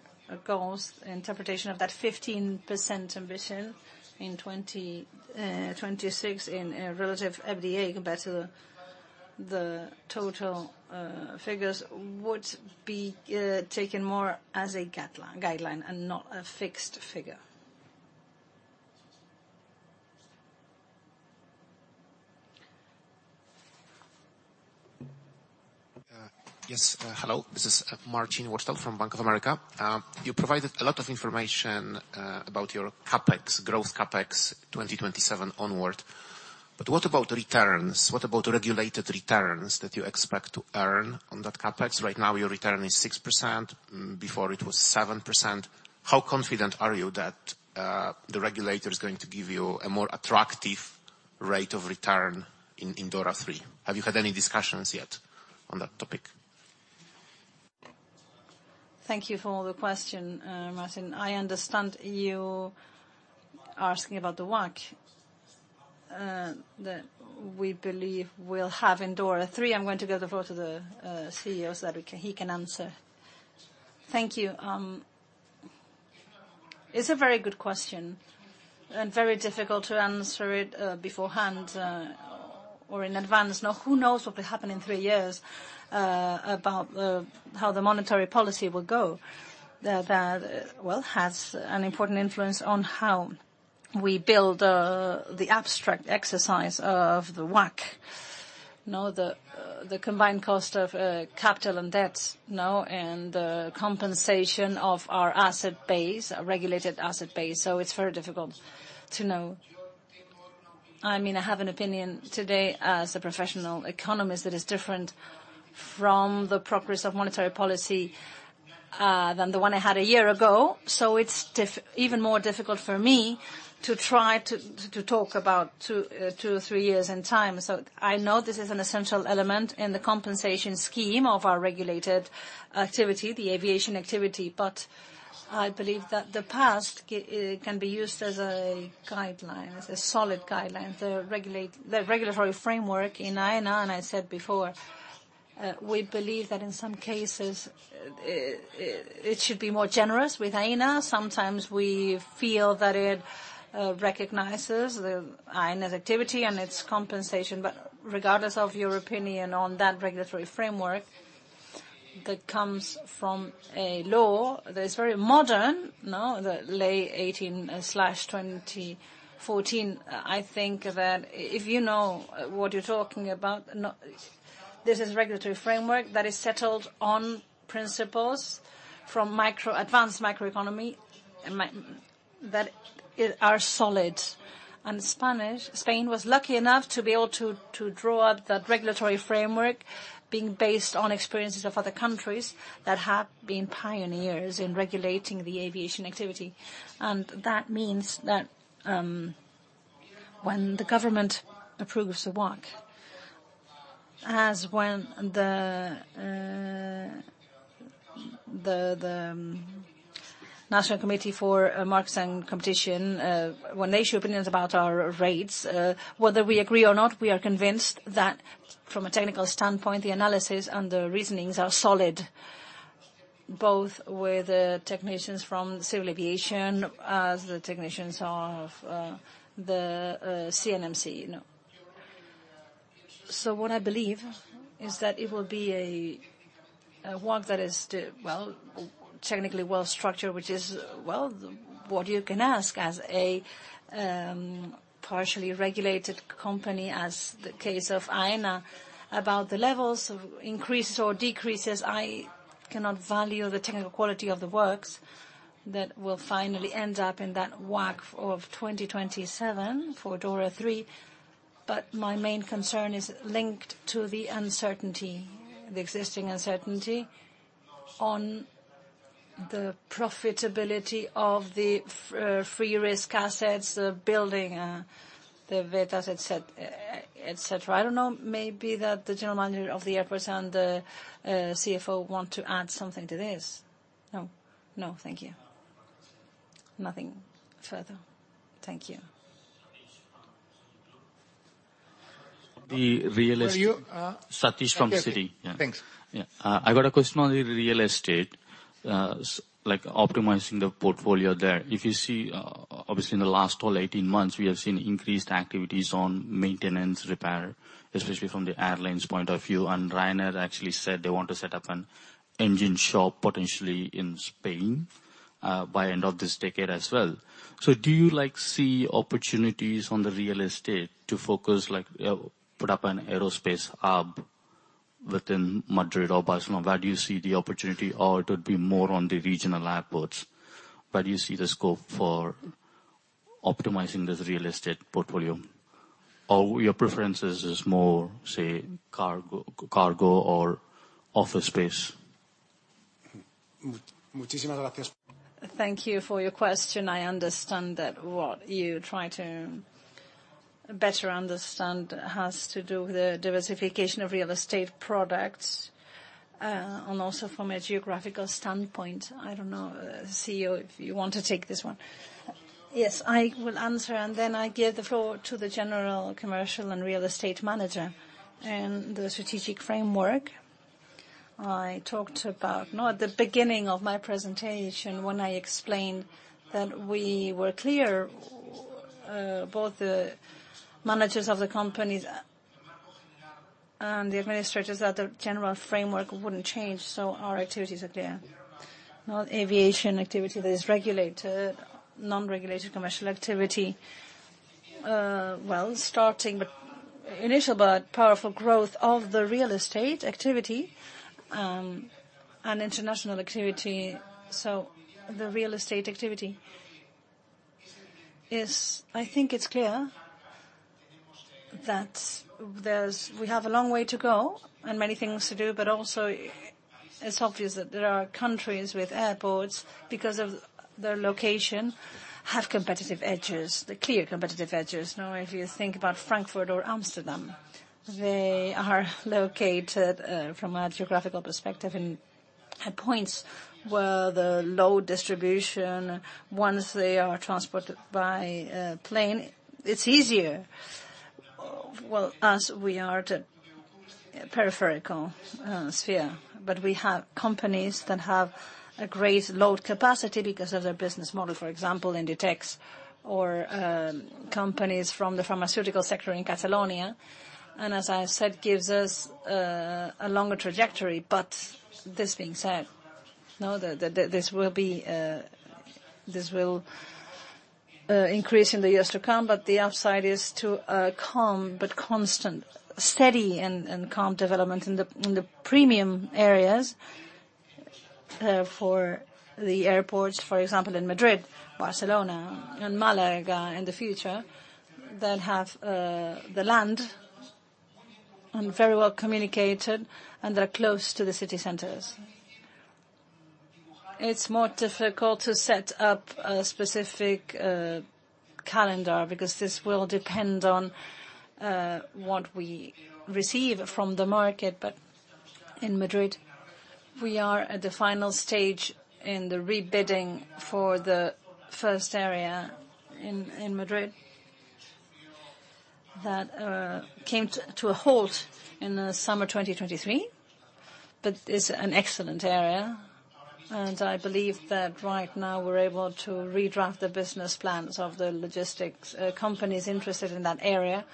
goals, interpretation of that 15% ambition in 2026 in relative EBITDA compared to the total figures would be taken more as a guideline and not a fixed figure. Yes. Hello. This is Marcin Wojtal from Bank of America. You provided a lot of information about your CapEx, growth CapEx 2027 onward. But what about returns? What about regulated returns that you expect to earn on that CapEx? Right now, your return is 6%. Before, it was 7%. How confident are you that the regulator is going to give you a more attractive rate of return in DORA III? Have you had any discussions yet on that topic? Thank you for the question, Marcin. I understand you are asking about the WACC that we believe we'll have in DORA III. I'm going to give the floor to the CEO so that he can answer. Thank you. It's a very good question and very difficult to answer it beforehand or in advance. No, who knows what will happen in three years about how the monetary policy will go, that, that, well, has an important influence on how we build the abstract exercise of the WACC, no, the combined cost of capital and debts, no, and the compensation of our asset base, our regulated asset base. So it's very difficult to know. I mean, I have an opinion today as a professional economist that is different from the progress of monetary policy than the one I had a year ago. So it's even more difficult for me to try to talk about two, two, three years in time. So I know this is an essential element in the compensation scheme of our regulated activity, the aviation activity. But I believe that the past can be used as a guideline, as a solid guideline, the regulatory framework in Aena. And I said before, we believe that in some cases, it should be more generous with Aena. Sometimes, we feel that it recognizes Aena's activity and its compensation. But regardless of your opinion on that regulatory framework that comes from a law that is very modern, no, Ley 18/2014, I think that if you know what you're talking about, no, this is a regulatory framework that is settled on principles from micro advanced microeconomy that are solid. And Spain was lucky enough to be able to draw up that regulatory framework being based on experiences of other countries that have been pioneers in regulating the aviation activity. And that means that, when the government approves the work, as when the National Committee for Markets and Competition, when they issue opinions about our rates, whether we agree or not, we are convinced that from a technical standpoint, the analysis and the reasonings are solid, both with the technicians from Civil Aviation as the technicians of the CNMC. So what I believe is that it will be a work that is, well, technically well-structured, which is, well, what you can ask as a partially regulated company, as the case of Aena, about the levels of increases or decreases. I cannot value the technical quality of the works that will finally end up in that work of 2027 for DORA III. But my main concern is linked to the uncertainty, the existing uncertainty on the profitability of the risk-free assets, the building, the Beta, etc., etc. I don't know. Maybe that the general manager of the airports and the CFO want to add something to this. No, no. Thank you. Nothing further. Thank you. Sathish from Citi. Yeah. Thanks. Yeah. I got a question on the real estate, like optimizing the portfolio there. If you see, obviously, in the last all 18 months, we have seen increased activities on maintenance, repair, especially from the airlines' point of view. And Ryanair actually said they want to set up an engine shop potentially in Spain, by the end of this decade as well. So do you, like, see opportunities on the real estate to focus, like, put up an aerospace hub within Madrid or Barcelona? Where do you see the opportunity? Or it would be more on the regional airports. Where do you see the scope for optimizing this real estate portfolio? Or your preferences is more, say, cargo or office space? Thank you for your question. I understand that what you try to better understand has to do with the diversification of real estate products, and also from a geographical standpoint. I don't know, CEO, if you want to take this one. Yes. I will answer. Then I give the floor to the general commercial and real estate manager and the strategic framework. I talked about, no, at the beginning of my presentation when I explained that we were clear, both the managers of the companies and the administrators that the general framework wouldn't change. So our activities are clear, not aviation activity that is regulated, non-regulated commercial activity, well, starting but initial but powerful growth of the real estate activity, and international activity. So the real estate activity is. I think it's clear that there's we have a long way to go and many things to do. But also, it's obvious that there are countries with airports because of their location have competitive edges, the clear competitive edges. No, if you think about Frankfurt or Amsterdam, they are located, from a geographical perspective in at points where the load distribution, once they are transported by a plane, it's easier. Well, us, we are at a peripheral sphere. But we have companies that have a great load capacity because of their business model, for example, Inditex or, companies from the pharmaceutical sector in Catalonia. And as I said, gives us, a longer trajectory. But this being said, no, this will be, this will, increase in the years to come. But the upside is too calm but constant, steady, and calm development in the premium areas for the airports, for example, in Madrid, Barcelona, and Málaga in the future that have the land and very well communicated and that are close to the city centers. It's more difficult to set up a specific calendar because this will depend on what we receive from the market. But in Madrid, we are at the final stage in the rebidding for the first area in Madrid that came to a halt in the summer 2023 but is an excellent area. And I believe that right now, we're able to redraft the business plans of the logistics companies interested in that area,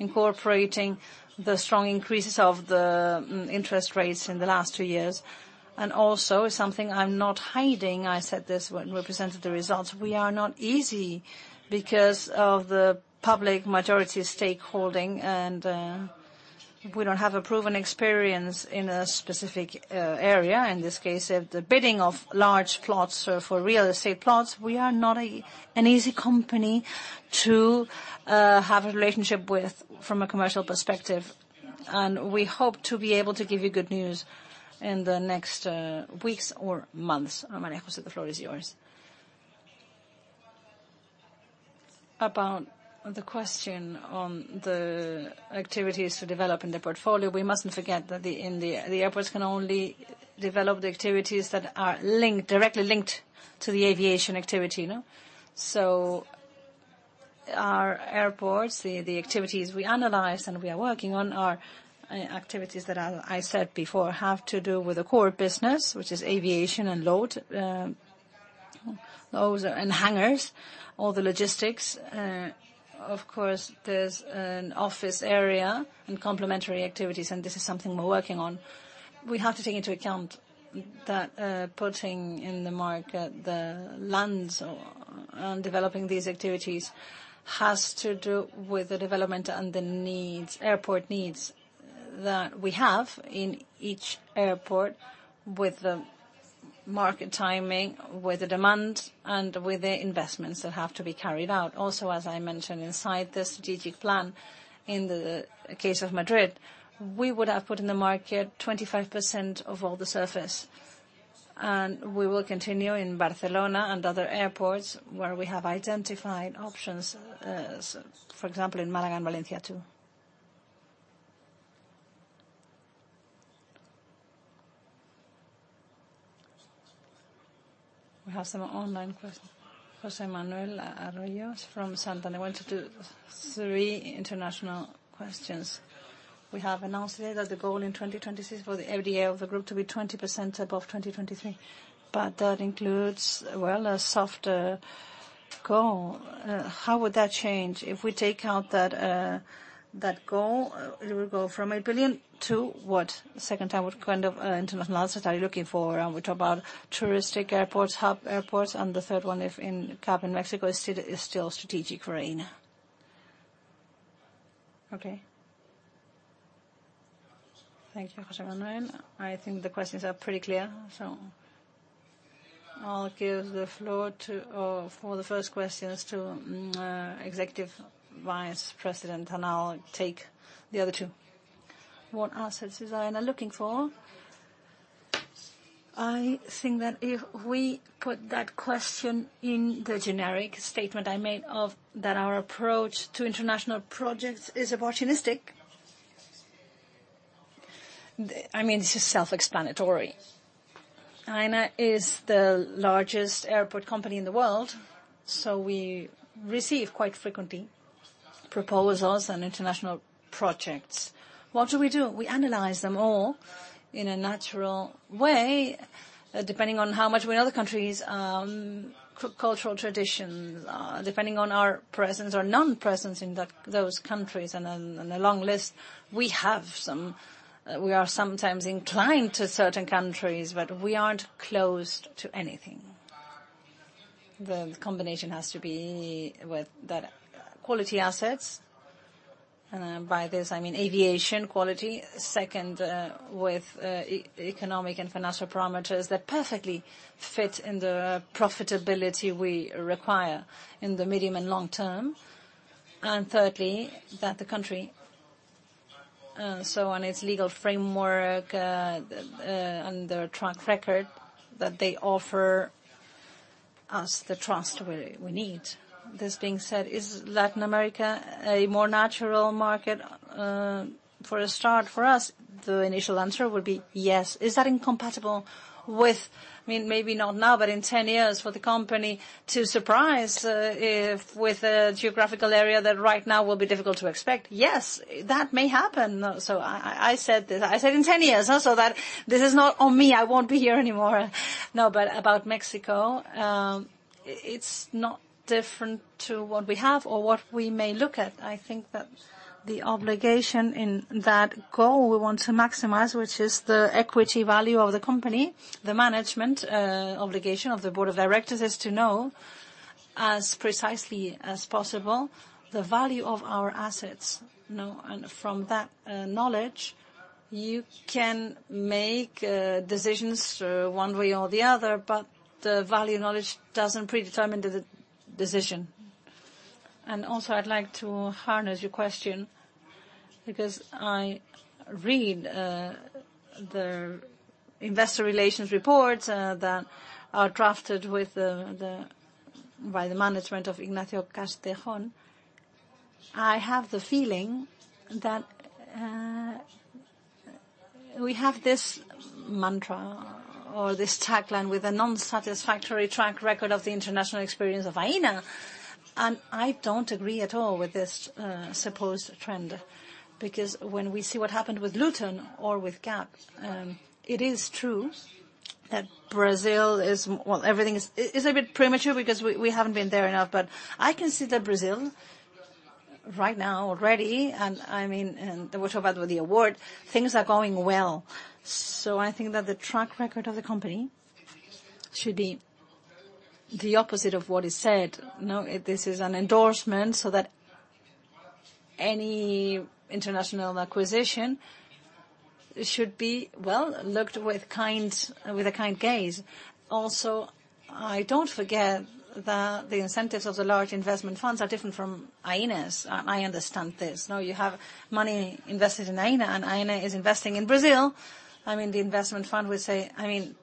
incorporating the strong increases of the interest rates in the last two years. And also, it's something I'm not hiding. I said this when we presented the results. We are not easy because of the public majority stakeholding. We don't have a proven experience in a specific area. In this case, the bidding of large plots for real estate plots, we are not an easy company to have a relationship with from a commercial perspective. We hope to be able to give you good news in the next weeks or months. María José, the floor is yours. About the question on the activities to develop in the portfolio, we mustn't forget that the airports can only develop the activities that are linked, directly linked to the aviation activity, no. So our airports, the activities we analyze and we are working on are activities that, as I said before, have to do with the core business, which is aviation and cargo, loads and hangars, all the logistics. Of course, there's an office area and complementary activities. This is something we're working on. We have to take into account that, putting in the market the lands and developing these activities has to do with the development and the needs, airport needs that we have in each airport with the market timing, with the demands, and with the investments that have to be carried out. Also, as I mentioned, inside the strategic plan, in the case of Madrid, we would have put in the market 25% of all the surface. We will continue in Barcelona and other airports where we have identified options, for example, in Málaga and Valencia too. We have some online questions. José Manuel Arroyas from Santander wants to do three international questions. We have announced today that the goal in 2026 for the EBITDA of the group to be 20% above 2023. But that includes, well, a softer goal. How would that change if we take out that goal? It would go from 8 billion to what? Second time, what kind of international assets are you looking for? And we talk about touristic airports, hub airports. And the third one, if in GAP in Mexico, is still strategic for Aena. Okay. Thank you, José Manuel. I think the questions are pretty clear. So I'll give the floor to the Executive Vice President for the first question. And I'll take the other two. What assets is Aena looking for? I think that if we put that question in the generic statement I made of that our approach to international projects is opportunistic, I mean, this is self-explanatory. Aena is the largest airport company in the world. So we receive quite frequently proposals and international projects. What do we do? We analyze them all in a natural way, depending on how much we know the countries, cultural traditions, depending on our presence or non-presence in those countries. Then a long list. We have some we are sometimes inclined to certain countries, but we aren't closed to anything. The combination has to be with that quality assets. And by this, I mean aviation quality, second, with economic and financial parameters that perfectly fit in the profitability we require in the medium and long term. And thirdly, that the country and so on, its legal framework and their track record, that they offer us the trust we need. This being said, is Latin America a more natural market for a start for us? The initial answer would be, yes. Is that incompatible with I mean, maybe not now, but in 10 years for the company to surprise with a geographical area that right now will be difficult to expect? Yes, that may happen. So I said this. I said, "In 10 years," so that this is not on me. I won't be here anymore. No, but about Mexico, it's not different to what we have or what we may look at. I think that the obligation in that goal we want to maximize, which is the equity value of the company, the management obligation of the board of directors is to know as precisely as possible the value of our assets, no. And from that knowledge, you can make decisions one way or the other. But the value knowledge doesn't predetermine the decision. And also, I'd like to harness your question because I read the investor relations reports that are drafted by the management of Ignacio Castejón. I have the feeling that we have this mantra or this tagline with a non-satisfactory track record of the international experience of Aena. And I don't agree at all with this supposed trend because when we see what happened with Luton or with GAP, it is true that Brazil is well, everything is a bit premature because we haven't been there enough. But I can see that Brazil right now already and I mean, we're talking about the award, things are going well. So I think that the track record of the company should be the opposite of what is said, no. This is an endorsement so that any international acquisition should be, well, looked with a kind gaze. Also, I don't forget that the incentives of the large investment funds are different from Aena's. I understand this, no. You have money invested in Aena, and Aena is investing in Brazil. I mean, the investment fund would say, "I mean,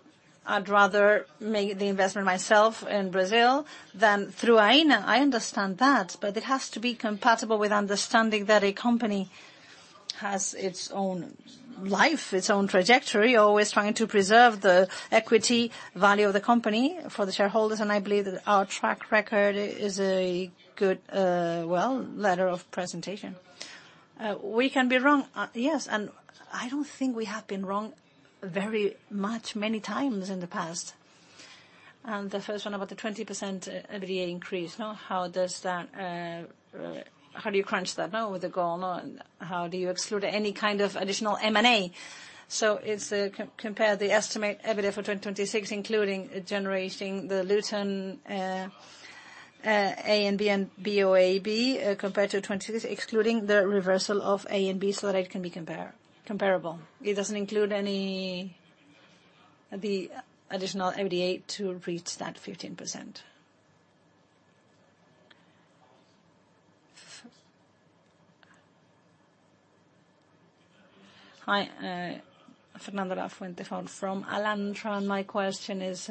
I'd rather make the investment myself in Brazil than through Aena." I understand that. But it has to be compatible with understanding that a company has its own life, its own trajectory, always trying to preserve the equity value of the company for the shareholders. And I believe that our track record is a good, well, letter of presentation. We can be wrong, yes. And I don't think we have been wrong very much, many times in the past. And the first one about the 20% EBITDA increase, no. How does that how do you crunch that, no, with the goal, no? How do you exclude any kind of additional M&A? So it's compare the estimate EBITDA for 2026, including generating the Luton, ANB, and BOAB compared to 2026, excluding the reversal of ANB so that it can be comparable. It doesn't include any the additional EBITDA to reach that 15%. Hi, Fernando Lafuente from Alantra. My question is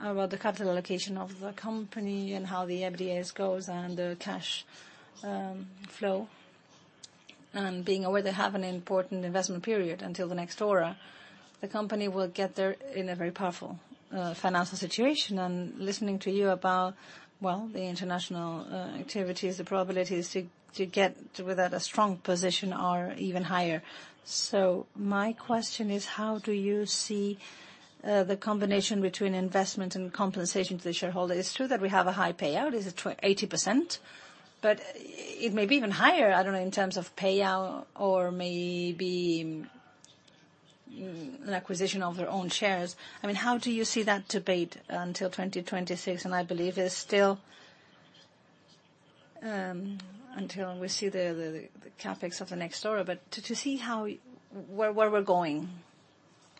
about the capital allocation of the company and how the EBITDA goes and the cash flow. Being aware they have an important investment period until the next DORA, the company will get there in a very powerful financial situation. Listening to you about, well, the international activities, the probabilities to get with that a strong position are even higher. So my question is, how do you see the combination between investment and compensation to the shareholder? It's true that we have a high payout. It's 80%. But it may be even higher, I don't know, in terms of payout or maybe an acquisition of their own shares. I mean, how do you see that debate until 2026? And I believe it's still until we see the CapEx of the next DORA. But to see where we're going.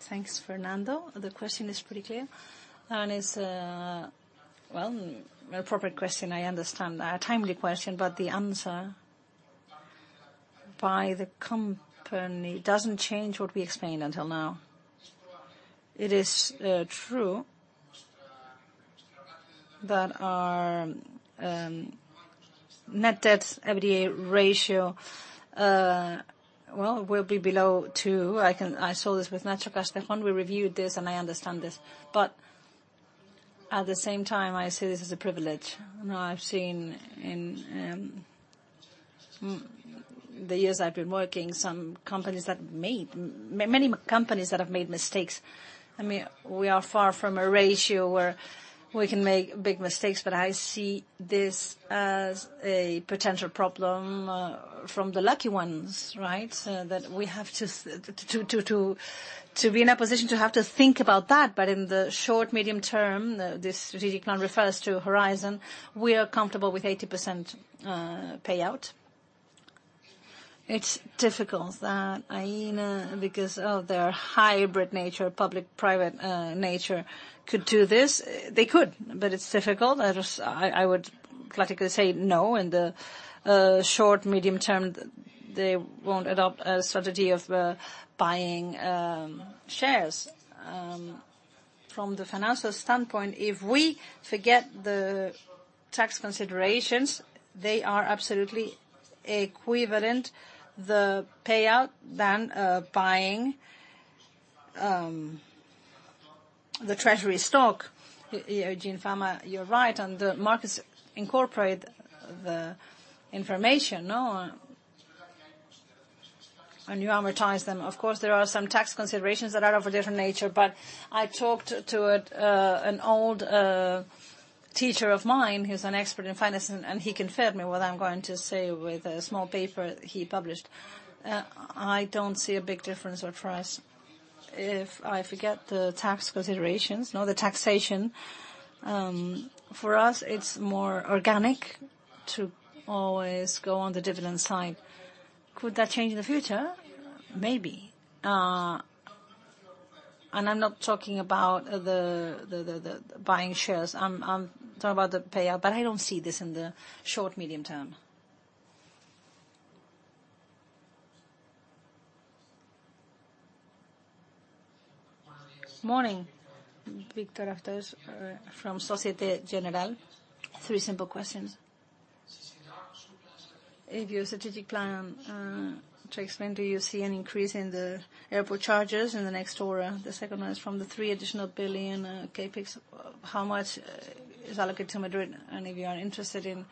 Thanks, Fernando. The question is pretty clear. It's, well, an appropriate question. I understand that. A timely question. But the answer by the company doesn't change what we explained until now. It is true that our net debt EBITDA ratio, well, will be below two. I saw this with Ignacio Castejón. We reviewed this, and I understand this. But at the same time, I say this is a privilege. I've seen in the years I've been working some companies that made many companies that have made mistakes. I mean, we are far from a ratio where we can make big mistakes. But I see this as a potential problem from the lucky ones, right, that we have to be in a position to have to think about that. But in the short, medium term, this strategic plan refers to horizon, we are comfortable with 80% payout. It's difficult that Aena because of their hybrid nature, public-private nature, could do this. They could. But it's difficult. I would politically say, no. In the short, medium term, they won't adopt a strategy of buying shares. From the financial standpoint, if we forget the tax considerations, they are absolutely equivalent, the payout, than buying the treasury stock. Eugene Fama, you're right. And the markets incorporate the information, no, and you amortize them. Of course, there are some tax considerations that are of a different nature. I talked to an old teacher of mine who's an expert in finance. He confirmed me what I'm going to say with a small paper he published. I don't see a big difference or trust if I forget the tax considerations, no, the taxation. For us, it's more organic to always go on the dividend side. Could that change in the future? Maybe. I'm not talking about the buying shares. I'm talking about the payout. I don't see this in the short- or medium-term. Morning, Victor Acitores from Société Générale. Three simple questions. If your strategic plan to explain, do you see an increase in the airport charges in the next DORA? The second one is from the 3 billion additional CapEx, how much is allocated to Madrid? And if you are interested in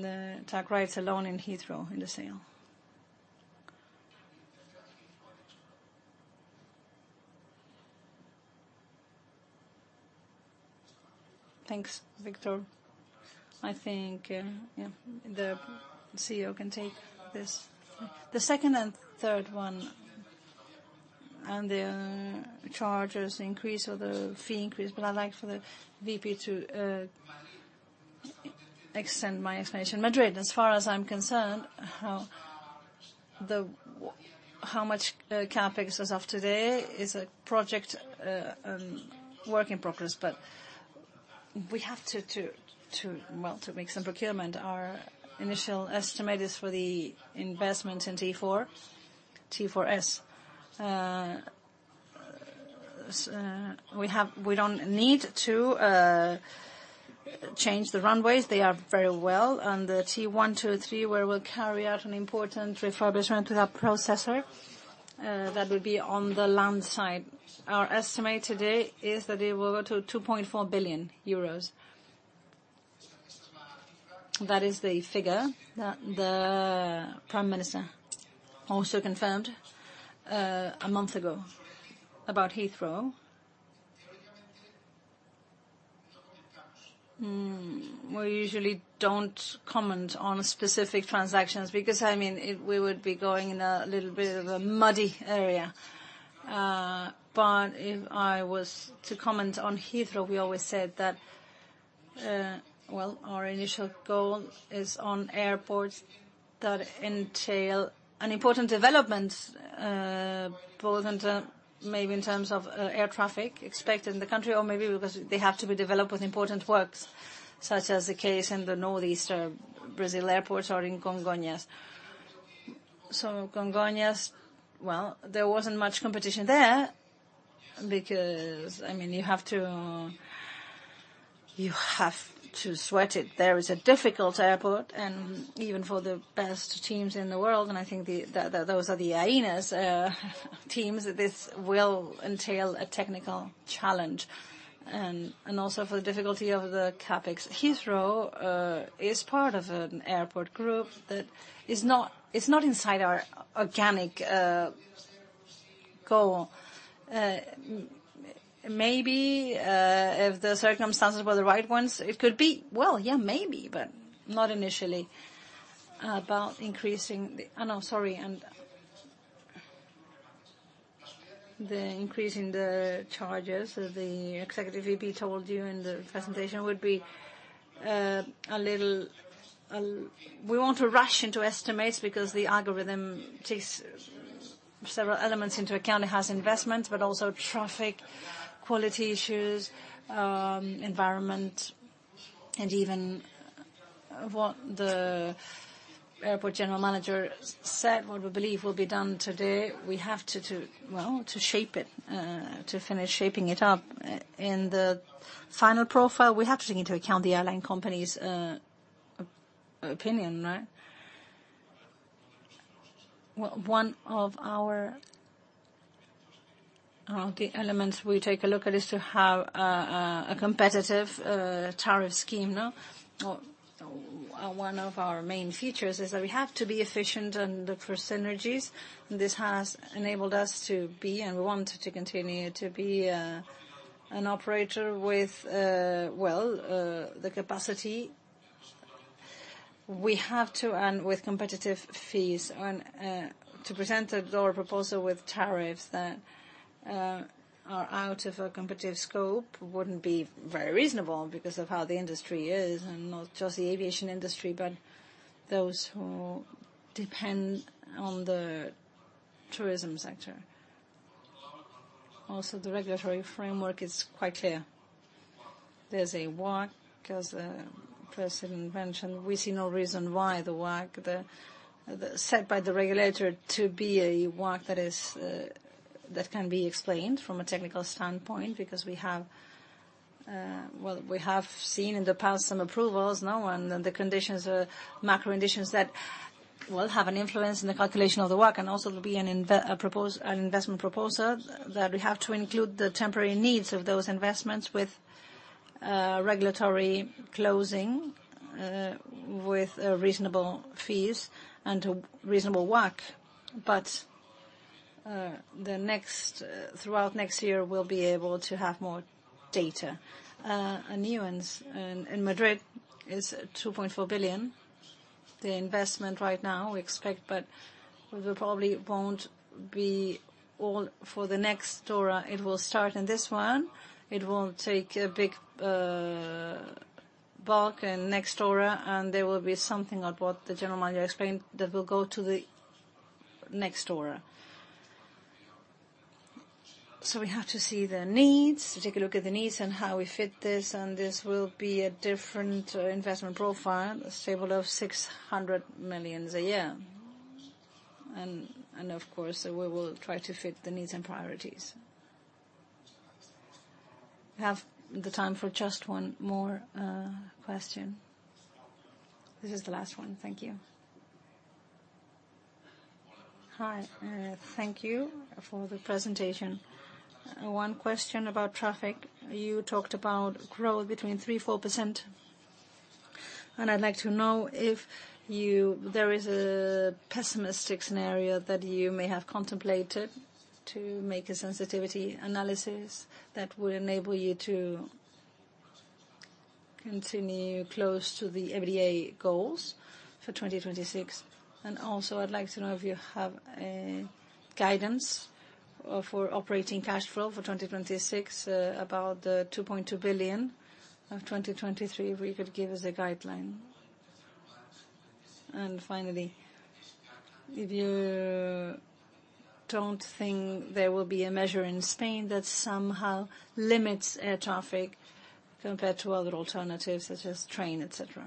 the slot rights alone in Heathrow in the sale. Thanks, Victor. I think, yeah, the CEO can take this. The second and third one and the charges increase or the fee increase. But I'd like for the VP to extend my explanation. Madrid, as far as I'm concerned, how much CapEx is up today is a project work in progress. But we have to, well, to make some procurement. Our initial estimate is for the investment in T4S. We don't need to change the runways. They are very well. And the T1, T2, T3, where we'll carry out an important refurbishment with our processor, that would be on the land side. Our estimate today is that it will go to 2.4 billion euros. That is the figure that the Prime Minister also confirmed a month ago about Heathrow. We usually don't comment on specific transactions because, I mean, we would be going in a little bit of a muddy area. But if I was to comment on Heathrow, we always said that, well, our initial goal is on airports that entail an important development, both maybe in terms of air traffic expected in the country or maybe because they have to be developed with important works, such as the case in the northeastern Brazil airports or in Congonhas. So Congonhas, well, there wasn't much competition there because, I mean, you have to sweat it. There is a difficult airport. And even for the best teams in the world, and I think those are the Aena's teams, this will entail a technical challenge. And also for the difficulty of the CapEx. Heathrow is part of an airport group that is not inside our organic goal. Maybe if the circumstances were the right ones, it could be well, yeah, maybe, but not initially about increasing the oh, no, sorry. The increase in the charges that the Executive VP told you in the presentation would be a little. We won't rush into estimates because the algorithm takes several elements into account. It has investments, but also traffic, quality issues, environment, and even what the airport general manager said, what we believe will be done today. We have to, well, shape it, to finish shaping it up. In the final profile, we have to take into account the airline company's opinion, right? One of the elements we take a look at is to have a competitive tariff scheme, no. One of our main features is that we have to be efficient and look for synergies. This has enabled us to be, and we want to continue to be, an operator with, well, the capacity we have to and with competitive fees. To present a DORA proposal with tariffs that are out of a competitive scope wouldn't be very reasonable because of how the industry is, and not just the aviation industry, but those who depend on the tourism sector. Also, the regulatory framework is quite clear. There's a WACC, as the president mentioned. We see no reason why the WACC set by the regulator to be a WACC that can be explained from a technical standpoint because we have well, we have seen in the past some approvals, no. And the conditions, macro conditions that, well, have an influence in the calculation of the WACC. And also, there'll be an investment proposal that we have to include the temporary needs of those investments with regulatory closing, with reasonable fees and a reasonable WACC. But throughout next year, we'll be able to have more data. A new one in Madrid is 2.4 billion, the investment right now we expect. But we probably won't be all for the next DORA. It will start in this one. It won't take a big bulk in next DORA. And there will be something about what the general manager explained that will go to the next DORA. So we have to see the needs, take a look at the needs, and how we fit this. And this will be a different investment profile, a stable of 600 million a year. And of course, we will try to fit the needs and priorities. Have the time for just one more question. This is the last one. Thank you. Hi. Thank you for the presentation. One question about traffic. You talked about growth between 3% and 4%. I'd like to know if there is a pessimistic scenario that you may have contemplated to make a sensitivity analysis that would enable you to continue close to the EBITDA goals for 2026. Also, I'd like to know if you have guidance for operating cash flow for 2026 about the 2.2 billion of 2023, if you could give us a guideline. Finally, if you don't think there will be a measure in Spain that somehow limits air traffic compared to other alternatives such as train, etc.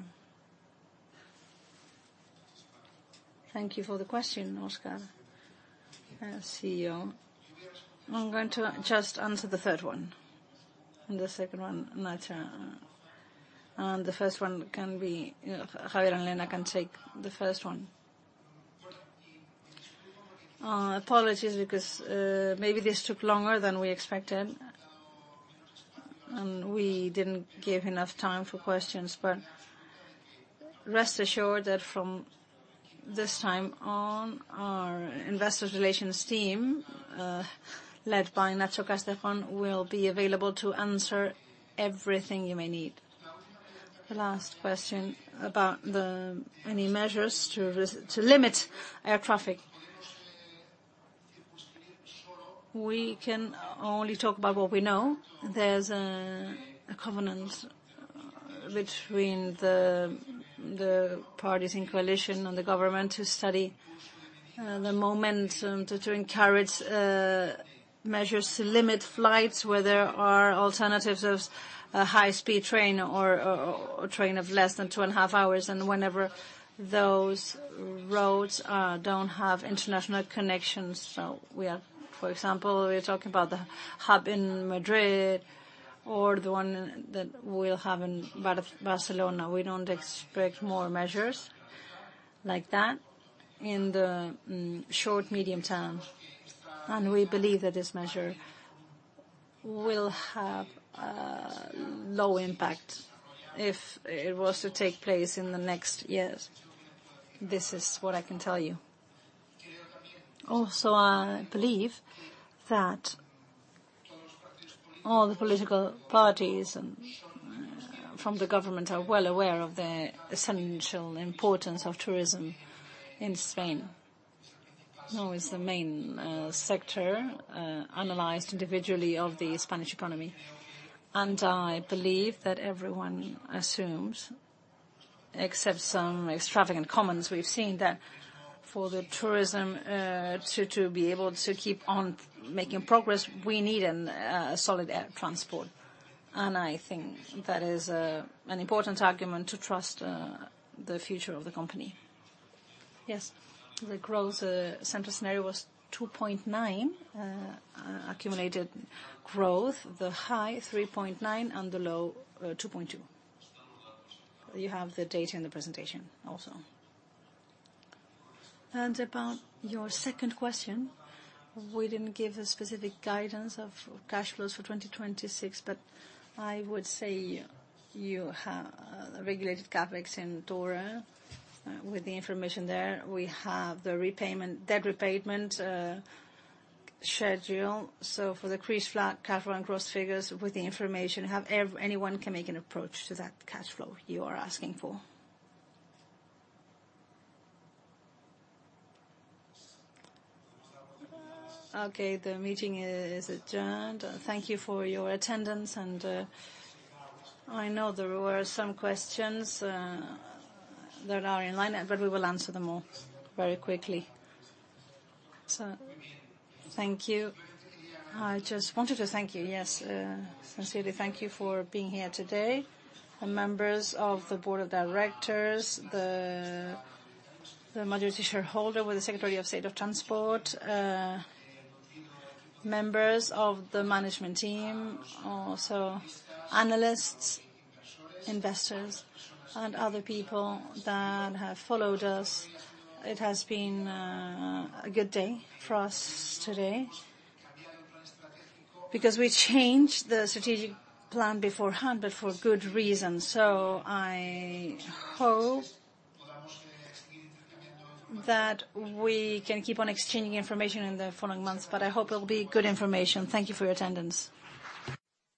Thank you for the question, Óscar. CEO, I'm going to just answer the third one and the second one later. The first one can be Javier and Elena can take the first one. Apologies because maybe this took longer than we expected. We didn't give enough time for questions. But rest assured that from this time on, our investor relations team led by Ignacio Castejón will be available to answer everything you may need. The last question about any measures to limit air traffic. We can only talk about what we know. There's a covenant between the parties in coalition and the government to study the momentum to encourage measures to limit flights where there are alternatives of high-speed train or train of less than 2.5 hours and whenever those roads don't have international connections. So for example, we're talking about the hub in Madrid or the one that we'll have in Barcelona. We don't expect more measures like that in the short, medium term. And we believe that this measure will have low impact if it was to take place in the next years. This is what I can tell you. Also, I believe that all the political parties from the government are well aware of the essential importance of tourism in Spain. It's the main sector analyzed individually of the Spanish economy. I believe that everyone assumes, except some extravagant commons we've seen, that for the tourism to be able to keep on making progress, we need a solid air transport. I think that is an important argument to trust the future of the company. Yes. The growth center scenario was 2.9 accumulated growth, the high 3.9 and the low 2.2. You have the data in the presentation also. About your second question, we didn't give a specific guidance of cash flows for 2026. But I would say you have regulated CapEx in DORA with the information there. We have the debt repayment schedule. So, for the cash flow and gross figures with the information, anyone can make an approach to that cash flow you are asking for. Okay. The meeting is adjourned. Thank you for your attendance. I know there were some questions that are in line, but we will answer them all very quickly. Thank you. I just wanted to thank you. Yes, sincerely, thank you for being here today: the members of the board of directors, the majority shareholder with the Secretary of State for Transport, members of the management team, also analysts, investors, and other people that have followed us. It has been a good day for us today because we changed the strategic plan beforehand, but for good reasons. I hope that we can keep on exchanging information in the following months. I hope it'll be good information. Thank you for your attendance.